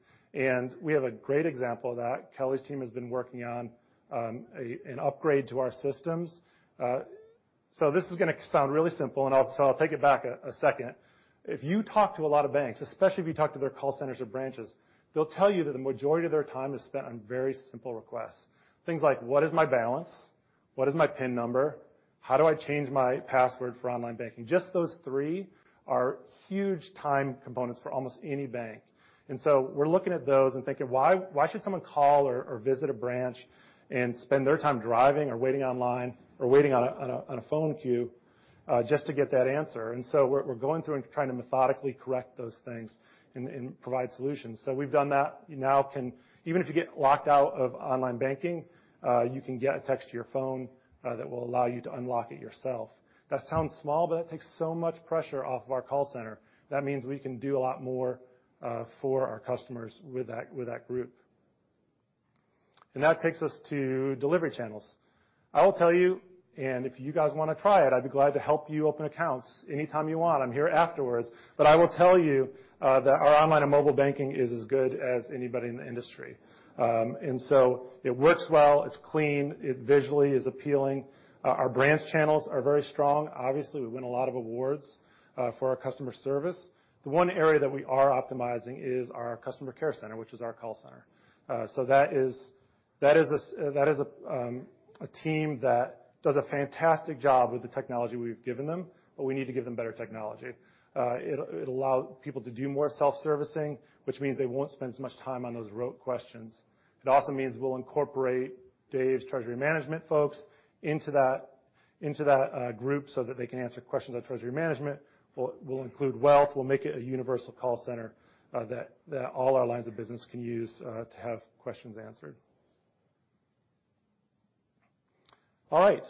We have a great example of that. Kelly's team has been working on an upgrade to our systems. This is gonna sound really simple, and I'll take it back a second. If you talk to a lot of banks, especially if you talk to their call centers or branches, they'll tell you that the majority of their time is spent on very simple requests, things like, "What is my balance? What is my PIN number? How do I change my password for online banking?" Just those three are huge time components for almost any bank. We're looking at those and thinking why should someone call or visit a branch and spend their time driving or waiting online or waiting on a phone queue just to get that answer? We're going through and trying to methodically correct those things and provide solutions. We've done that. You now can even if you get locked out of online banking, you can get a text to your phone that will allow you to unlock it yourself. That sounds small, but that takes so much pressure off of our call center. That means we can do a lot more for our customers with that group. That takes us to delivery channels. I will tell you, and if you guys wanna try it, I'd be glad to help you open accounts anytime you want. I'm here afterwards. I will tell you that our online and mobile banking is as good as anybody in the industry. It works well. It's clean. It visually is appealing. Our branch channels are very strong. Obviously, we win a lot of awards for our customer service. The one area that we are optimizing is our customer care center, which is our call center. That is a team that does a fantastic job with the technology we've given them, but we need to give them better technology. It'll allow people to do more self-servicing, which means they won't spend as much time on those rote questions. It also means we'll incorporate Dave's treasury management folks into that group so that they can answer questions on treasury management. We'll include wealth. We'll make it a universal call center that all our lines of business can use to have questions answered. All right.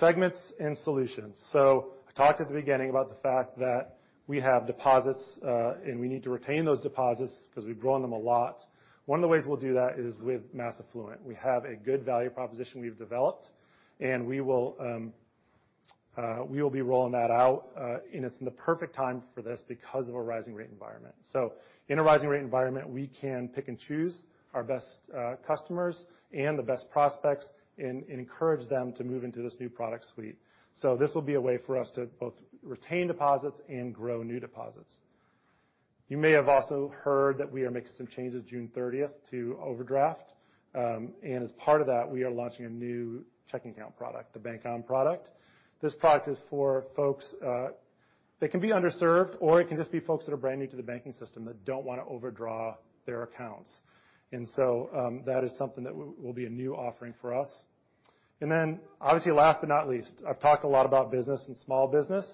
Segments and solutions. I talked at the beginning about the fact that we have deposits, and we need to retain those deposits because we've grown them a lot. One of the ways we'll do that is with mass affluent. We have a good value proposition we've developed, and we will be rolling that out. It's in the perfect time for this because of a rising rate environment. In a rising rate environment, we can pick and choose our best customers and the best prospects and encourage them to move into this new product suite. This will be a way for us to both retain deposits and grow new deposits. You may have also heard that we are making some changes June 30th to overdraft. As part of that, we are launching a new checking account product, the Bank On product. This product is for folks that can be underserved, or it can just be folks that are brand new to the banking system that don't wanna overdraw their accounts. That is something that will be a new offering for us. Obviously last but not least, I've talked a lot about business and small business,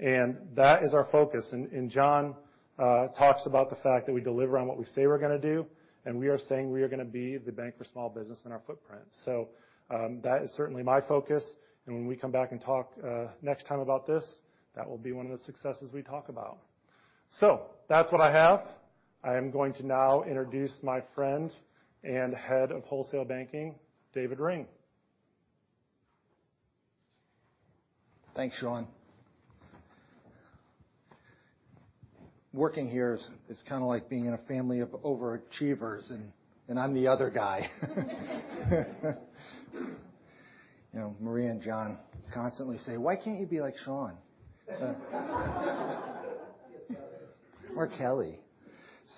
and that is our focus. John talks about the fact that we deliver on what we say we're gonna do, and we are saying we are gonna be the bank for small business in our footprint. That is certainly my focus. When we come back and talk next time about this, that will be one of the successes we talk about. That's what I have. I am going to now introduce my friend and head of Wholesale Banking, David Ring. Thanks, Shawn. Working here is kinda like being in a family of overachievers, and I'm the other guy. You know, Maria and John constantly say, "Why can't you be like Shawn?" or Kelly.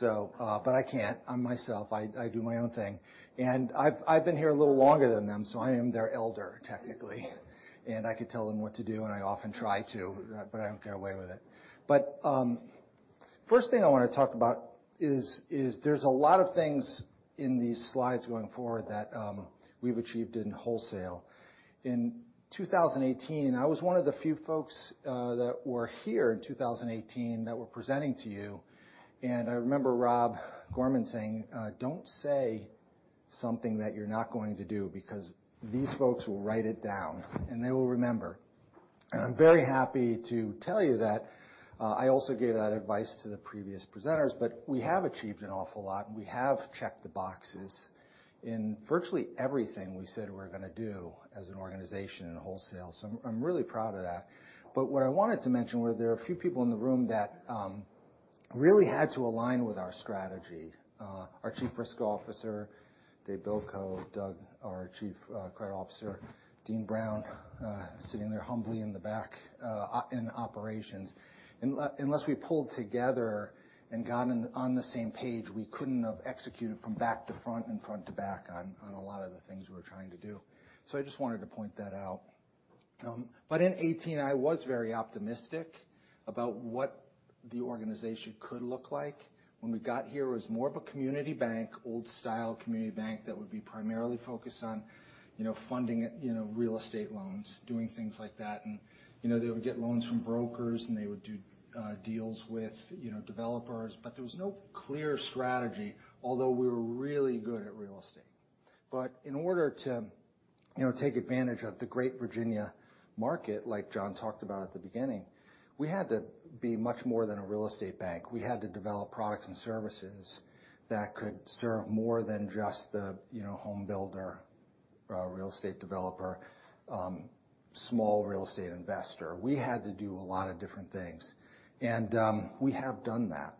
I can't. I'm myself. I do my own thing. I've been here a little longer than them, so I am their elder, technically. I could tell them what to do, and I often try to, but I don't get away with it. First thing I wanna talk about is there's a lot of things in these slides going forward that we've achieved in wholesale. In 2018, I was one of the few folks that were here in 2018 that were presenting to you. I remember Rob Gorman saying, "Don't say something that you're not going to do because these folks will write it down, and they will remember." I'm very happy to tell you that I also gave that advice to the previous presenters. We have achieved an awful lot, and we have checked the boxes in virtually everything we said we were gonna do as an organization in wholesale. I'm really proud of that. What I wanted to mention were there are a few people in the room that really had to align with our strategy. Our Chief Risk Officer, Dave Bilko, Doug, our Chief Credit Officer, Dean Brown, sitting there humbly in the back, in operations. Unless we pulled together and gotten on the same page, we couldn't have executed from back to front and front to back on a lot of the things we were trying to do. I just wanted to point that out. But in 2018, I was very optimistic about what the organization could look like. When we got here, it was more of a community bank, old-style community bank that would be primarily focused on, you know, funding, you know, real estate loans, doing things like that. You know, they would get loans from brokers, and they would do deals with, you know, developers. There was no clear strategy, although we were really good at real estate. In order to, you know, take advantage of the great Virginia market, like John talked about at the beginning, we had to be much more than a real estate bank. We had to develop products and services that could serve more than just the, you know, home builder, real estate developer, small real estate investor. We had to do a lot of different things. We have done that.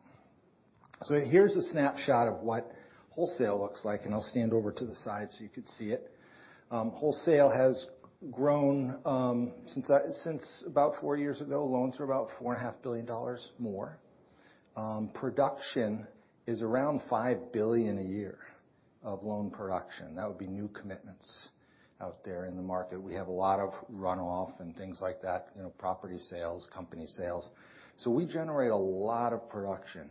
Here's a snapshot of what wholesale looks like, and I'll stand over to the side so you could see it. Wholesale has grown since about four years ago. Loans are about $4.5 billion more. Production is around $5 billion a year of loan production. That would be new commitments out there in the market. We have a lot of runoff and things like that, you know, property sales, company sales. We generate a lot of production.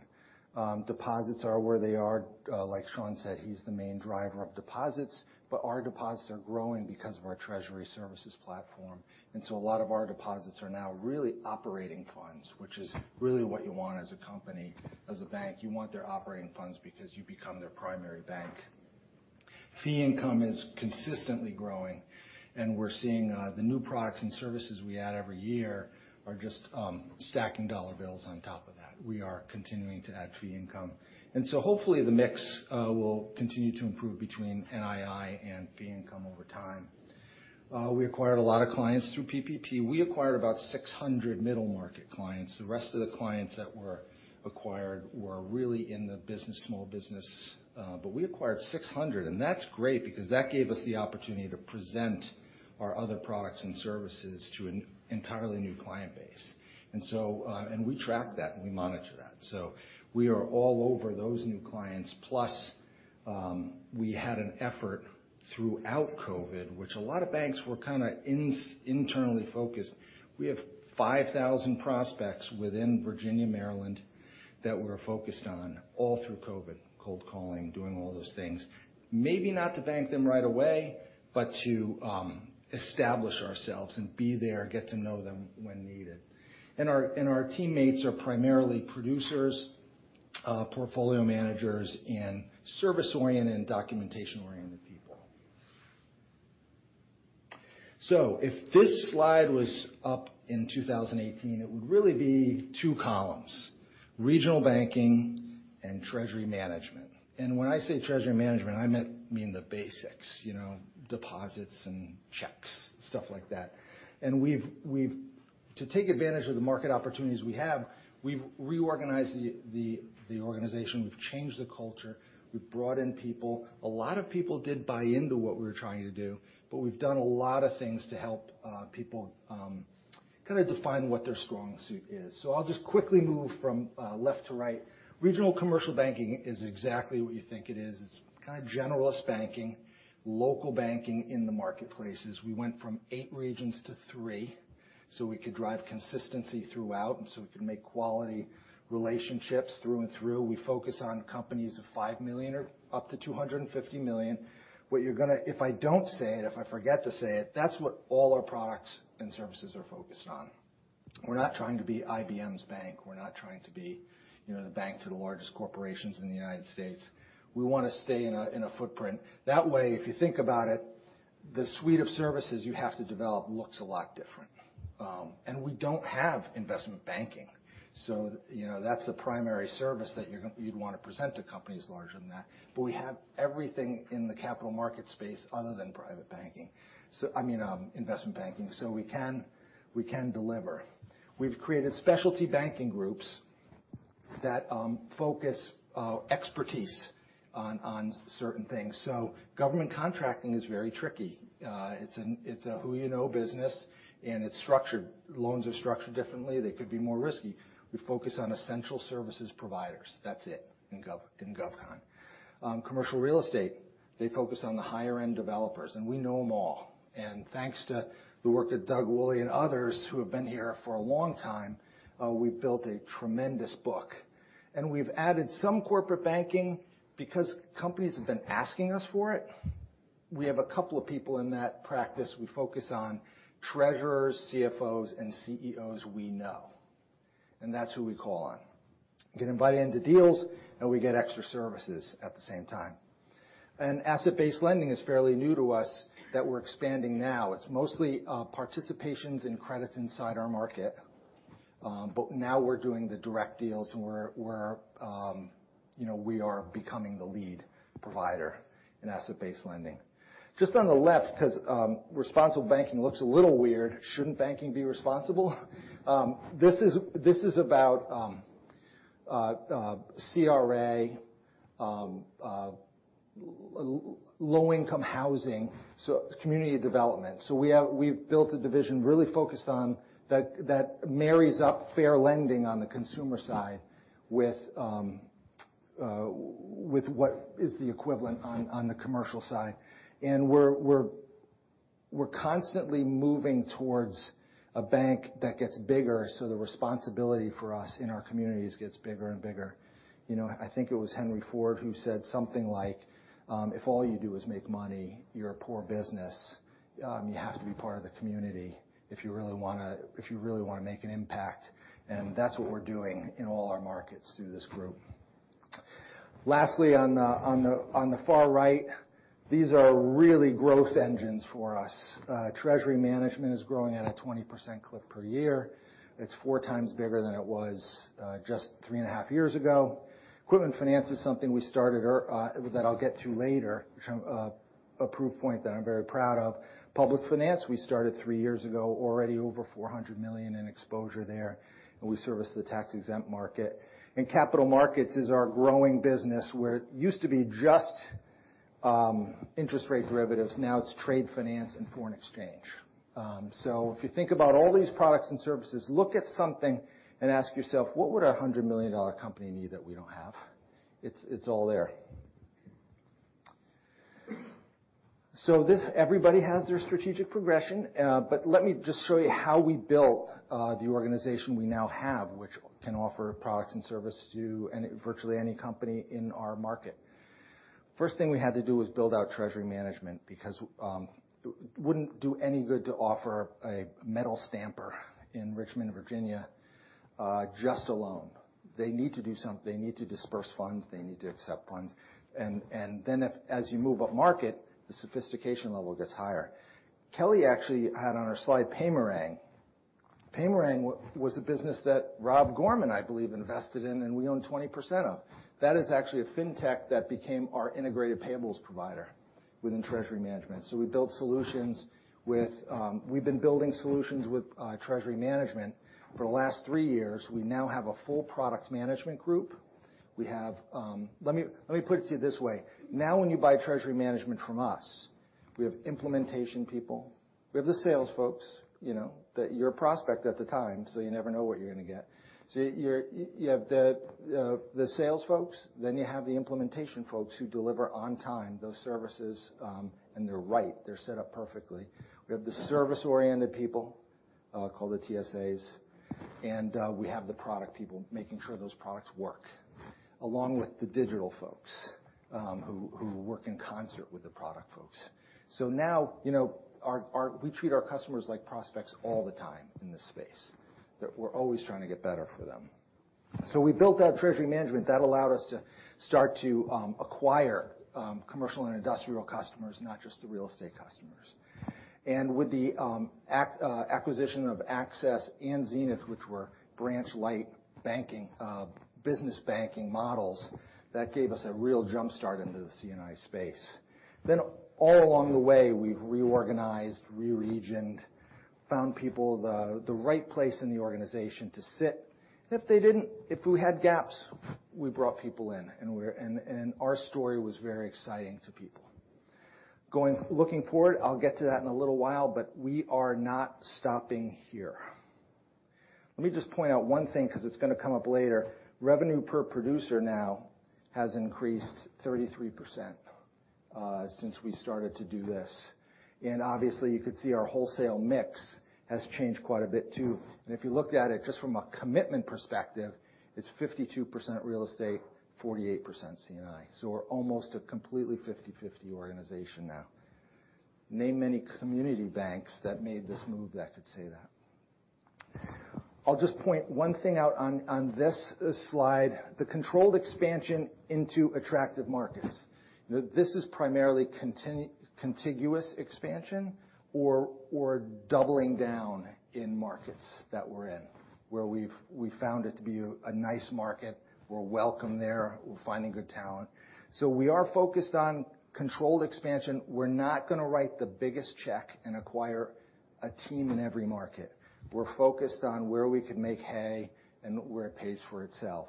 Deposits are where they are. Like Shawn said, he's the main driver of deposits, but our deposits are growing because of our treasury services platform. A lot of our deposits are now really operating funds, which is really what you want as a company. As a bank, you want their operating funds because you become their primary bank. Fee income is consistently growing, and we're seeing the new products and services we add every year are just stacking dollar bills on top of that. We are continuing to add fee income. Hopefully the mix will continue to improve between NII and fee income over time. We acquired a lot of clients through PPP. We acquired about 600 middle-market clients. The rest of the clients that were acquired were really in the business, small business. We acquired 600, and that's great because that gave us the opportunity to present our other products and services to an entirely new client base. We track that, and we monitor that. We are all over those new clients. Plus, we had an effort throughout COVID, which a lot of banks were kinda internally focused. We have 5,000 prospects within Virginia, Maryland that we're focused on all through COVID, cold calling, doing all those things. Maybe not to bank them right away, but to establish ourselves and be there, get to know them when needed. Our teammates are primarily producers, portfolio managers and service-oriented and documentation-oriented people. If this slide was up in 2018, it would really be two columns, regional banking and treasury management. When I say treasury management, I mean the basics, you know, deposits and checks, stuff like that. We've to take advantage of the market opportunities we have, we've reorganized the organization. We've changed the culture. We've brought in people. A lot of people did buy into what we were trying to do, but we've done a lot of things to help people kinda define what their strong suit is. I'll just quickly move from left to right. Regional commercial banking is exactly what you think it is. It's kinda generalist banking, local banking in the marketplaces. We went from eight regions to three, so we could drive consistency throughout, and so we could make quality relationships through and through. We focus on companies of $5 million or up to $250 million. If I don't say it, if I forget to say it, that's what all our products and services are focused on. We're not trying to be IBM's bank. We're not trying to be, you know, the bank to the largest corporations in the United States. We wanna stay in a footprint. That way, if you think about it, the suite of services you have to develop looks a lot different. We don't have investment banking, so you know, that's a primary service that you'd wanna present to companies larger than that. We have everything in the capital market space other than private banking. I mean, investment banking, so we can deliver. We've created specialty banking groups that focus expertise on certain things. Government contracting is very tricky. It's a who you know business, and it's structured. Loans are structured differently. They could be more risky. We focus on essential services providers. That's it in GovCon. Commercial real estate, they focus on the higher end developers, and we know 'em all. Thanks to the work that Doug Woolley and others who have been here for a long time, we've built a tremendous book. We've added some corporate banking because companies have been asking us for it. We have a couple of people in that practice. We focus on treasurers, CFOs, and CEOs we know, and that's who we call on. Get invited into deals, and we get extra services at the same time. Asset-based lending is fairly new to us that we're expanding now. It's mostly participations in credits inside our market, but now we're doing the direct deals where you know, we are becoming the lead provider in asset-based lending. Just on the left, because responsible banking looks a little weird. Shouldn't banking be responsible? This is about CRA, low-income housing, so community development. We've built a division really focused on that that marries up fair lending on the consumer side with what is the equivalent on the commercial side. We're constantly moving towards a bank that gets bigger, so the responsibility for us in our communities gets bigger and bigger. You know, I think it was Henry Ford who said something like, "If all you do is make money, you're a poor business." You have to be part of the community if you really wanna make an impact, and that's what we're doing in all our markets through this group. Lastly, on the far right, these are really growth engines for us. Treasury management is growing at a 20% clip per year. It's 4x bigger than it was just three and a half years ago. Equipment finance is something we started that I'll get to later, a proof point that I'm very proud of. Public finance, we started three years ago, already over $400 million in exposure there, and we service the tax-exempt market. Capital markets is our growing business, where it used to be just interest rate derivatives. Now it's trade finance and foreign exchange. If you think about all these products and services, look at something and ask yourself, "What would a $100 million company need that we don't have?" It's all there. Everybody has their strategic progression, but let me just show you how we built the organization we now have, which can offer products and services to virtually any company in our market. First thing we had to do was build out treasury management because it wouldn't do any good to offer a metal stamper in Richmond, Virginia, just a loan. They need to do something. They need to disperse funds. They need to accept funds. As you move upmarket, the sophistication level gets higher. Kelly actually had on her slide Paymerang. Paymerang was a business that Rob Gorman, I believe, invested in and we own 20% of. That is actually a fintech that became our integrated payables provider within treasury management. We built solutions with. We've been building solutions with treasury management for the last three years. We now have a full product management group. We have. Let me put it to you this way. Now when you buy treasury management from us, we have implementation people. We have the sales folks, you know. That you're a prospect at the time, so you never know what you're gonna get. You're you have the sales folks. You have the implementation folks who deliver on time those services, and they're right. They're set up perfectly. We have the service-oriented people called the TSAs. We have the product people making sure those products work, along with the digital folks who work in concert with the product folks. Now, you know, we treat our customers like prospects all the time in this space, that we're always trying to get better for them. We built out treasury management. That allowed us to start to acquire commercial and industrial customers, not just the real estate customers. With the acquisition of Access and Xenith, which were branch-light, business banking models, that gave us a real jump start into the C&I space. All along the way, we've reorganized, re-regioned, found people the right place in the organization to sit. If they didn't, if we had gaps, we brought people in, and our story was very exciting to people. Looking forward, I'll get to that in a little while, but we are not stopping here. Let me just point out one thing 'cause it's gonna come up later. Revenue per producer now has increased 33%, since we started to do this. Obviously, you could see our wholesale mix has changed quite a bit too. If you looked at it just from a commitment perspective, it's 52% real estate, 48% C&I. We're almost a completely 50/50 organization now. Name many community banks that made this move that could say that. I'll just point one thing out on this slide, the controlled expansion into attractive markets. You know, this is primarily contiguous expansion or doubling down in markets that we're in, where we've found it to be a nice market. We're welcome there. We're finding good talent. We are focused on controlled expansion. We're not gonna write the biggest check and acquire a team in every market. We're focused on where we can make hay and where it pays for itself.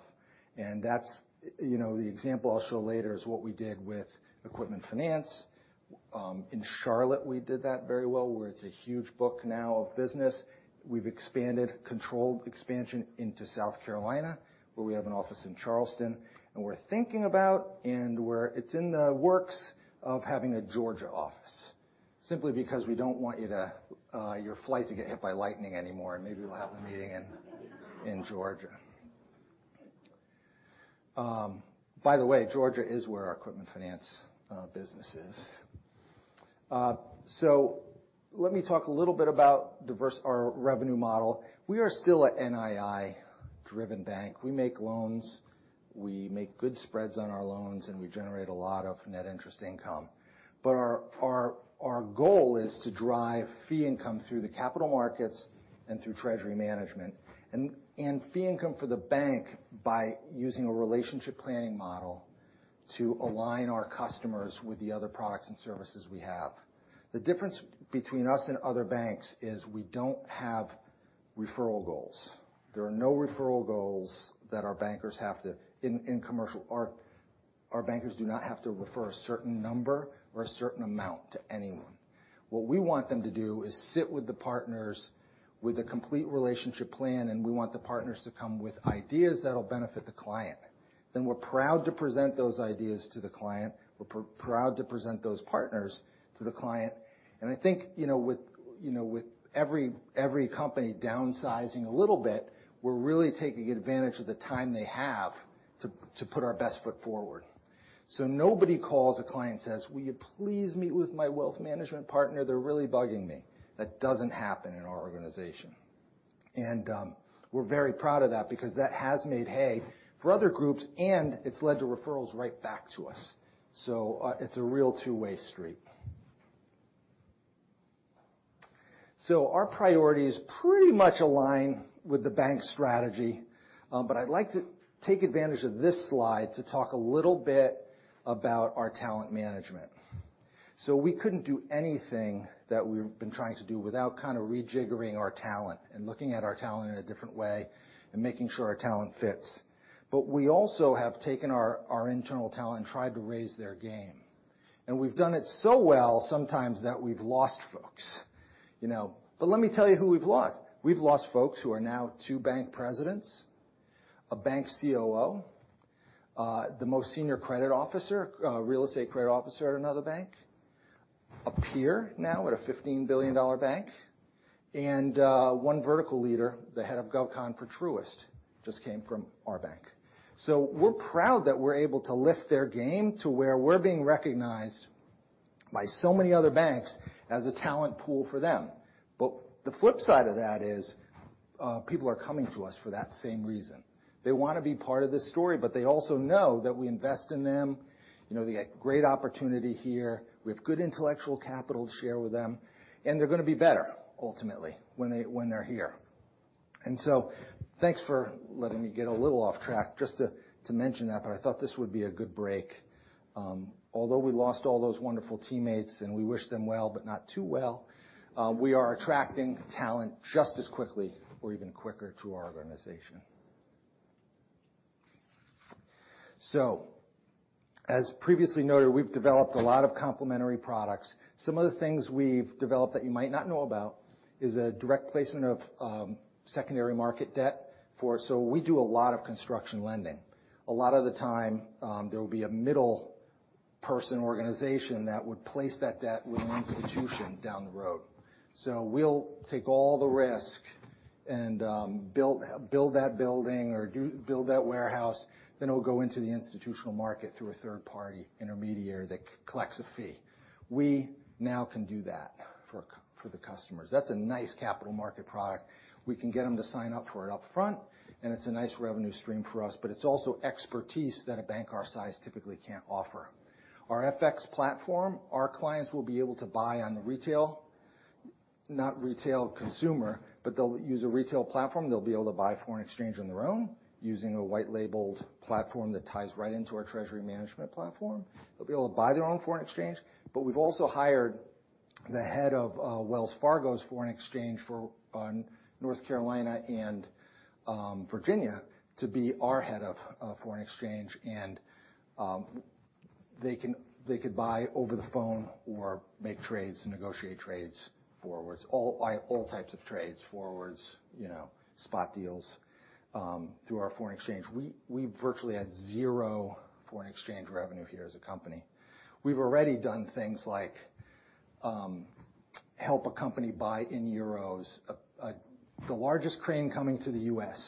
That's, you know, the example I'll show later is what we did with equipment finance. In Charlotte, we did that very well, where it's a huge book now of business. We've expanded controlled expansion into South Carolina, where we have an office in Charleston, and it's in the works of having a Georgia office. Simply because we don't want you to your flight to get hit by lightning anymore, and maybe we'll have the meeting in Georgia. By the way, Georgia is where our equipment finance business is. So let me talk a little bit about our revenue model. We are still a NII-driven bank. We make loans, we make good spreads on our loans, and we generate a lot of net interest income. Our goal is to drive fee income through the capital markets and through treasury management. Fee income for the bank by using a relationship planning model to align our customers with the other products and services we have. The difference between us and other banks is we don't have referral goals. There are no referral goals that our bankers have to. In commercial, our bankers do not have to refer a certain number or a certain amount to anyone. What we want them to do is sit with the partners with a complete relationship plan, and we want the partners to come with ideas that'll benefit the client. Then we're proud to present those ideas to the client. We're proud to present those partners to the client. I think with every company downsizing a little bit, we're really taking advantage of the time they have to put our best foot forward. Nobody calls a client and says, "Will you please meet with my wealth management partner? They're really bugging me." That doesn't happen in our organization. We're very proud of that because that has made hay for other groups, and it's led to referrals right back to us. It's a real two-way street. Our priorities pretty much align with the bank's strategy, but I'd like to take advantage of this slide to talk a little bit about our talent management. We couldn't do anything that we've been trying to do without kind of rejiggering our talent and looking at our talent in a different way and making sure our talent fits. We also have taken our internal talent and tried to raise their game. We've done it so well sometimes that we've lost folks, you know. Let me tell you who we've lost. We've lost folks who are now two bank presidents, a bank COO, the most senior credit officer, real estate credit officer at another bank, a peer now at a $15 billion bank, and one vertical leader, the head of GovCon for Truist, just came from our bank. We're proud that we're able to lift their game to where we're being recognized by so many other banks as a talent pool for them. The flip side of that is, people are coming to us for that same reason. They wanna be part of the story, but they also know that we invest in them. You know, they get great opportunity here. We have good intellectual capital to share with them, and they're gonna be better ultimately when they're here. Thanks for letting me get a little off track just to mention that, but I thought this would be a good break. Although we lost all those wonderful teammates, and we wish them well, but not too well, we are attracting talent just as quickly or even quicker to our organization. As previously noted, we've developed a lot of complementary products. Some of the things we've developed that you might not know about is a direct placement of secondary market debt for. We do a lot of construction lending. A lot of the time, there will be a middle person organization that would place that debt with an institution down the road. We'll take all the risk and build that building or build that warehouse, then it'll go into the institutional market through a third-party intermediary that collects a fee. We now can do that for the customers. That's a nice capital market product. We can get them to sign up for it upfront, and it's a nice revenue stream for us, but it's also expertise that a bank our size typically can't offer. Our FX platform, our clients will be able to buy on the retail, not retail consumer, but they'll use a retail platform. They'll be able to buy foreign exchange on their own using a white-labeled platform that ties right into our treasury management platform. They'll be able to buy their own foreign exchange, but we've also hired the head of Wells Fargo's foreign exchange for North Carolina and Virginia to be our head of foreign exchange. They could buy over the phone or make trades and negotiate trades forwards. All types of trades, forwards, you know, spot deals, through our foreign exchange. We virtually had zero foreign exchange revenue here as a company. We've already done things like help a company buy in euros the largest crane coming to the U.S.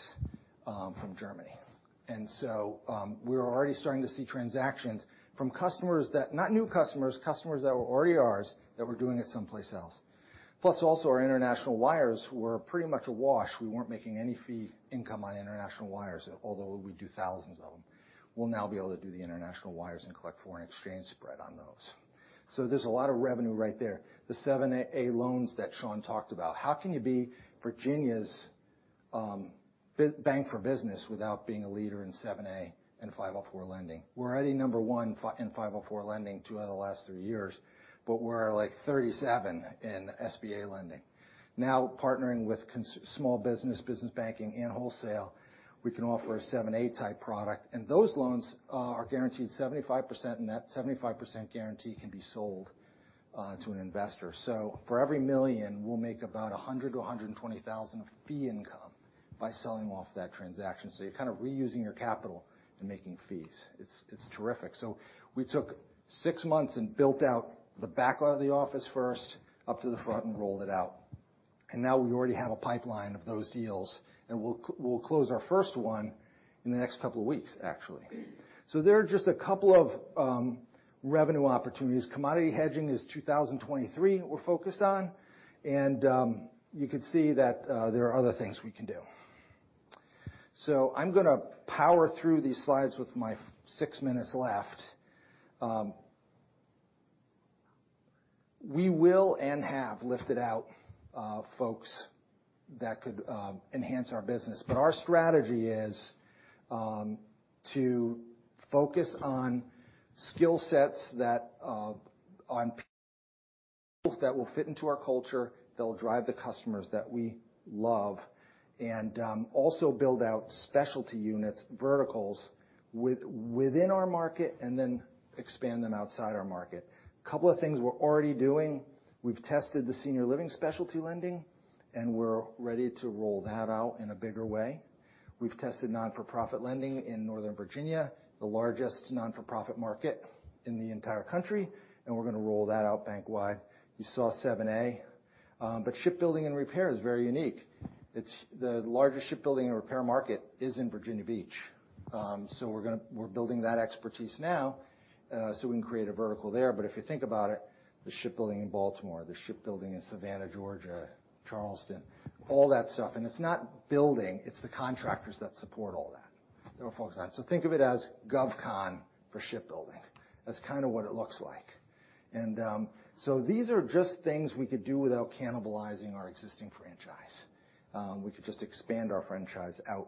from Germany. We're already starting to see transactions from customers that not new customers that were already ours, that were doing it someplace else. Plus also our international wires were pretty much a wash. We weren't making any fee income on international wires, although we do thousands of them. We'll now be able to do the international wires and collect foreign exchange spread on those. There's a lot of revenue right there. The 7(a) loans that Shawn talked about. How can you be Virginia's bank for business without being a leader in 7(a) and 504 lending? We're already number one in 504 lending two out of the last three years, but we're like 37 in SBA lending. Now, partnering with small business banking and wholesale, we can offer a 7(a) type product, and those loans are guaranteed 75%, and that 75% guarantee can be sold to an investor. For every $1 million, we'll make about $100,000-$120,000 of fee income by selling off that transaction. You're kind of reusing your capital and making fees. It's terrific. We took six months and built out the back of the office first, up to the front and rolled it out. Now we already have a pipeline of those deals, and we'll close our first one in the next couple of weeks, actually. There are just a couple of revenue opportunities. Commodity hedging is 2023, we're focused on, and you could see that there are other things we can do. I'm gonna power through these slides with my six minutes left. We will and have lifted out folks that could enhance our business. Our strategy is to focus on skill sets that on people that will fit into our culture, that'll drive the customers that we love, and also build out specialty units, verticals, within our market and then expand them outside our market. Couple of things we're already doing. We've tested the senior living specialty lending, and we're ready to roll that out in a bigger way. We've tested not-for-profit lending in Northern Virginia, the largest not-for-profit market in the entire country, and we're gonna roll that out bank-wide. You saw 7(a). Shipbuilding and repair is very unique. It's the largest shipbuilding and repair market in Virginia Beach. So we're building that expertise now, so we can create a vertical there. If you think about it, the shipbuilding in Baltimore, the shipbuilding in Savannah, Georgia, Charleston, all that stuff. It's not building, it's the contractors that support all that. They're focused on it. Think of it as GovCon for shipbuilding. That's kinda what it looks like. These are just things we could do without cannibalizing our existing franchise. We could just expand our franchise out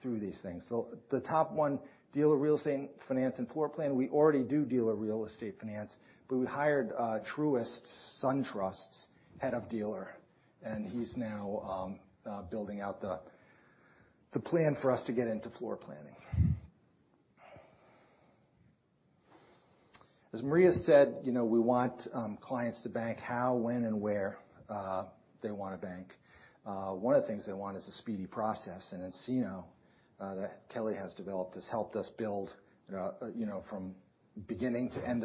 through these things. The top one, dealer real estate finance and floor plan. We already do dealer real estate finance, but we hired Truist SunTrust's head of dealer, and he's now building out the plan for us to get into floor planning. As Maria said, you know, we want clients to bank how, when, and where they wanna bank. One of the things they want is a speedy process, and nCino that Kelly has developed has helped us build, you know, from beginning to end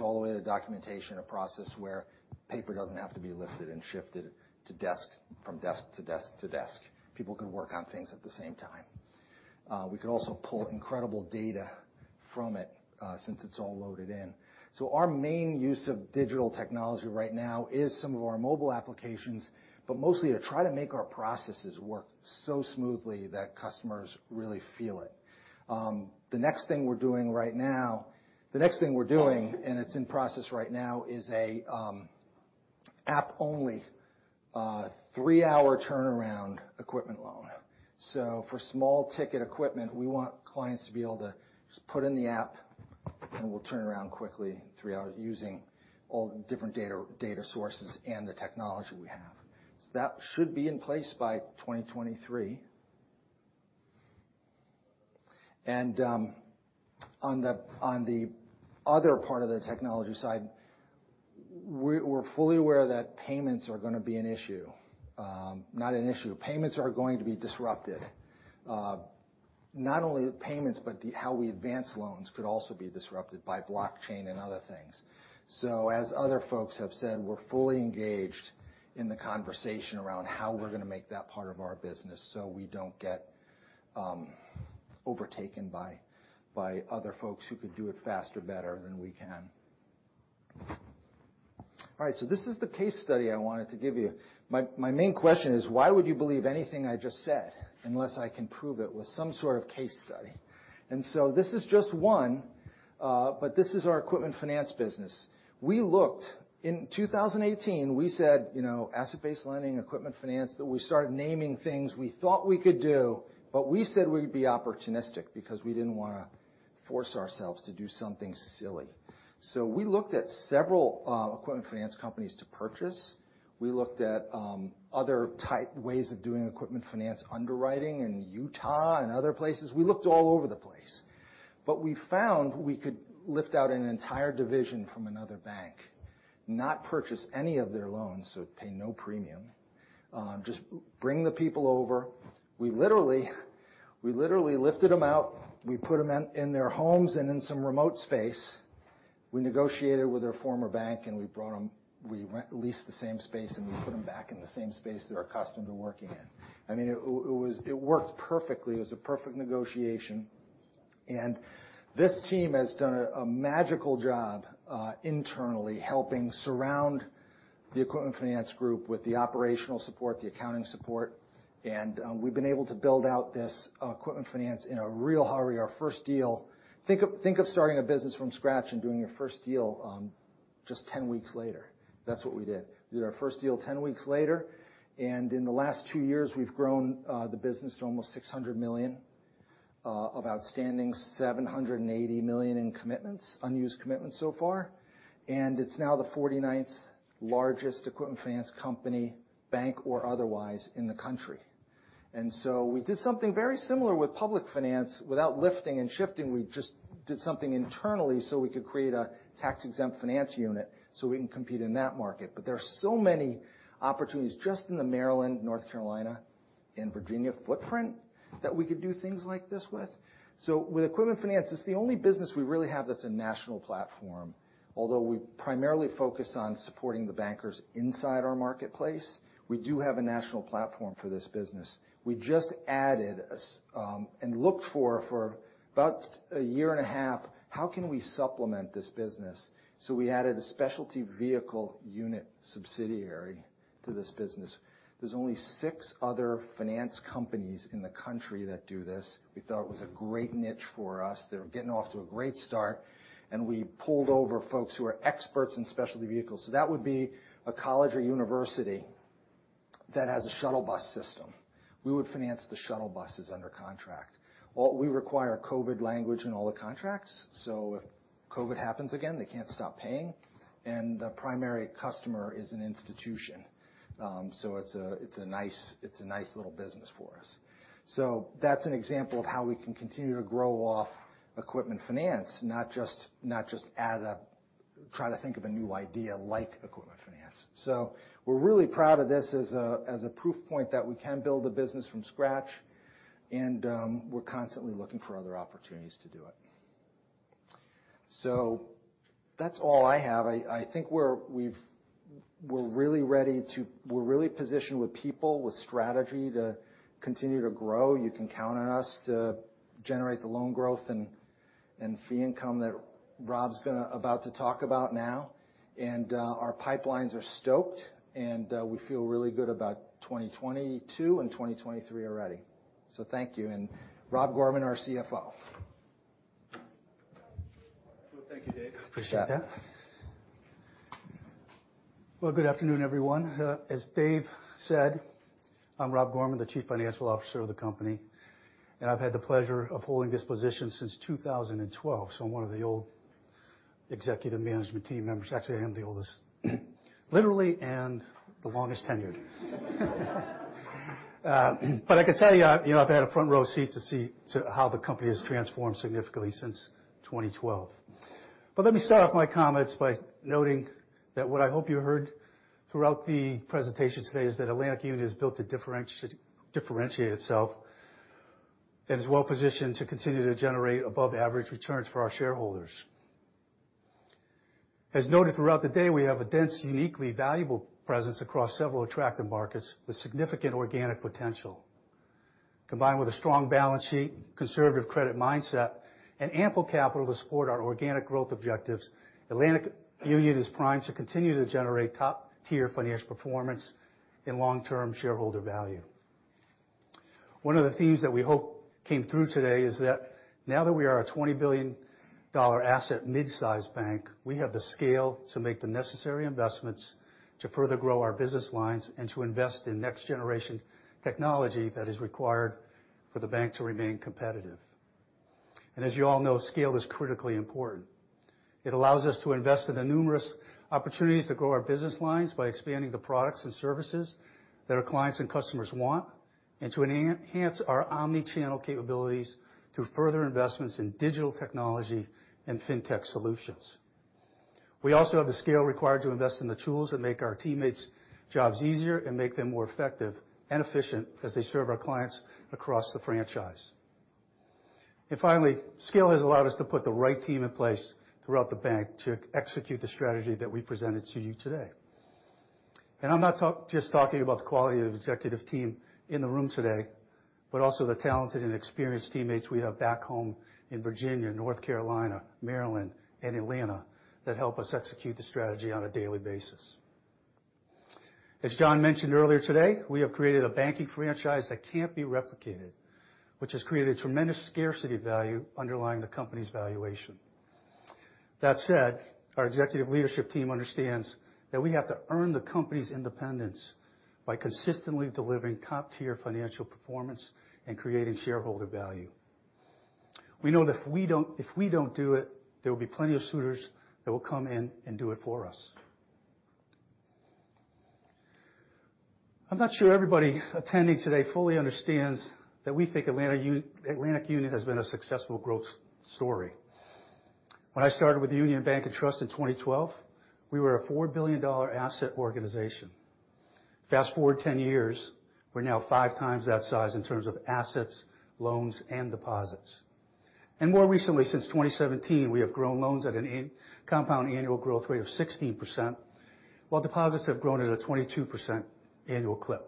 all the way to documentation, a process where paper doesn't have to be lifted and shifted to desk, from desk to desk to desk. People can work on things at the same time. We could also pull incredible data from it, since it's all loaded in. Our main use of digital technology right now is some of our mobile applications, but mostly to try to make our processes work so smoothly that customers really feel it. The next thing we're doing, and it's in process right now, is a app-only three-hour turnaround equipment loan. For small-ticket equipment, we want clients to be able to just put in the app, and we'll turn around quickly in three hours using all the different data sources and the technology we have. That should be in place by 2023. On the other part of the technology side, we're fully aware that payments are going to be disrupted. Not only the payments, but how we advance loans could also be disrupted by blockchain and other things. As other folks have said, we're fully engaged in the conversation around how we're gonna make that part of our business so we don't get overtaken by other folks who could do it faster, better than we can. All right, this is the case study I wanted to give you. My main question is, why would you believe anything I just said unless I can prove it with some sort of case study? This is just one, but this is our equipment finance business. We looked in 2018, we said, you know, asset-based lending, equipment finance, that we started naming things we thought we could do, but we said we'd be opportunistic because we didn't wanna force ourselves to do something silly. We looked at several equipment finance companies to purchase. We looked at other ways of doing equipment finance underwriting in Utah and other places. We looked all over the place. We found we could lift out an entire division from another bank, not purchase any of their loans, so pay no premium. Just bring the people over. We literally lifted them out. We put them in their homes and in some remote space. We negotiated with their former bank, and we brought them. We re-leased the same space, and we put them back in the same space they were accustomed to working in. I mean, it was. It worked perfectly. It was a perfect negotiation. This team has done a magical job internally helping surround the equipment finance group with the operational support, the accounting support. We've been able to build out this equipment finance in a real hurry. Our first deal. Think of starting a business from scratch and doing your first deal just 10 weeks later. That's what we did. We did our first deal 10 weeks later. In the last two years, we've grown the business to almost $600 million of outstanding $780 million in commitments, unused commitments so far. It's now the 49th largest equipment finance company, bank or otherwise, in the country. We did something very similar with public finance without lifting and shifting. We just did something internally so we could create a tax-exempt finance unit, so we can compete in that market. There are so many opportunities just in the Maryland, North Carolina, and Virginia footprint that we could do things like this with. With equipment finance, it's the only business we really have that's a national platform. Although we primarily focus on supporting the bankers inside our marketplace, we do have a national platform for this business. We just added and looked for about a year and a half how can we supplement this business? We added a specialty vehicle unit subsidiary to this business. There are only six other finance companies in the country that do this. We thought it was a great niche for us. They're getting off to a great start. We pulled over folks who are experts in specialty vehicles. That would be a college or university that has a shuttle bus system. We would finance the shuttle buses under contract. What we require are COVID language in all the contracts. If COVID happens again, they can't stop paying. The primary customer is an institution. It's a nice little business for us. That's an example of how we can continue to grow off equipment finance, not just try to think of a new idea like equipment finance. We're really proud of this as a proof point that we can build a business from scratch, and we're constantly looking for other opportunities to do it. That's all I have. I think we're really positioned with people, with strategy to continue to grow. You can count on us to generate the loan growth and fee income that Rob's about to talk about now. Our pipelines are stoked, and we feel really good about 2022 and 2023 already. Thank you. Rob Gorman, our CFO. Well, thank you, Dave. Appreciate that. Yeah. Good afternoon, everyone. As Dave said, I'm Rob Gorman, the Chief Financial Officer of the company, and I've had the pleasure of holding this position since 2012. I'm one of the old executive management team members. Actually, I am the oldest, literally and the longest tenured. I can tell you know, I've had a front-row seat to see how the company has transformed significantly since 2012. Let me start off my comments by noting that what I hope you heard throughout the presentation today is that Atlantic Union is built to differentiate itself and is well-positioned to continue to generate above-average returns for our shareholders. As noted throughout the day, we have a dense, uniquely valuable presence across several attractive markets with significant organic potential. Combined with a strong balance sheet, conservative credit mindset, and ample capital to support our organic growth objectives, Atlantic Union is primed to continue to generate top-tier financial performance and long-term shareholder value. One of the themes that we hope came through today is that now that we are a $20 billion asset midsize bank, we have the scale to make the necessary investments to further grow our business lines and to invest in next-generation technology that is required for the bank to remain competitive. As you all know, scale is critically important. It allows us to invest in the numerous opportunities to grow our business lines by expanding the products and services that our clients and customers want and to enhance our omni-channel capabilities through further investments in digital technology and fintech solutions. We also have the scale required to invest in the tools that make our teammates' jobs easier and make them more effective and efficient as they serve our clients across the franchise. Finally, scale has allowed us to put the right team in place throughout the bank to execute the strategy that we presented to you today. I'm not just talking about the quality of executive team in the room today, but also the talented and experienced teammates we have back home in Virginia, North Carolina, Maryland, and Atlanta that help us execute the strategy on a daily basis. As John mentioned earlier today, we have created a banking franchise that can't be replicated, which has created tremendous scarcity value underlying the company's valuation. That said, our executive leadership team understands that we have to earn the company's independence by consistently delivering top-tier financial performance and creating shareholder value. We know that if we don't do it, there will be plenty of suitors that will come in and do it for us. I'm not sure everybody attending today fully understands that we think Atlantic Union has been a successful growth story. When I started with Union Bank & Trust in 2012, we were a $4 billion asset organization. Fast forward 10 years, we're now 5x that size in terms of assets, loans, and deposits. More recently, since 2017, we have grown loans at a compound annual growth rate of 16%, while deposits have grown at a 22% annual clip.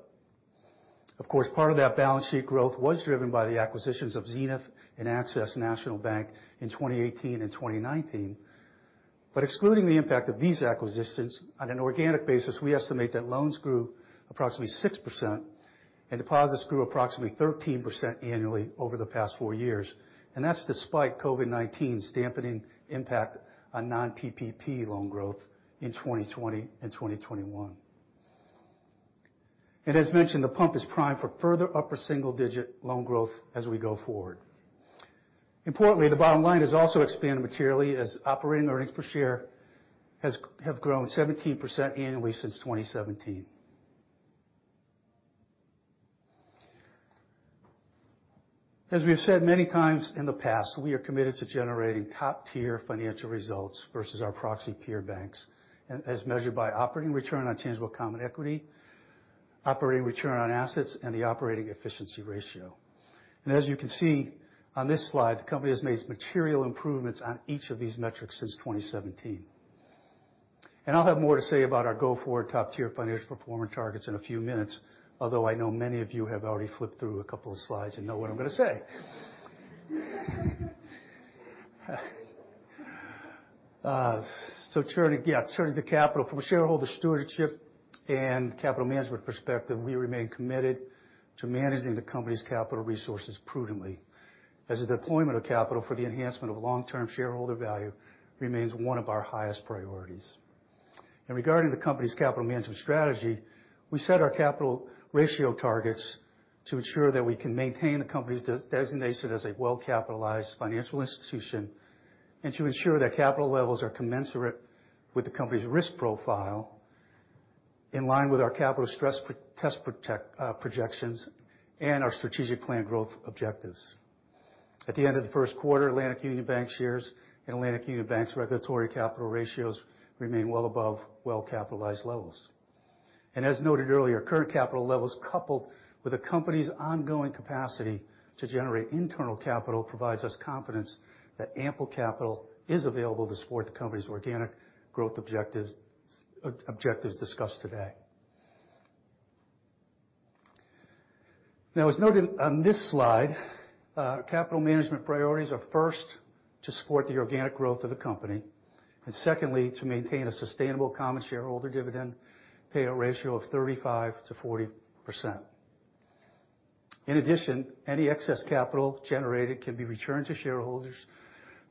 Of course, part of that balance sheet growth was driven by the acquisitions of Xenith and Access National Bank in 2018 and 2019. Excluding the impact of these acquisitions, on an organic basis, we estimate that loans grew approximately 6% and deposits grew approximately 13% annually over the past four years. That's despite COVID-19's dampening impact on non-PPP loan growth in 2020 and 2021. As mentioned, the pump is primed for further upper single-digit loan growth as we go forward. Importantly, the bottom line has also expanded materially as operating earnings per share have grown 17% annually since 2017. As we have said many times in the past, we are committed to generating top-tier financial results versus our proxy peer banks and as measured by operating return on tangible common equity, operating return on assets, and the operating efficiency ratio. As you can see on this slide, the company has made material improvements on each of these metrics since 2017. I'll have more to say about our go-forward top-tier financial performance targets in a few minutes, although I know many of you have already flipped through a couple of slides and know what I'm going to say. Turning to capital. From a shareholder stewardship and capital management perspective, we remain committed to managing the company's capital resources prudently, as the deployment of capital for the enhancement of long-term shareholder value remains one of our highest priorities. Regarding the company's capital management strategy, we set our capital ratio targets to ensure that we can maintain the company's designation as a well-capitalized financial institution and to ensure that capital levels are commensurate with the company's risk profile, in line with our capital stress test projections and our strategic plan growth objectives. At the end of the first quarter, Atlantic Union Bankshares and Atlantic Union Bank's regulatory capital ratios remain well above well-capitalized levels. As noted earlier, current capital levels, coupled with the company's ongoing capacity to generate internal capital, provides us confidence that ample capital is available to support the company's organic growth objectives discussed today. Now, as noted on this slide, capital management priorities are, first, to support the organic growth of the company, and secondly, to maintain a sustainable common shareholder dividend payout ratio of 35%-40%. In addition, any excess capital generated can be returned to shareholders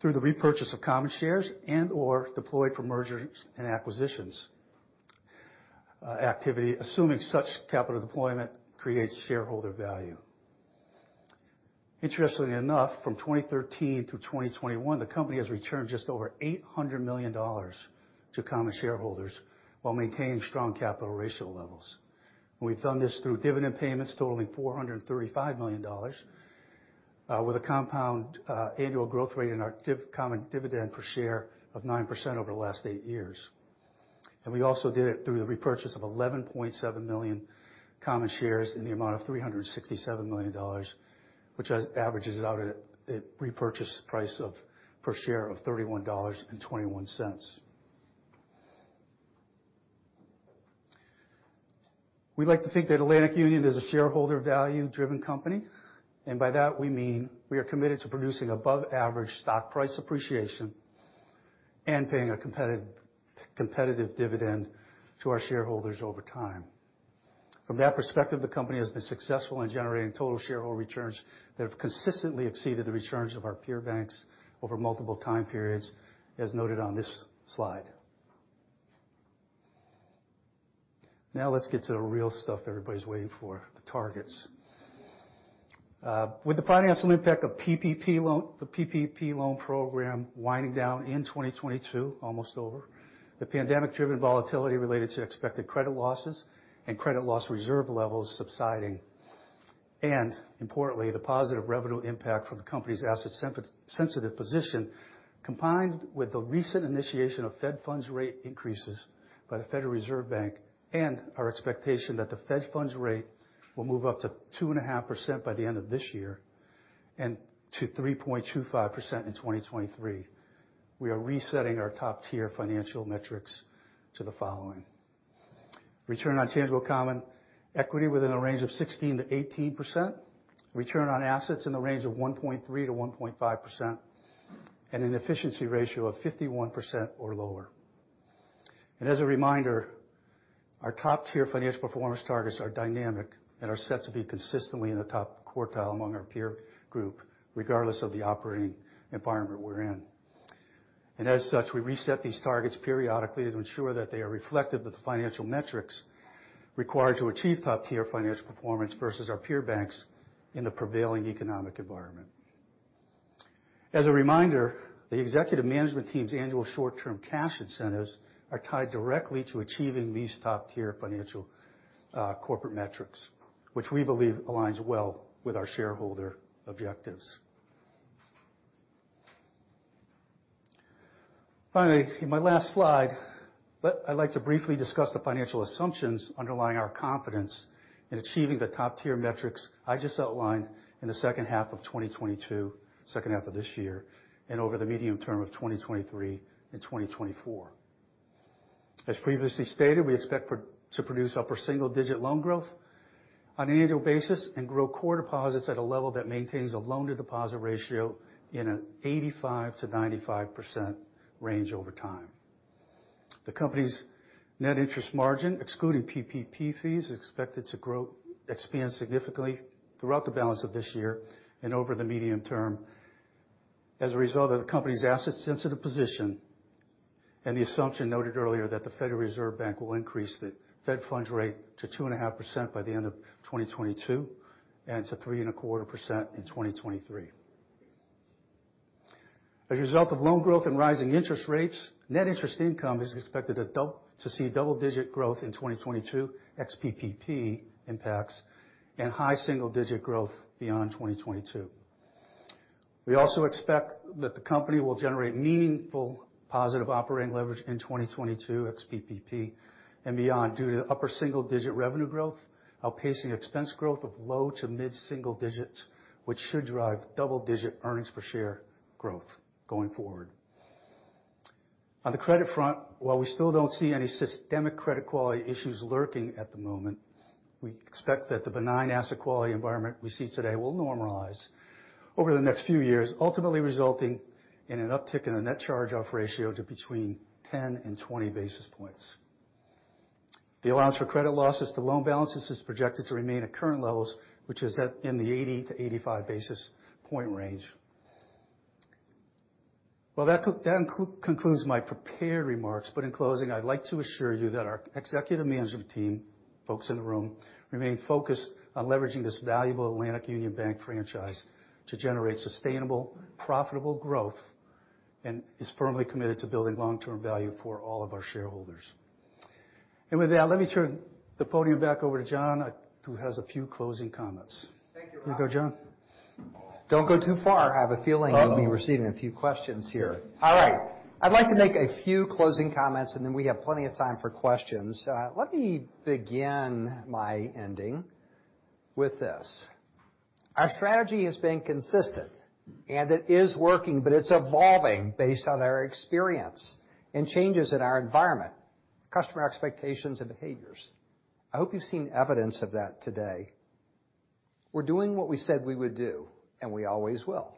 through the repurchase of common shares and/or deployed for mergers and acquisitions, activity, assuming such capital deployment creates shareholder value. Interestingly enough, from 2013 through 2021, the company has returned just over $800 million to common shareholders while maintaining strong capital ratio levels. We've done this through dividend payments totaling $435 million, with a compound, annual growth rate in our common dividend per share of 9% over the last eight years. We also did it through the repurchase of 11.7 million common shares in the amount of $367 million, which averages out at a repurchase price per share of $31.21. We'd like to think that Atlantic Union is a shareholder value-driven company, and by that we mean we are committed to producing above average stock price appreciation and paying a competitive dividend to our shareholders over time. From that perspective, the company has been successful in generating total shareholder returns that have consistently exceeded the returns of our peer banks over multiple time periods, as noted on this slide. Now let's get to the real stuff everybody's waiting for, the targets. With the financial impact of the PPP loan program winding down in 2022, almost over, the pandemic-driven volatility related to expected credit losses and credit loss reserve levels subsiding, and importantly, the positive revenue impact from the company's asset sensitive position, combined with the recent initiation of Fed funds rate increases by the Federal Reserve Bank and our expectation that the Fed funds rate will move up to 2.5% by the end of this year and to 3.25% in 2023, we are resetting our top-tier financial metrics to the following. Return on tangible common equity within a range of 16%-18%, return on assets in the range of 1.3%-1.5%, and an efficiency ratio of 51% or lower. As a reminder, our top-tier financial performance targets are dynamic and are set to be consistently in the top quartile among our peer group, regardless of the operating environment we're in. As such, we reset these targets periodically to ensure that they are reflective of the financial metrics required to achieve top-tier financial performance versus our peer banks in the prevailing economic environment. As a reminder, the executive management team's annual short-term cash incentives are tied directly to achieving these top-tier financial, corporate metrics, which we believe aligns well with our shareholder objectives. Finally, in my last slide, but I'd like to briefly discuss the financial assumptions underlying our confidence in achieving the top-tier metrics I just outlined in the second half of 2022, second half of this year, and over the medium term of 2023 and 2024. As previously stated, we expect to produce upper single-digit loan growth on an annual basis and grow core deposits at a level that maintains a loan-to-deposit ratio in a 85%-95% range over time. The company's net interest margin, excluding PPP fees, is expected to expand significantly throughout the balance of this year and over the medium term as a result of the company's asset-sensitive position and the assumption noted earlier that the Federal Reserve Bank will increase the fed funds rate to 2.5% by the end of 2022 and to 3.25% in 2023. As a result of loan growth and rising interest rates, net interest income is expected to see double-digit growth in 2022 ex-PPP impacts and high single-digit growth beyond 2022. We expect that the company will generate meaningful positive operating leverage in 2022 ex-PPP and beyond due to upper single-digit revenue growth outpacing expense growth of low to mid-single digits, which should drive double-digit earnings per share growth going forward. On the credit front, while we still don't see any systemic credit quality issues lurking at the moment, we expect that the benign asset quality environment we see today will normalize over the next few years, ultimately resulting in an uptick in the net charge-off ratio to between 10 and 20 basis points. The allowance for credit losses to loan balances is projected to remain at current levels, which is at in the 80-85 basis point range. Well, that concludes my prepared remarks. In closing, I'd like to assure you that our executive management team, folks in the room, remain focused on leveraging this valuable Atlantic Union Bank franchise to generate sustainable, profitable growth and is firmly committed to building long-term value for all of our shareholders. With that, let me turn the podium back over to John, who has a few closing comments. Thank you, Rob. Here you go, John. Don't go too far. I have a feeling. Uh-oh. You'll be receiving a few questions here. All right. I'd like to make a few closing comments, and then we have plenty of time for questions. Let me begin my ending with this. Our strategy has been consistent, and it is working, but it's evolving based on our experience and changes in our environment, customer expectations, and behaviors. I hope you've seen evidence of that today. We're doing what we said we would do, and we always will.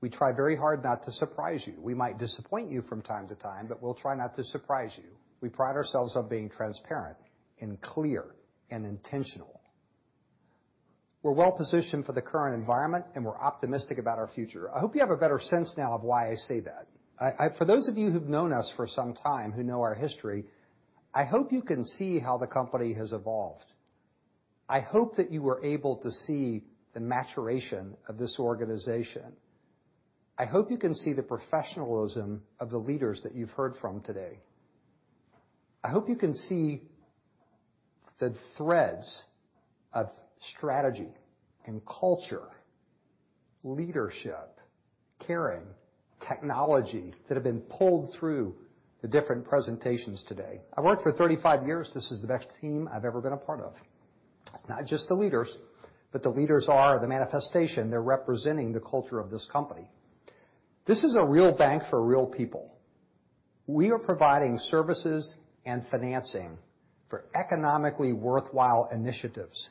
We try very hard not to surprise you. We might disappoint you from time to time, but we'll try not to surprise you. We pride ourselves on being transparent and clear and intentional. We're well-positioned for the current environment, and we're optimistic about our future. I hope you have a better sense now of why I say that. For those of you who've known us for some time, who know our history, I hope you can see how the company has evolved. I hope that you were able to see the maturation of this organization. I hope you can see the professionalism of the leaders that you've heard from today. I hope you can see the threads of strategy and culture, leadership, caring, technology that have been pulled through the different presentations today. I've worked for 35 years. This is the best team I've ever been a part of. It's not just the leaders, but the leaders are the manifestation. They're representing the culture of this company. This is a real bank for real people. We are providing services and financing for economically worthwhile initiatives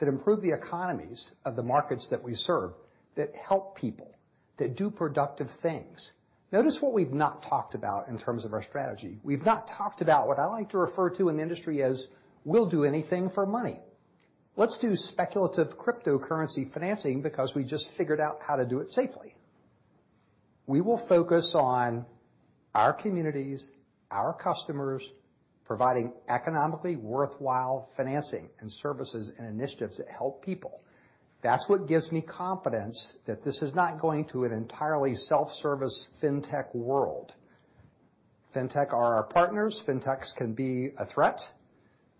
that improve the economies of the markets that we serve, that help people, that do productive things. Notice what we've not talked about in terms of our strategy. We've not talked about what I like to refer to in the industry as we'll do anything for money. Let's do speculative cryptocurrency financing because we just figured out how to do it safely. We will focus on our communities, our customers, providing economically worthwhile financing and services and initiatives that help people. That's what gives me confidence that this is not going to an entirely self-service fintech world. Fintech are our partners. Fintechs can be a threat.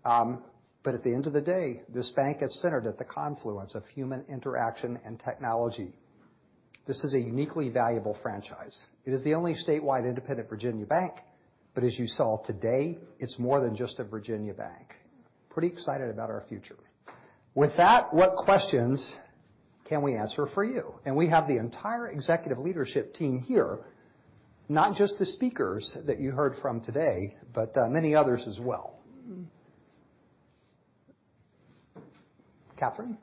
At the end of the day, this bank is centered at the confluence of human interaction and technology. This is a uniquely valuable franchise. It is the only statewide independent Virginia bank. As you saw today, it's more than just a Virginia bank. Pretty excited about our future. With that, what questions can we answer for you? We have the entire executive leadership team here, not just the speakers that you heard from today, but many others as well. Catherine?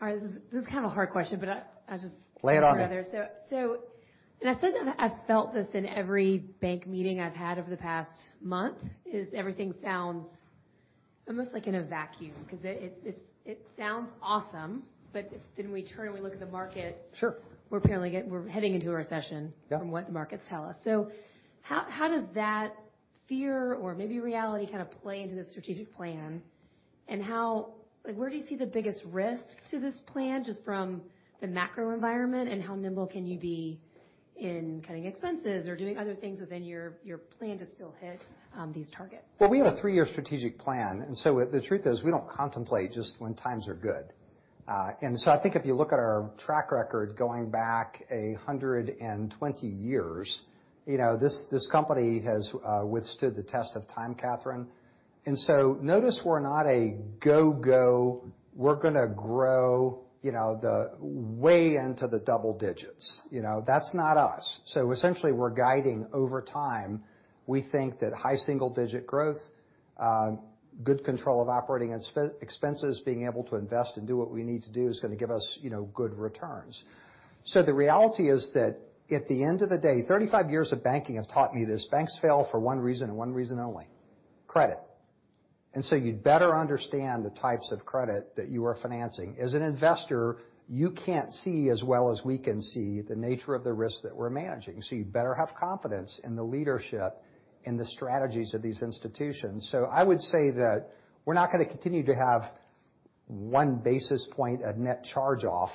All right. This is kind of a hard question, but I just. Lay it on me. I said that I felt this in every bank meeting I've had over the past month. Everything sounds almost like in a vacuum because it sounds awesome. If then we turn and we look at the market. Sure. We're heading into a recession. Yeah. From what the markets tell us. How does that fear or maybe reality kind of play into the strategic plan? How -- like, where do you see the biggest risk to this plan just from the macro environment, and how nimble can you be in cutting expenses or doing other things within your plan to still hit these targets? Well, we have a three-year strategic plan. The truth is, we don't contemplate just when times are good. I think if you look at our track record going back 120 years, you know, this company has withstood the test of time, Catherine. Notice we're not a go-go, we're gonna grow, you know, the way into the double digits. You know. That's not us. We're guiding over time. We think that high single digit growth, good control of operating expenses, being able to invest and do what we need to do is gonna give us, you know, good returns. The reality is that at the end of the day, 35 years of banking have taught me this, banks fail for one reason and one reason only, credit. You'd better understand the types of credit that you are financing. As an investor, you can't see as well as we can see the nature of the risk that we're managing, so you better have confidence in the leadership and the strategies of these institutions. I would say that we're not gonna continue to have one basis point of net charge-off.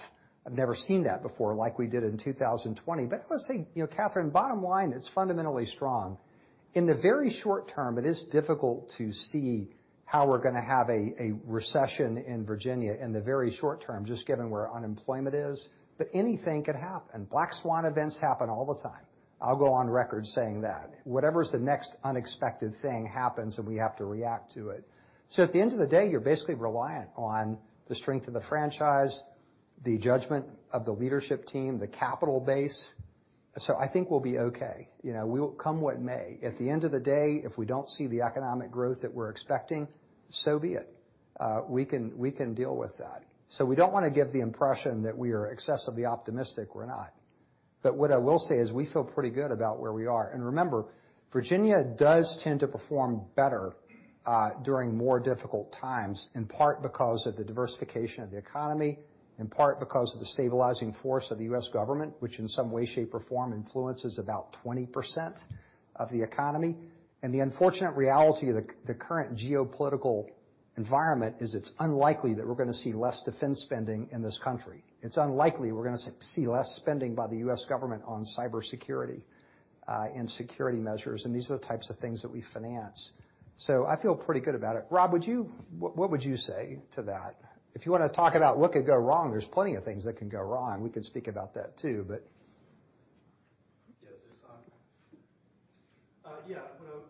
I've never seen that before like we did in 2020. I would say, you know, Catherine, bottom line, it's fundamentally strong. In the very short term, it is difficult to see how we're gonna have a recession in Virginia in the very short term, just given where unemployment is, but anything could happen. Black swan events happen all the time. I'll go on record saying that. Whatever's the next unexpected thing happens, and we have to react to it. At the end of the day, you're basically reliant on the strength of the franchise, the judgment of the leadership team, the capital base. I think we'll be okay. You know, we will come what may. At the end of the day, if we don't see the economic growth that we're expecting, so be it. We can deal with that. We don't wanna give the impression that we are excessively optimistic, we're not. What I will say is we feel pretty good about where we are. Remember, Virginia does tend to perform better during more difficult times, in part because of the diversification of the economy, in part because of the stabilizing force of the U.S. government, which in some way, shape, or form influences about 20% of the economy. The unfortunate reality of the current geopolitical environment is it's unlikely that we're gonna see less defense spending in this country. It's unlikely we're gonna see less spending by the U.S. government on cybersecurity, and security measures, and these are the types of things that we finance. So I feel pretty good about it. Rob, what would you say to that? If you wanna talk about what could go wrong, there's plenty of things that can go wrong. We can speak about that too, but.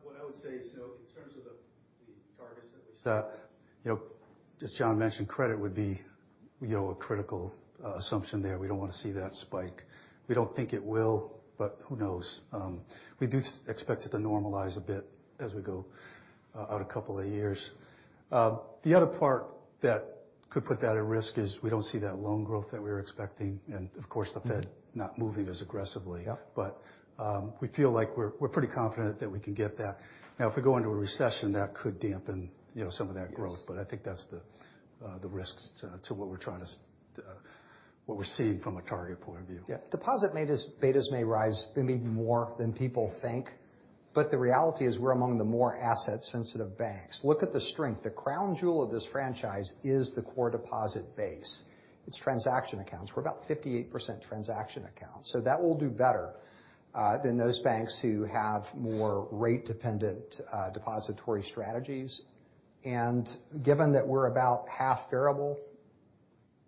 What I would say is, in terms of the targets that we set, just John mentioned, credit would be a critical assumption there. We don't wanna see that spike. We don't think it will, but who knows? We do expect it to normalize a bit as we go out a couple of years. The other part that could put that at risk is we don't see that loan growth that we were expecting and, of course, the Fed not moving as aggressively. Yeah. We feel like we're pretty confident that we can get that. Now, if we go into a recession, that could dampen, you know, some of that growth. Yes. I think that's the risks to what we're seeing from a target point of view. Deposit betas may rise maybe more than people think, but the reality is we're among the more asset-sensitive banks. Look at the strength. The crown jewel of this franchise is the core deposit base. It's transaction accounts. We're about 58% transaction accounts. That will do better than those banks who have more rate-dependent depository strategies. Given that we're about half variable,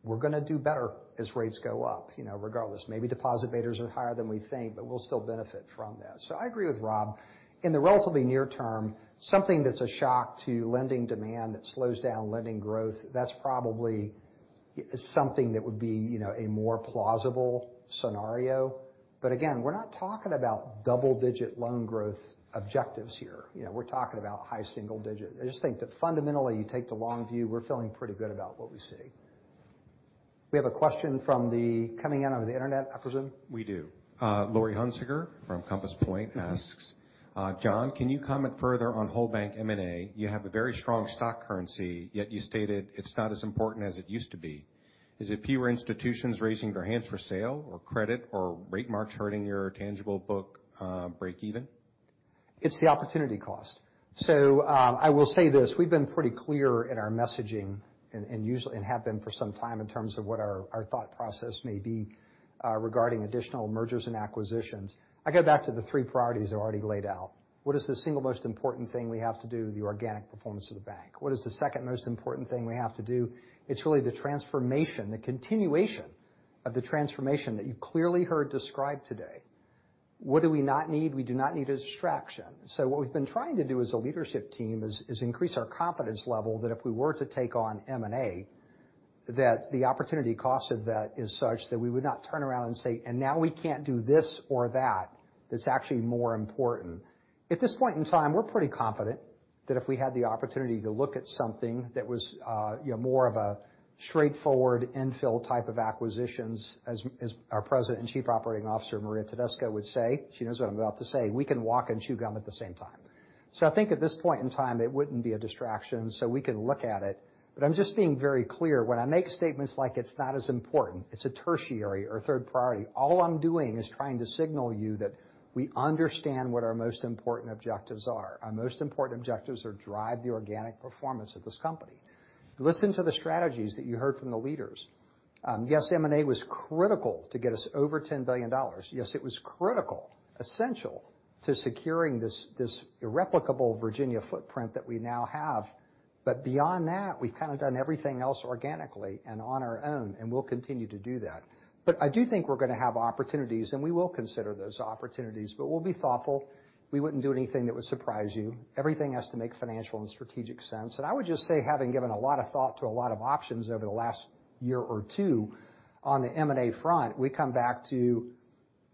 we're gonna do better as rates go up, you know, regardless. Maybe deposit betas are higher than we think, but we'll still benefit from that. I agree with Rob. In the relatively near term, something that's a shock to lending demand that slows down lending growth, that's probably something that would be, you know, a more plausible scenario. Again, we're not talking about double-digit loan growth objectives here. You know, we're talking about high single digit. I just think that fundamentally, you take the long view, we're feeling pretty good about what we see. We have a question coming in over the Internet, I presume. We do. Laurie Hunsicker from Compass Point asks, "John, can you comment further on whole bank M&A? You have a very strong stock currency, yet you stated it's not as important as it used to be. Is it fewer institutions raising their hands for sale or credit or rate marks hurting your tangible book, breakeven? It's the opportunity cost. I will say this. We've been pretty clear in our messaging and have been for some time in terms of what our thought process may be regarding additional mergers and acquisitions. I go back to the three priorities I already laid out. What is the single most important thing we have to do? The organic performance of the bank. What is the second most important thing we have to do? It's really the transformation, the continuation of the transformation that you clearly heard described today. What do we not need? We do not need a distraction. What we've been trying to do as a leadership team is increase our confidence level that if we were to take on M&A, that the opportunity cost of that is such that we would not turn around and say, "And now we can't do this or that," that's actually more important. At this point in time, we're pretty confident that if we had the opportunity to look at something that was you know, more of a straightforward infill type of acquisitions, as our President and Chief Operating Officer, Maria Tedesco, would say. She knows what I'm about to say. We can walk and chew gum at the same time. I think at this point in time, it wouldn't be a distraction, so we can look at it. I'm just being very clear. When I make statements like, "It's not as important," it's a tertiary or third priority, all I'm doing is trying to signal you that we understand what our most important objectives are. Our most important objectives are drive the organic performance of this company. Listen to the strategies that you heard from the leaders. Yes, M&A was critical to get us over $10 billion. Yes, it was critical, essential to securing this irreplaceable Virginia footprint that we now have. Beyond that, we've kind of done everything else organically and on our own, and we'll continue to do that. I do think we're gonna have opportunities, and we will consider those opportunities, but we'll be thoughtful. We wouldn't do anything that would surprise you. Everything has to make financial and strategic sense. I would just say, having given a lot of thought to a lot of options over the last year or two on the M&A front, we come back to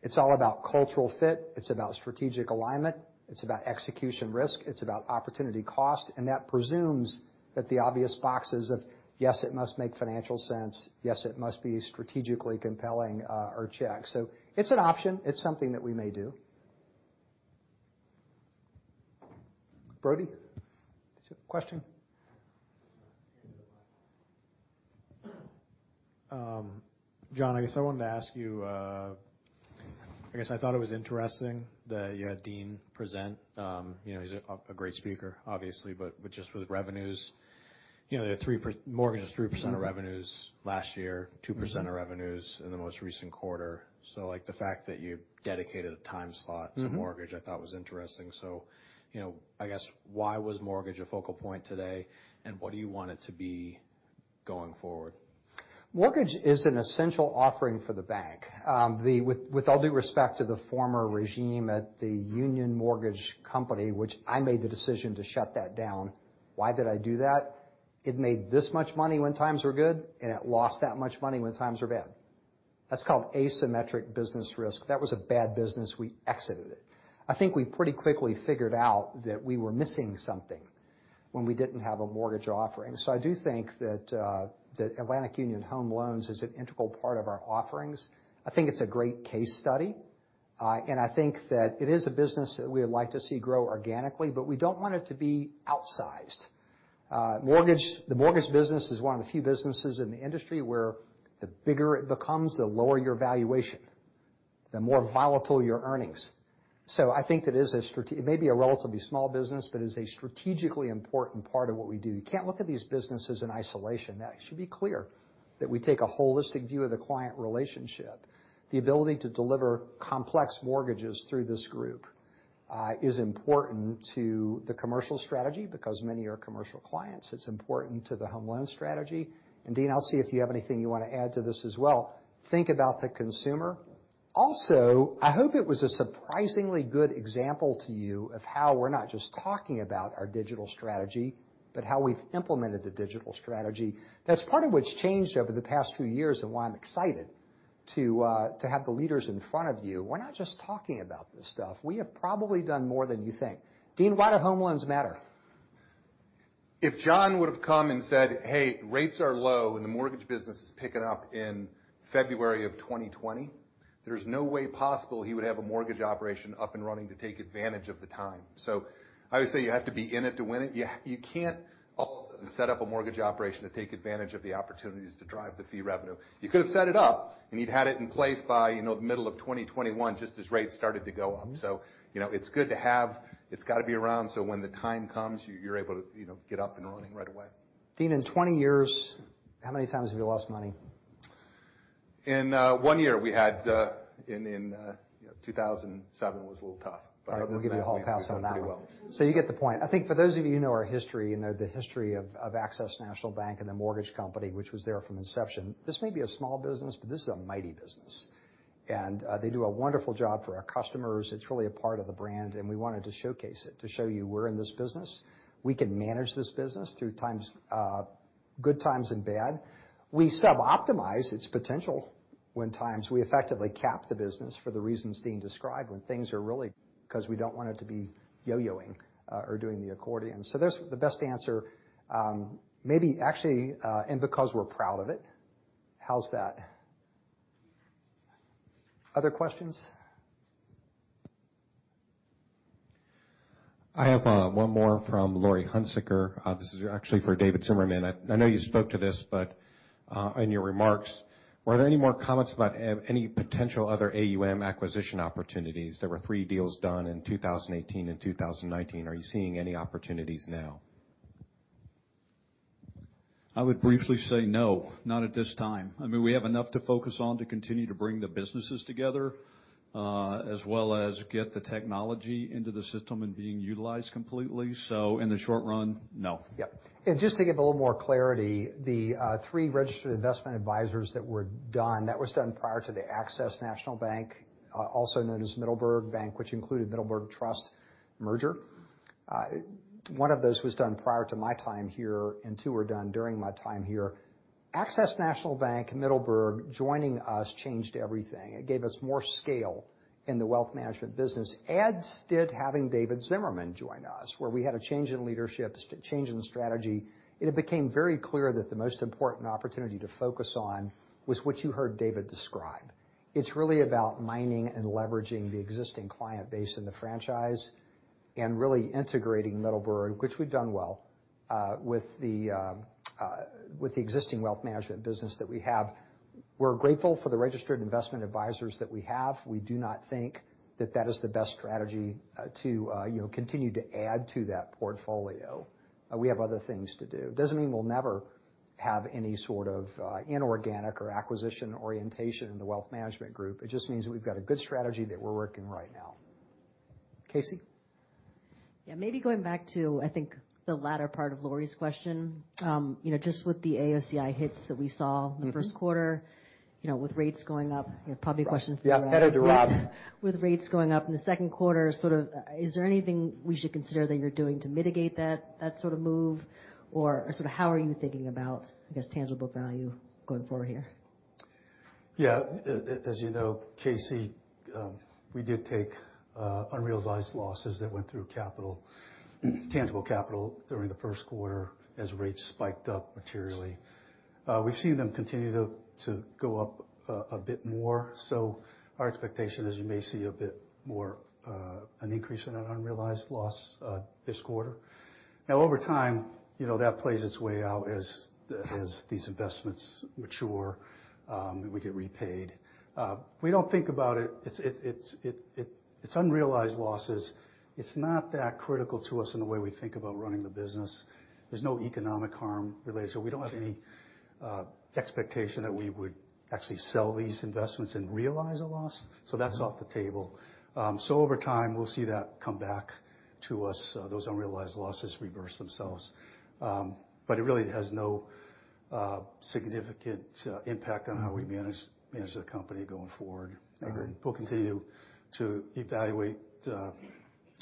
it's all about cultural fit, it's about strategic alignment, it's about execution risk, it's about opportunity cost, and that presumes that the obvious boxes of, yes, it must make financial sense, yes, it must be strategically compelling, are checked. It's an option. It's something that we may do. Brody? Question. John, I guess I wanted to ask you. I guess I thought it was interesting that you had Dean present. You know, he's a great speaker, obviously. But just with revenues, you know, mortgage is 3% of revenues last year, 2% of revenues in the most recent quarter. Like, the fact that you dedicated a time slot- Mm-hmm.... to mortgage, I thought was interesting. You know, I guess why was mortgage a focal point today, and what do you want it to be going forward? Mortgage is an essential offering for the bank. With all due respect to the former regime at the Union Mortgage Company, which I made the decision to shut that down. Why did I do that? It made this much money when times were good, and it lost that much money when times were bad. That's called asymmetric business risk. That was a bad business. We exited it. I think we pretty quickly figured out that we were missing something when we didn't have a mortgage offering. I do think that Atlantic Union Home Loans is an integral part of our offerings. I think it's a great case study. I think that it is a business that we would like to see grow organically, but we don't want it to be outsized. Mortgage, the mortgage business is one of the few businesses in the industry where the bigger it becomes, the lower your valuation, the more volatile your earnings. I think it may be a relatively small business, but is a strategically important part of what we do. You can't look at these businesses in isolation. That should be clear that we take a holistic view of the client relationship. The ability to deliver complex mortgages through this group is important to the commercial strategy because many are commercial clients. It's important to the home loan strategy. Dean, I'll see if you have anything you wanna add to this as well. Think about the consumer. Also, I hope it was a surprisingly good example to you of how we're not just talking about our digital strategy, but how we've implemented the digital strategy. That's part of what's changed over the past few years and why I'm excited to have the leaders in front of you. We're not just talking about this stuff. We have probably done more than you think. Dean, why do home loans matter? If John would've come and said, "Hey, rates are low and the mortgage business is picking up in February of 2020, there's no way possible he would have a mortgage operation up and running to take advantage of the time. I would say you have to be in it to win it. You can't all of a sudden set up a mortgage operation to take advantage of the opportunities to drive the fee revenue. You could have set it up, and you'd had it in place by, you know, the middle of 2021, just as rates started to go up. Mm-hmm. You know, it's good to have. It's gotta be around, so when the time comes, you're able to, you know, get up and running right away. Dean, in 20 years, how many times have you lost money? In one year, we had in you know, 2007 was a little tough. All right. We'll give you a hall pass on that one. Other than that, we've done pretty well. You get the point. I think for those of you who know our history and know the history of Access National Bank and the mortgage company, which was there from inception, this may be a small business, but this is a mighty business. They do a wonderful job for our customers. It's really a part of the brand, and we wanted to showcase it to show you we're in this business. We can manage this business through good times and bad. We suboptimize its potential. We effectively cap the business for the reasons Dean described, when things are really, 'cause we don't want it to be yo-yoing or doing the accordion. There's the best answer, maybe actually, and because we're proud of it. How's that? Other questions? I have one more from Laurie Hunsicker. This is actually for David Zimmerman. I know you spoke to this, but in your remarks, were there any more comments about any potential other AUM acquisition opportunities? There were three deals done in 2018 and 2019. Are you seeing any opportunities now? I would briefly say no, not at this time. I mean, we have enough to focus on to continue to bring the businesses together, as well as get the technology into the system and being utilized completely. In the short run, no. Yeah. Just to give a little more clarity, the three registered investment advisors that were done, that was done prior to the Access National Bank, also known as Middleburg Bank, which included Middleburg Trust merger. One of those was done prior to my time here, and two were done during my time here. Access National Bank, Middleburg joining us changed everything. It gave us more scale in the wealth management business, as did having David Zimmerman join us, where we had a change in leadership, change in strategy. It had became very clear that the most important opportunity to focus on was what you heard David describe. It's really about mining and leveraging the existing client base in the franchise and really integrating Middleburg, which we've done well with the existing wealth management business that we have. We're grateful for the registered investment advisors that we have. We do not think that that is the best strategy to you know continue to add to that portfolio. We have other things to do. Doesn't mean we'll never have any sort of inorganic or acquisition orientation in the wealth management group. It just means that we've got a good strategy that we're working right now. Kasey? Yeah. Maybe going back to, I think, the latter part of Laurie's question. You know, just with the AOCI hits that we saw. Mm-hmm. The first quarter. You know, with rates going up, probably a question for Rob. Yeah. Hand it to Rob. With rates going up in the second quarter, sort of, is there anything we should consider that you're doing to mitigate that sort of move? Or sort of how are you thinking about, I guess, tangible value going forward here? Yeah. As you know, Kasey, we did take unrealized losses that went through capital, tangible capital during the first quarter as rates spiked up materially. We've seen them continue to go up a bit more, so our expectation is you may see a bit more an increase in that unrealized loss this quarter. Now, over time, you know, that plays its way out as these investments mature and we get repaid. We don't think about it. It's unrealized losses. It's not that critical to us in the way we think about running the business. There's no economic harm related, so we don't have any expectation that we would actually sell these investments and realize a loss, so that's off the table. Over time, we'll see that come back to us, those unrealized losses reverse themselves. It really has no significant impact on how we manage the company going forward. I agree. We'll continue to evaluate,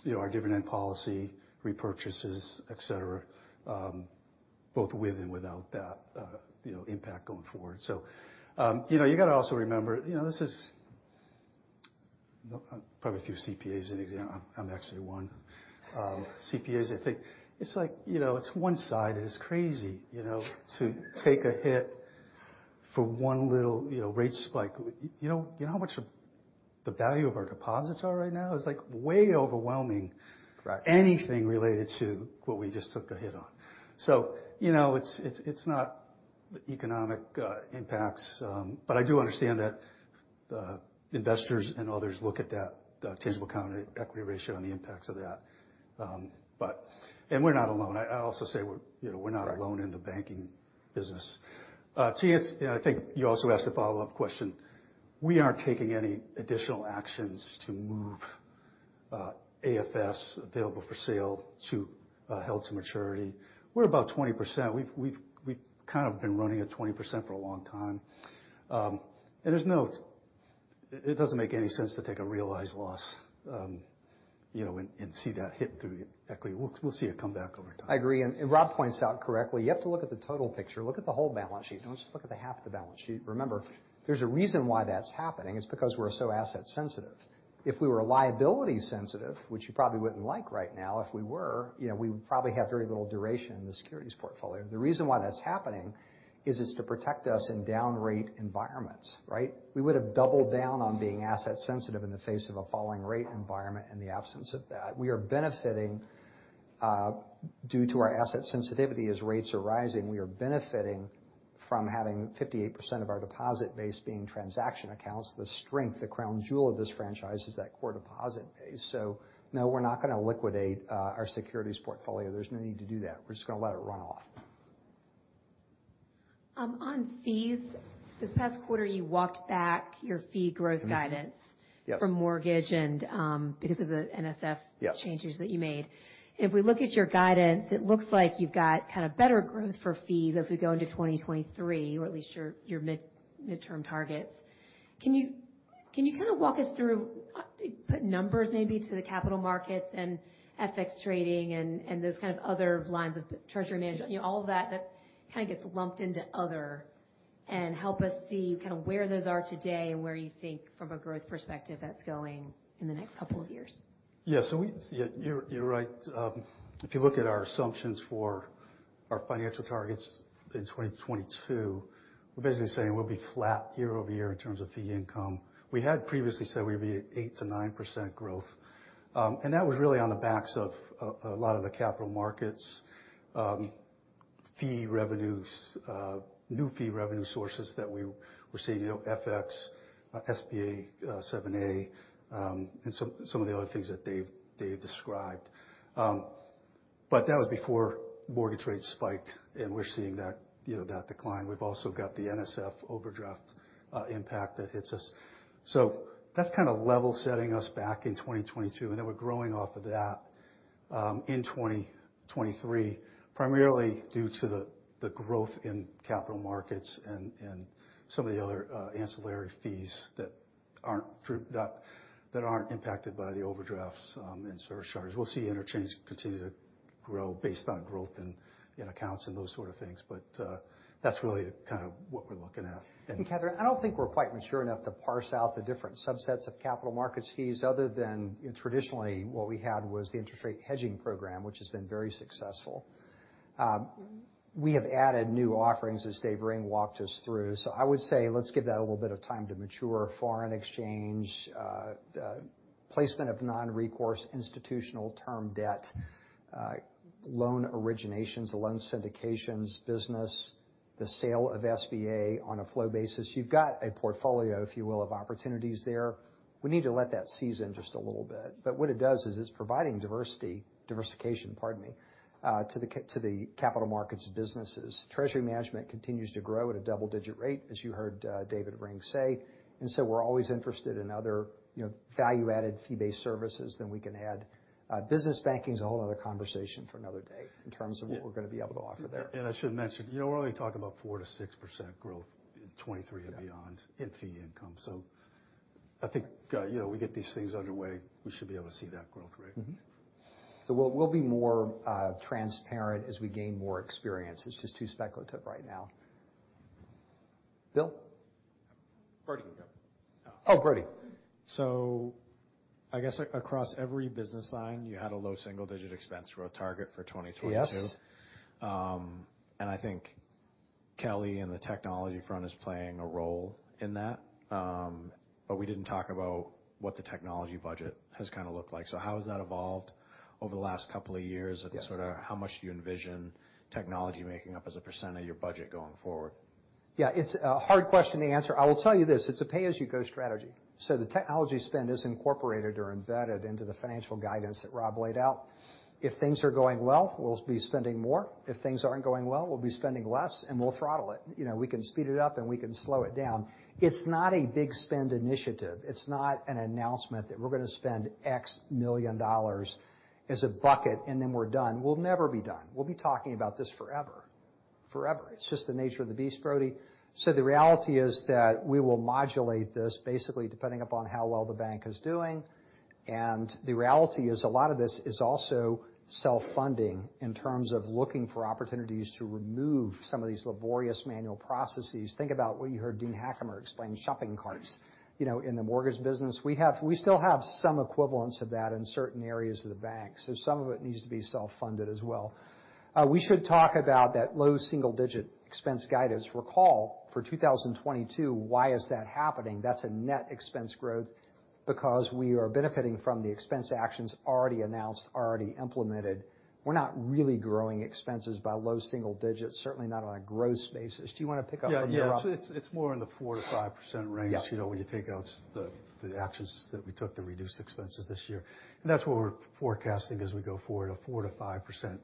you know, our dividend policy, repurchases, et cetera, both with and without that, you know, impact going forward. You know, you gotta also remember, you know, No, probably a few CPAs in the exam. I'm actually one. CPAs, I think, it's like, you know, it's one side and it's crazy, you know, to take a hit for one little, you know, rate spike. You know how much the value of our deposits are right now? It's like way overwhelming. Right. Anything related to what we just took a hit on. You know, it's not economic impacts, but I do understand that investors and others look at that, the tangible common equity ratio and the impacts of that. But we're not alone. I also say you know, we're not alone. Right. In the banking business. To you, it's, you know, I think you also asked a follow-up question. We aren't taking any additional actions to move AFS available for sale to held to maturity. We're about 20%. We've kind of been running at 20% for a long time. And there's no. It doesn't make any sense to take a realized loss, you know, and see that hit through equity. We'll see it come back over time. I agree. Rob points out correctly, you have to look at the total picture. Look at the whole balance sheet. Don't just look at the half of the balance sheet. Remember, there's a reason why that's happening. It's because we're so asset sensitive. If we were liability sensitive, which you probably wouldn't like right now, if we were, you know, we would probably have very little duration in the securities portfolio. The reason why that's happening is it's to protect us in down rate environments, right? We would've doubled down on being asset sensitive in the face of a falling rate environment in the absence of that. We are benefiting due to our asset sensitivity, as rates are rising, we are benefiting from having 58% of our deposit base being transaction accounts. The strength, the crown jewel of this franchise is that core deposit base. No, we're not gonna liquidate our securities portfolio. There's no need to do that. We're just gonna let it run off. On fees, this past quarter, you walked back your fee growth guidance. Mm-hmm. Yes. from mortgage and, because of the NSF- Yeah.... changes that you made. If we look at your guidance, it looks like you've got kind of better growth for fees as we go into 2023, or at least your mid-term targets. Can you kind of walk us through, put numbers maybe to the capital markets and FX trading and those kind of other lines of the treasury management, you know, all of that that kind of gets lumped into other, and help us see kind of where those are today and where you think from a growth perspective that's going in the next couple of years? Yeah, you're right. If you look at our assumptions for our financial targets in 2022, we're basically saying we'll be flat year-over-year in terms of fee income. We had previously said we'd be at 8%-9% growth. And that was really on the backs of a lot of the capital markets fee revenues, new fee revenue sources that we were seeing, you know, FX, SBA 7(a), and some of the other things that Dave described. But that was before mortgage rates spiked, and we're seeing that, you know, that decline. We've also got the NSF overdraft impact that hits us. That's kind of level setting us back in 2022, and then we're growing off of that in 2023, primarily due to the growth in capital markets and some of the other ancillary fees that aren't impacted by the overdrafts and service charges. We'll see interchange continue to grow based on growth in accounts and those sort of things. That's really kind of what we're looking at. Catherine, I don't think we're quite mature enough to parse out the different subsets of capital markets fees other than traditionally what we had was the interest rate hedging program, which has been very successful. We have added new offerings as Dave Ring walked us through. I would say, let's give that a little bit of time to mature. Foreign exchange, placement of non-recourse institutional term debt, loan originations, the loan syndications business. The sale of SBA on a flow basis. You've got a portfolio, if you will, of opportunities there. We need to let that season just a little bit. What it does is it's providing diversity, diversification, pardon me, to the capital markets businesses. Treasury management continues to grow at a double-digit rate, as you heard, David Ring say, and so we're always interested in other, you know, value-added fee-based services that we can add. Business banking is a whole other conversation for another day in terms of what we're gonna be able to offer there. I should mention, you know, we're only talking about 4%-6% growth in 2023 and beyond in fee income. I think, you know, we get these things underway, we should be able to see that growth rate. Mm-hmm. We'll be more transparent as we gain more experience. It's just too speculative right now. Bill? Brody. Oh, Brody. I guess across every business line, you had a low single-digit expense growth target for 2022. Yes. I think Kelly and the technology front is playing a role in that. We didn't talk about what the technology budget has kinda looked like. How has that evolved over the last couple of years? Yes. Sort of, how much do you envision technology making up as a percent of your budget going forward? Yeah. It's a hard question to answer. I will tell you this, it's a pay-as-you-go strategy. The technology spend is incorporated or embedded into the financial guidance that Rob laid out. If things are going well, we'll be spending more. If things aren't going well, we'll be spending less, and we'll throttle it. You know, we can speed it up, and we can slow it down. It's not a big spend initiative. It's not an announcement that we're gonna spend $X million as a bucket, and then we're done. We'll never be done. We'll be talking about this forever. It's just the nature of the beast, Brody. The reality is that we will modulate this basically depending upon how well the bank is doing. The reality is a lot of this is also self-funding in terms of looking for opportunities to remove some of these laborious manual processes. Think about what you heard Dean Hackemer explain, shopping carts. You know, in the mortgage business. We still have some equivalence of that in certain areas of the bank, so some of it needs to be self-funded as well. We should talk about that low single-digit expense guidance. Recall for 2022 why is that happening? That's a net expense growth because we are benefiting from the expense actions already announced, already implemented. We're not really growing expenses by low single digits, certainly not on a growth basis. Do you wanna pick up from there, Rob? Yeah. It's more in the 4%-5% range. Yeah. You know, when you take out the actions that we took to reduce expenses this year. That's what we're forecasting as we go forward, a 4%-5%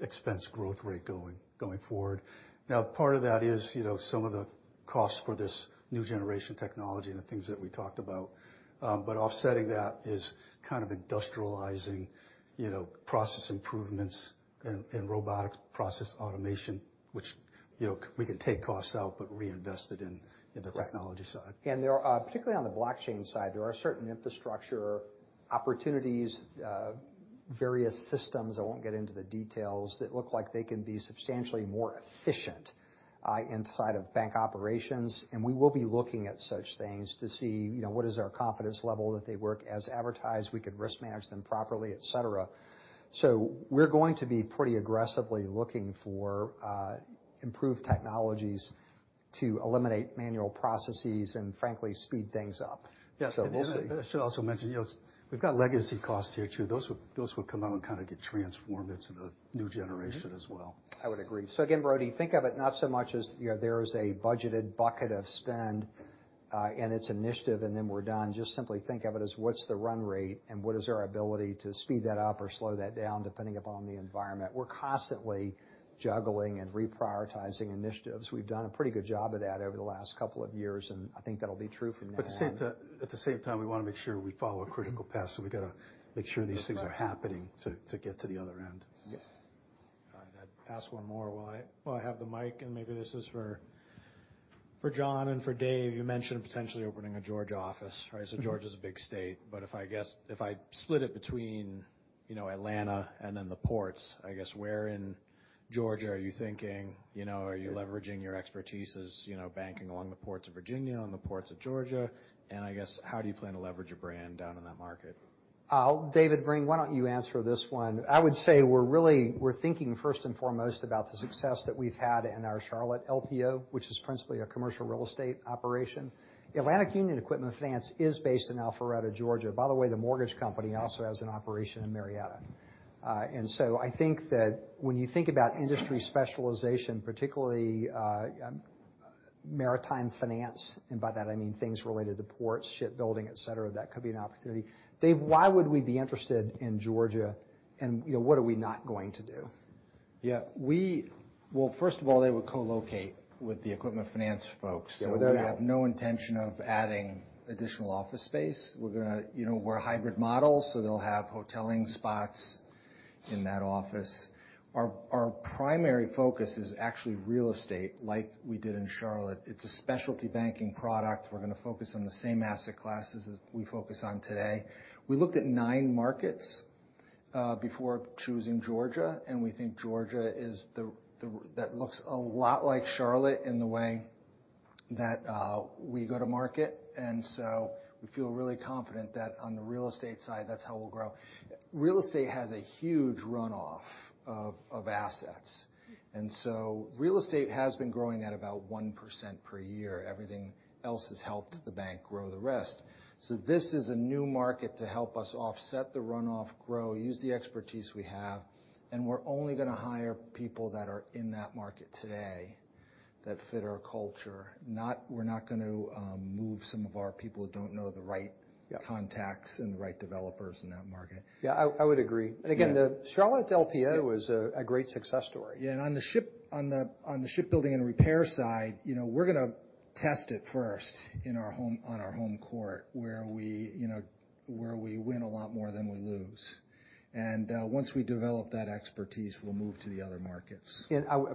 expense growth rate going forward. Now part of that is some of the costs for this new generation technology and the things that we talked about. But offsetting that is kind of industrializing process improvements and robotic process automation, which we can take costs out, but reinvest it in the technology side. There are particularly on the blockchain side certain infrastructure opportunities, various systems, I won't get into the details, that look like they can be substantially more efficient inside of bank operations, and we will be looking at such things to see, you know, what is our confidence level that they work as advertised, we can risk manage them properly, et cetera. We're going to be pretty aggressively looking for improved technologies to eliminate manual processes and frankly, speed things up. Yeah. We'll see. I should also mention, you know, we've got legacy costs here too. Those will come out and kinda get transformed into the new generation as well. Mm-hmm. I would agree. Again, Brody, think of it not so much as, you know, there is a budgeted bucket of spend, and its initiative, and then we're done. Just simply think of it as what's the run rate and what is our ability to speed that up or slow that down depending upon the environment. We're constantly juggling and reprioritizing initiatives. We've done a pretty good job of that over the last couple of years, and I think that'll be true from now on. At the same time, we wanna make sure we follow a critical path, so we gotta make sure these things are happening to get to the other end. Yeah. All right. I'd ask one more while I have the mic, and maybe this is for John and for Dave. You mentioned potentially opening a Georgia office, right? Mm-hmm. Georgia's a big state, but if I guess if I split it between, you know, Atlanta and then the ports, I guess, where in Georgia are you thinking? You know, are you leveraging your expertise as, you know, banking along the ports of Virginia and the ports of Georgia? I guess how do you plan to leverage a brand down in that market? Oh, David Ring, why don't you answer this one? I would say we're thinking first and foremost about the success that we've had in our Charlotte LPO, which is principally a commercial real estate operation. Atlantic Union Equipment Finance is based in Alpharetta, Georgia. By the way, the mortgage company also has an operation in Marietta. I think that when you think about industry specialization, particularly, maritime finance, and by that I mean things related to ports, shipbuilding, et cetera, that could be an opportunity. Dave, why would we be interested in Georgia and, you know, what are we not going to do? Yeah. Well, first of all, they would co-locate with the equipment finance folks. Yeah. Without a doubt. We have no intention of adding additional office space. We're gonna you know, we're a hybrid model, so they'll have hoteling spots in that office. Our primary focus is actually real estate, like we did in Charlotte. It's a specialty banking product. We're gonna focus on the same asset classes as we focus on today. We looked at nine markets before choosing Georgia, and we think Georgia is the that looks a lot like Charlotte in the way that we go to market. We feel really confident that on the real estate side, that's how we'll grow. Real estate has a huge runoff of assets. Real estate has been growing at about 1% per year. Everything else has helped the bank grow the rest. This is a new market to help us offset the runoff growth, use the expertise we have, and we're only gonna hire people that are in that market today. That fit our culture. We're not gonna move some of our people who don't know the right- Yeah.... contacts and the right developers in that market. Yeah, I would agree. Yeah. Again, the Charlotte LPO is a great success story. Yeah. On the shipbuilding and repair side, you know, we're gonna test it first on our home court where we, you know, where we win a lot more than we lose. Once we develop that expertise, we'll move to the other markets.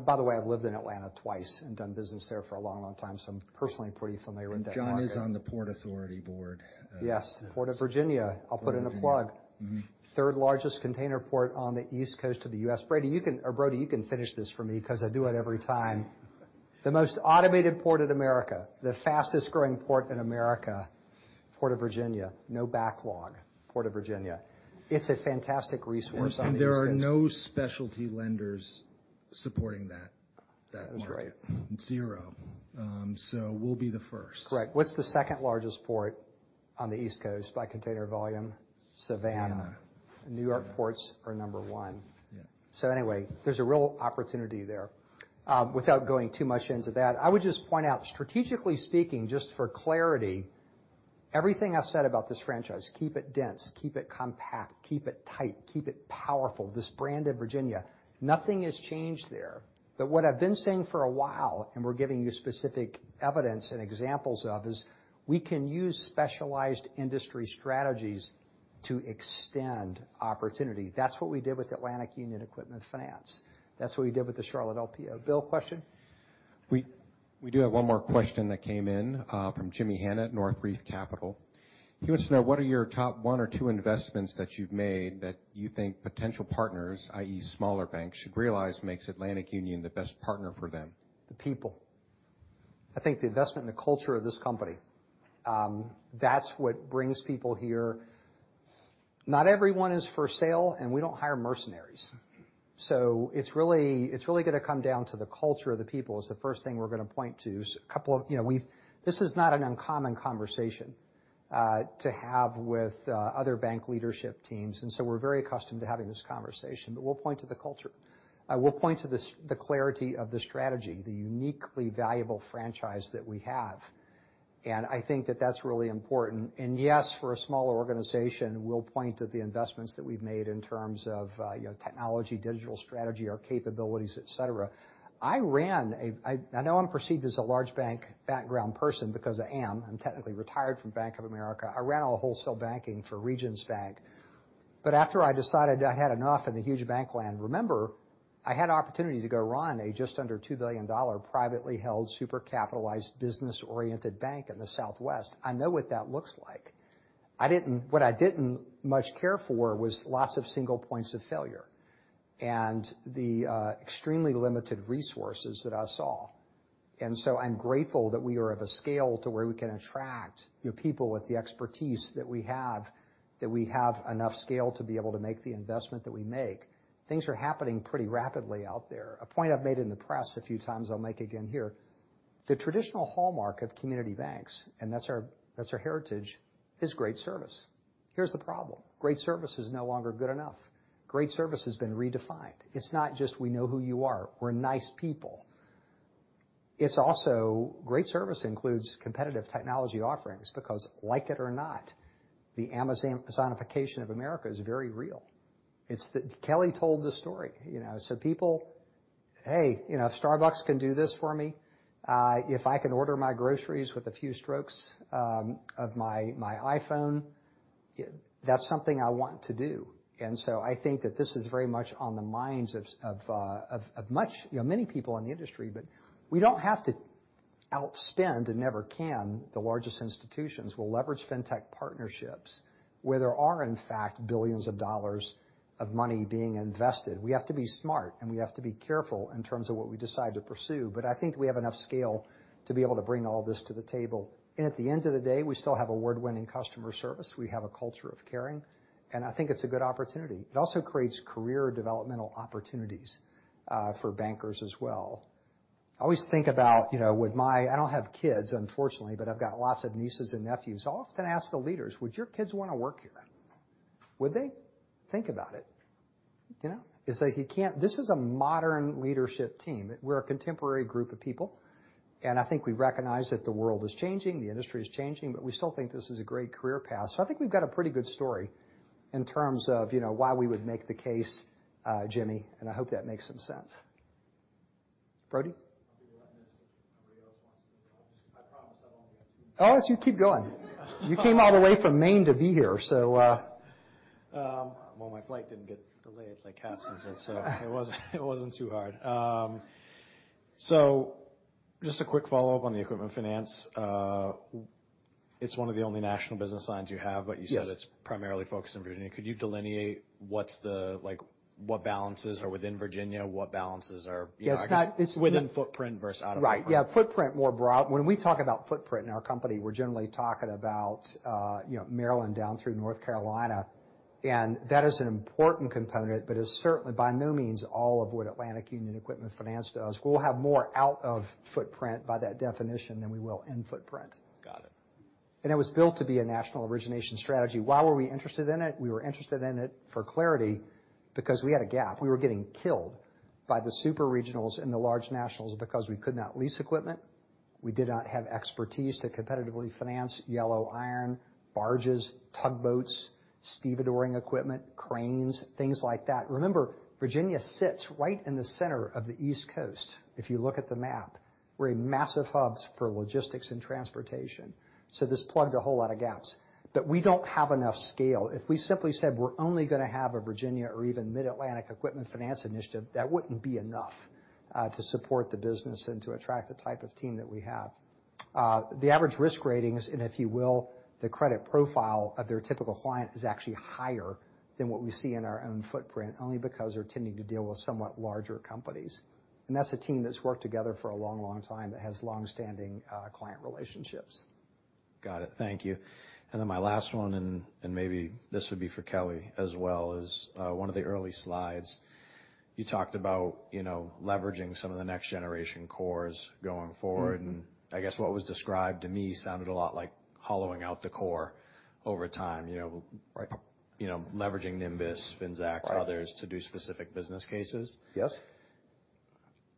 By the way, I've lived in Atlanta twice and done business there for a long, long time, so I'm personally pretty familiar with that market. John is on the Port of Virginia board. Yes. Port of Virginia. Virginia. I'll put in a plug. Mm-hmm. Third largest container port on the East Coast of the U.S. Brody, you can finish this for me 'cause I do it every time. The most automated port in America, the fastest growing port in America, Port of Virginia. No backlog, Port of Virginia. It's a fantastic resource on the East Coast. There are no specialty lenders supporting that market. That's right. Zero. We'll be the first. Right. What's the second-largest port on the East Coast by container volume? Savannah. Savannah. New York ports are number one. Yeah. Anyway, there's a real opportunity there. Without going too much into that, I would just point out, strategically speaking, just for clarity, everything I've said about this franchise, keep it dense, keep it compact, keep it tight, keep it powerful. This brand in Virginia, nothing has changed there. What I've been saying for a while, and we're giving you specific evidence and examples of, is we can use specialized industry strategies to extend opportunity. That's what we did with Atlantic Union Equipment Finance. That's what we did with the Charlotte LPO. Bill, question? We do have one more question that came in from Jimmy Hanna at North Reef Capital. He wants to know, what are your top one or two investments that you've made that you think potential partners, i.e. smaller banks, should realize makes Atlantic Union the best partner for them? The people. I think the investment in the culture of this company, that's what brings people here. Not everyone is for sale, and we don't hire mercenaries. It's really gonna come down to the culture of the people is the first thing we're gonna point to. This is not an uncommon conversation to have with other bank leadership teams, and so we're very accustomed to having this conversation. We'll point to the culture. We'll point to the clarity of the strategy, the uniquely valuable franchise that we have. I think that that's really important. Yes, for a smaller organization, we'll point to the investments that we've made in terms of technology, digital strategy, our capabilities, et cetera. I ran a... I know I'm perceived as a large bank background person because I am. I'm technically retired from Bank of America. I ran all wholesale banking for Regions Bank. After I decided I had enough in the huge bank land, remember, I had opportunity to go run a just under $2 billion privately held, super capitalized, business-oriented bank in the Southwest. I know what that looks like. I didn't much care for was lots of single points of failure and the extremely limited resources that I saw. I'm grateful that we are of a scale to where we can attract, you know, people with the expertise that we have, that we have enough scale to be able to make the investment that we make. Things are happening pretty rapidly out there. A point I've made in the press a few times, I'll make again here. The traditional hallmark of community banks, and that's our heritage, is great service. Here's the problem. Great service is no longer good enough. Great service has been redefined. It's not just we know who you are, we're nice people. It's also great service includes competitive technology offerings because like it or not, the Amazonification of America is very real. Kelly told the story, you know. People, "Hey, you know, Starbucks can do this for me. If I can order my groceries with a few strokes of my iPhone, that's something I want to do." I think that this is very much on the minds of many, you know, people in the industry. We don't have to outspend and never can. The largest institutions will leverage fintech partnerships where there are, in fact, billions of dollars of money being invested. We have to be smart, and we have to be careful in terms of what we decide to pursue. I think we have enough scale to be able to bring all this to the table. At the end of the day, we still have award-winning customer service. We have a culture of caring. I think it's a good opportunity. It also creates career developmental opportunities for bankers as well. I always think about, you know, I don't have kids, unfortunately, but I've got lots of nieces and nephews. I'll often ask the leaders: "Would your kids wanna work here? Would they?" Think about it. You know? This is a modern leadership team. We're a contemporary group of people, and I think we recognize that the world is changing, the industry is changing, but we still think this is a great career path. I think we've got a pretty good story in terms of, you know, why we would make the case, Jimmy, and I hope that makes some sense. Brody? I'll be letting this if anybody else wants to go. I promise I've only got two more. Oh, keep going. You came all the way from Maine to be here. Well, my flight didn't get delayed like Catherine's did, so it wasn't too hard. Just a quick follow-up on the equipment finance. It's one of the only national business lines you have. Yes. You said it's primarily focused in Virginia. Could you delineate what's the like what balances are within Virginia? What balances are, you know- Yeah. It's Within footprint versus out of footprint. Right. Yeah. Footprint more broad. When we talk about footprint in our company, we're generally talking about Maryland down through North Carolina. That is an important component, but is certainly by no means all of what Atlantic Union Equipment Finance does. We'll have more out of footprint by that definition than we will in footprint. Got it. It was built to be a national origination strategy. Why were we interested in it? We were interested in it for clarity because we had a gap. We were getting killed by the super regionals and the large nationals because we could not lease equipment, we did not have expertise to competitively finance yellow iron, barges, tugboats, stevedoring equipment, cranes, things like that. Remember, Virginia sits right in the center of the East Coast. If you look at the map, we're in massive hubs for logistics and transportation. This plugged a whole lot of gaps, but we don't have enough scale. If we simply said we're only gonna have a Virginia or even Mid-Atlantic equipment finance initiative, that wouldn't be enough to support the business and to attract the type of team that we have. The average risk ratings and, if you will, the credit profile of their typical client is actually higher than what we see in our own footprint, only because they're tending to deal with somewhat larger companies. That's a team that's worked together for a long, long time, that has long-standing client relationships. Got it. Thank you. My last one, and maybe this would be for Kelly as well, is one of the early slides you talked about, you know, leveraging some of the next generation cores going forward. Mm-hmm. I guess what was described to me sounded a lot like hollowing out the core over time, you know? Right. You know, leveraging Nymbus, Finxact. Right. Others to do specific business cases. Yes.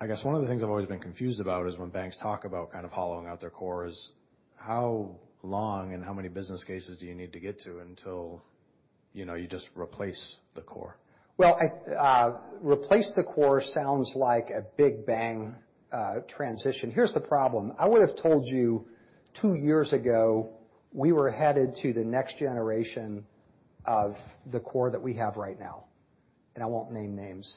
I guess one of the things I've always been confused about is when banks talk about kind of hollowing out their cores, how long and how many business cases do you need to get to until, you know, you just replace the core? Well, replacing the core sounds like a big bang transition. Here's the problem. I would have told you two years ago we were headed to the next generation of the core that we have right now, and I won't name names.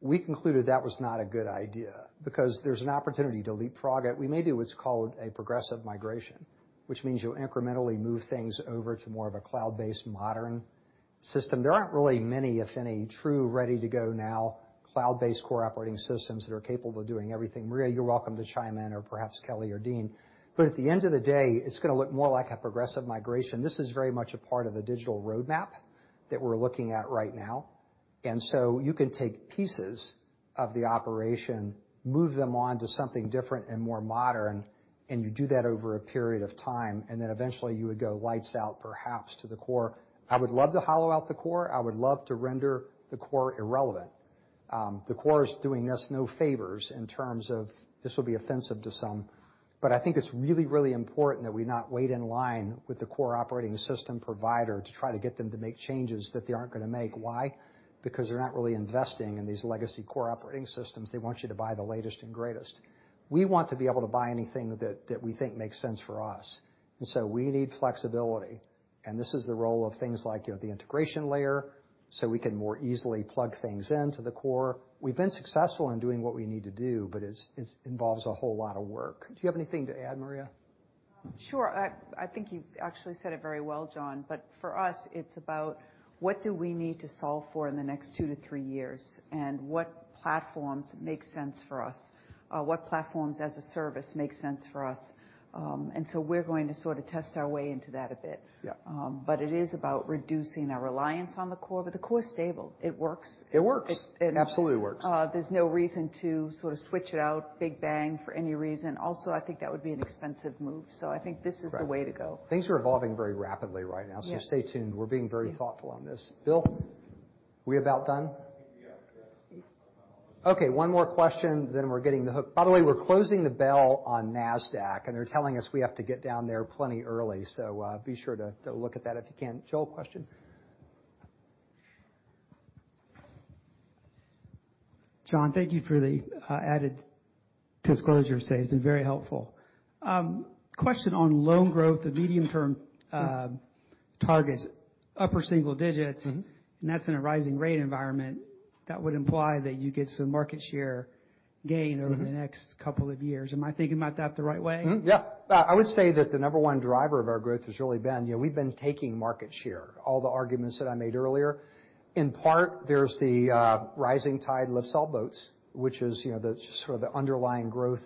We concluded that was not a good idea because there's an opportunity to leapfrog it. We may do what's called a progressive migration, which means you'll incrementally move things over to more of a cloud-based modern system. There aren't really many, if any, true ready to go now cloud-based core operating systems that are capable of doing everything. Maria, you're welcome to chime in, or perhaps Kelly or Dean. But at the end of the day, it's gonna look more like a progressive migration. This is very much a part of the digital roadmap that we're looking at right now. You can take pieces of the operation, move them onto something different and more modern, and you do that over a period of time, and then eventually you would go lights out, perhaps to the core. I would love to hollow out the core. I would love to render the core irrelevant. The core is doing us no favors in terms of. This will be offensive to some, but I think it's really, really important that we not wait in line with the core operating system provider to try to get them to make changes that they aren't gonna make. Why? Because they're not really investing in these legacy core operating systems. They want you to buy the latest and greatest. We want to be able to buy anything that we think makes sense for us. We need flexibility. This is the role of things like, you know, the integration layer, so we can more easily plug things into the core. We've been successful in doing what we need to do, but it involves a whole lot of work. Do you have anything to add, Maria? Sure. I think you actually said it very well, John. For us it's about what do we need to solve for in the next two-three years and what platforms make sense for us, what platforms as a service make sense for us. We're going to sort of test our way into that a bit. Yeah. It is about reducing our reliance on the core. The core is stable. It works. It works. It- Absolutely works. There's no reason to sort of switch it out, big bang for any reason. Also, I think that would be an expensive move. I think this is the way to go. Things are evolving very rapidly right now. Yeah. Stay tuned. We're being very thoughtful on this. Bill, are we about done? Yeah. Yes. Okay, one more question then we're getting the hook. By the way, we're closing the bell on Nasdaq, and they're telling us we have to get down there plenty early. Be sure to look at that if you can. Joel, question. John, thank you for the added disclosure today. It's been very helpful. Question on loan growth, the medium-term targets upper single digits? Mm-hmm. That's in a rising rate environment. That would imply that you get some market share gain. Mm-hmm. Over the next couple of years. Am I thinking about that the right way? Mm-hmm. Yeah. I would say that the number one driver of our growth has really been, you know, we've been taking market share. All the arguments that I made earlier. In part, there's the rising tide lifts all boats, which is, you know, sort of the underlying growth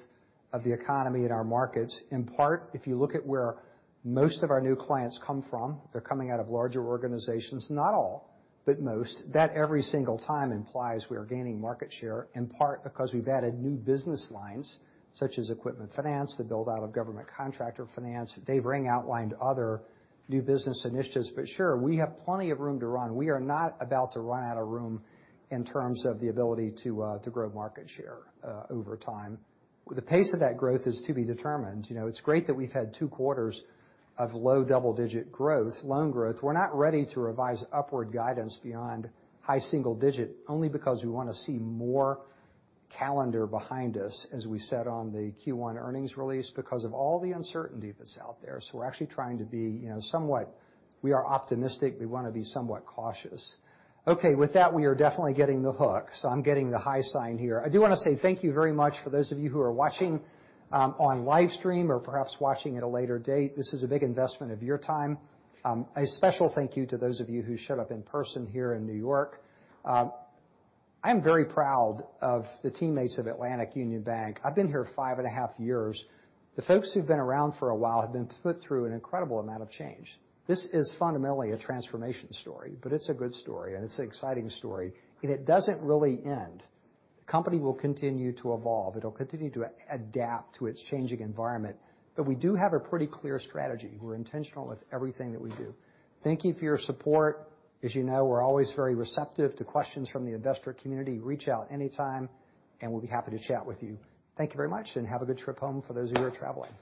of the economy in our markets. In part, if you look at where most of our new clients come from, they're coming out of larger organizations. Not all, but most. That every single time implies we are gaining market share, in part because we've added new business lines such as equipment finance, the build-out of government contractor finance. Dave Ring outlined other new business initiatives. Sure, we have plenty of room to run. We are not about to run out of room in terms of the ability to grow market share over time. The pace of that growth is to be determined. You know, it's great that we've had two quarters of low double-digit growth, loan growth. We're not ready to revise upward guidance beyond high single digit only because we wanna see more calendar behind us, as we said on the Q1 earnings release, because of all the uncertainty that's out there. We're actually trying to be, you know, somewhat. We are optimistic, we wanna be somewhat cautious. Okay. With that, we are definitely getting the hook. I'm getting the high sign here. I do wanna say thank you very much for those of you who are watching on live stream or perhaps watching at a later date. This is a big investment of your time. A special thank you to those of you who showed up in person here in New York. I am very proud of the teammates of Atlantic Union Bank. I've been here five and a half years. The folks who've been around for a while have been put through an incredible amount of change. This is fundamentally a transformation story, but it's a good story, and it's an exciting story, and it doesn't really end. The company will continue to evolve. It'll continue to adapt to its changing environment. We do have a pretty clear strategy. We're intentional with everything that we do. Thank you for your support. As you know, we're always very receptive to questions from the investor community. Reach out anytime, and we'll be happy to chat with you. Thank you very much and have a good trip home for those of you who are traveling.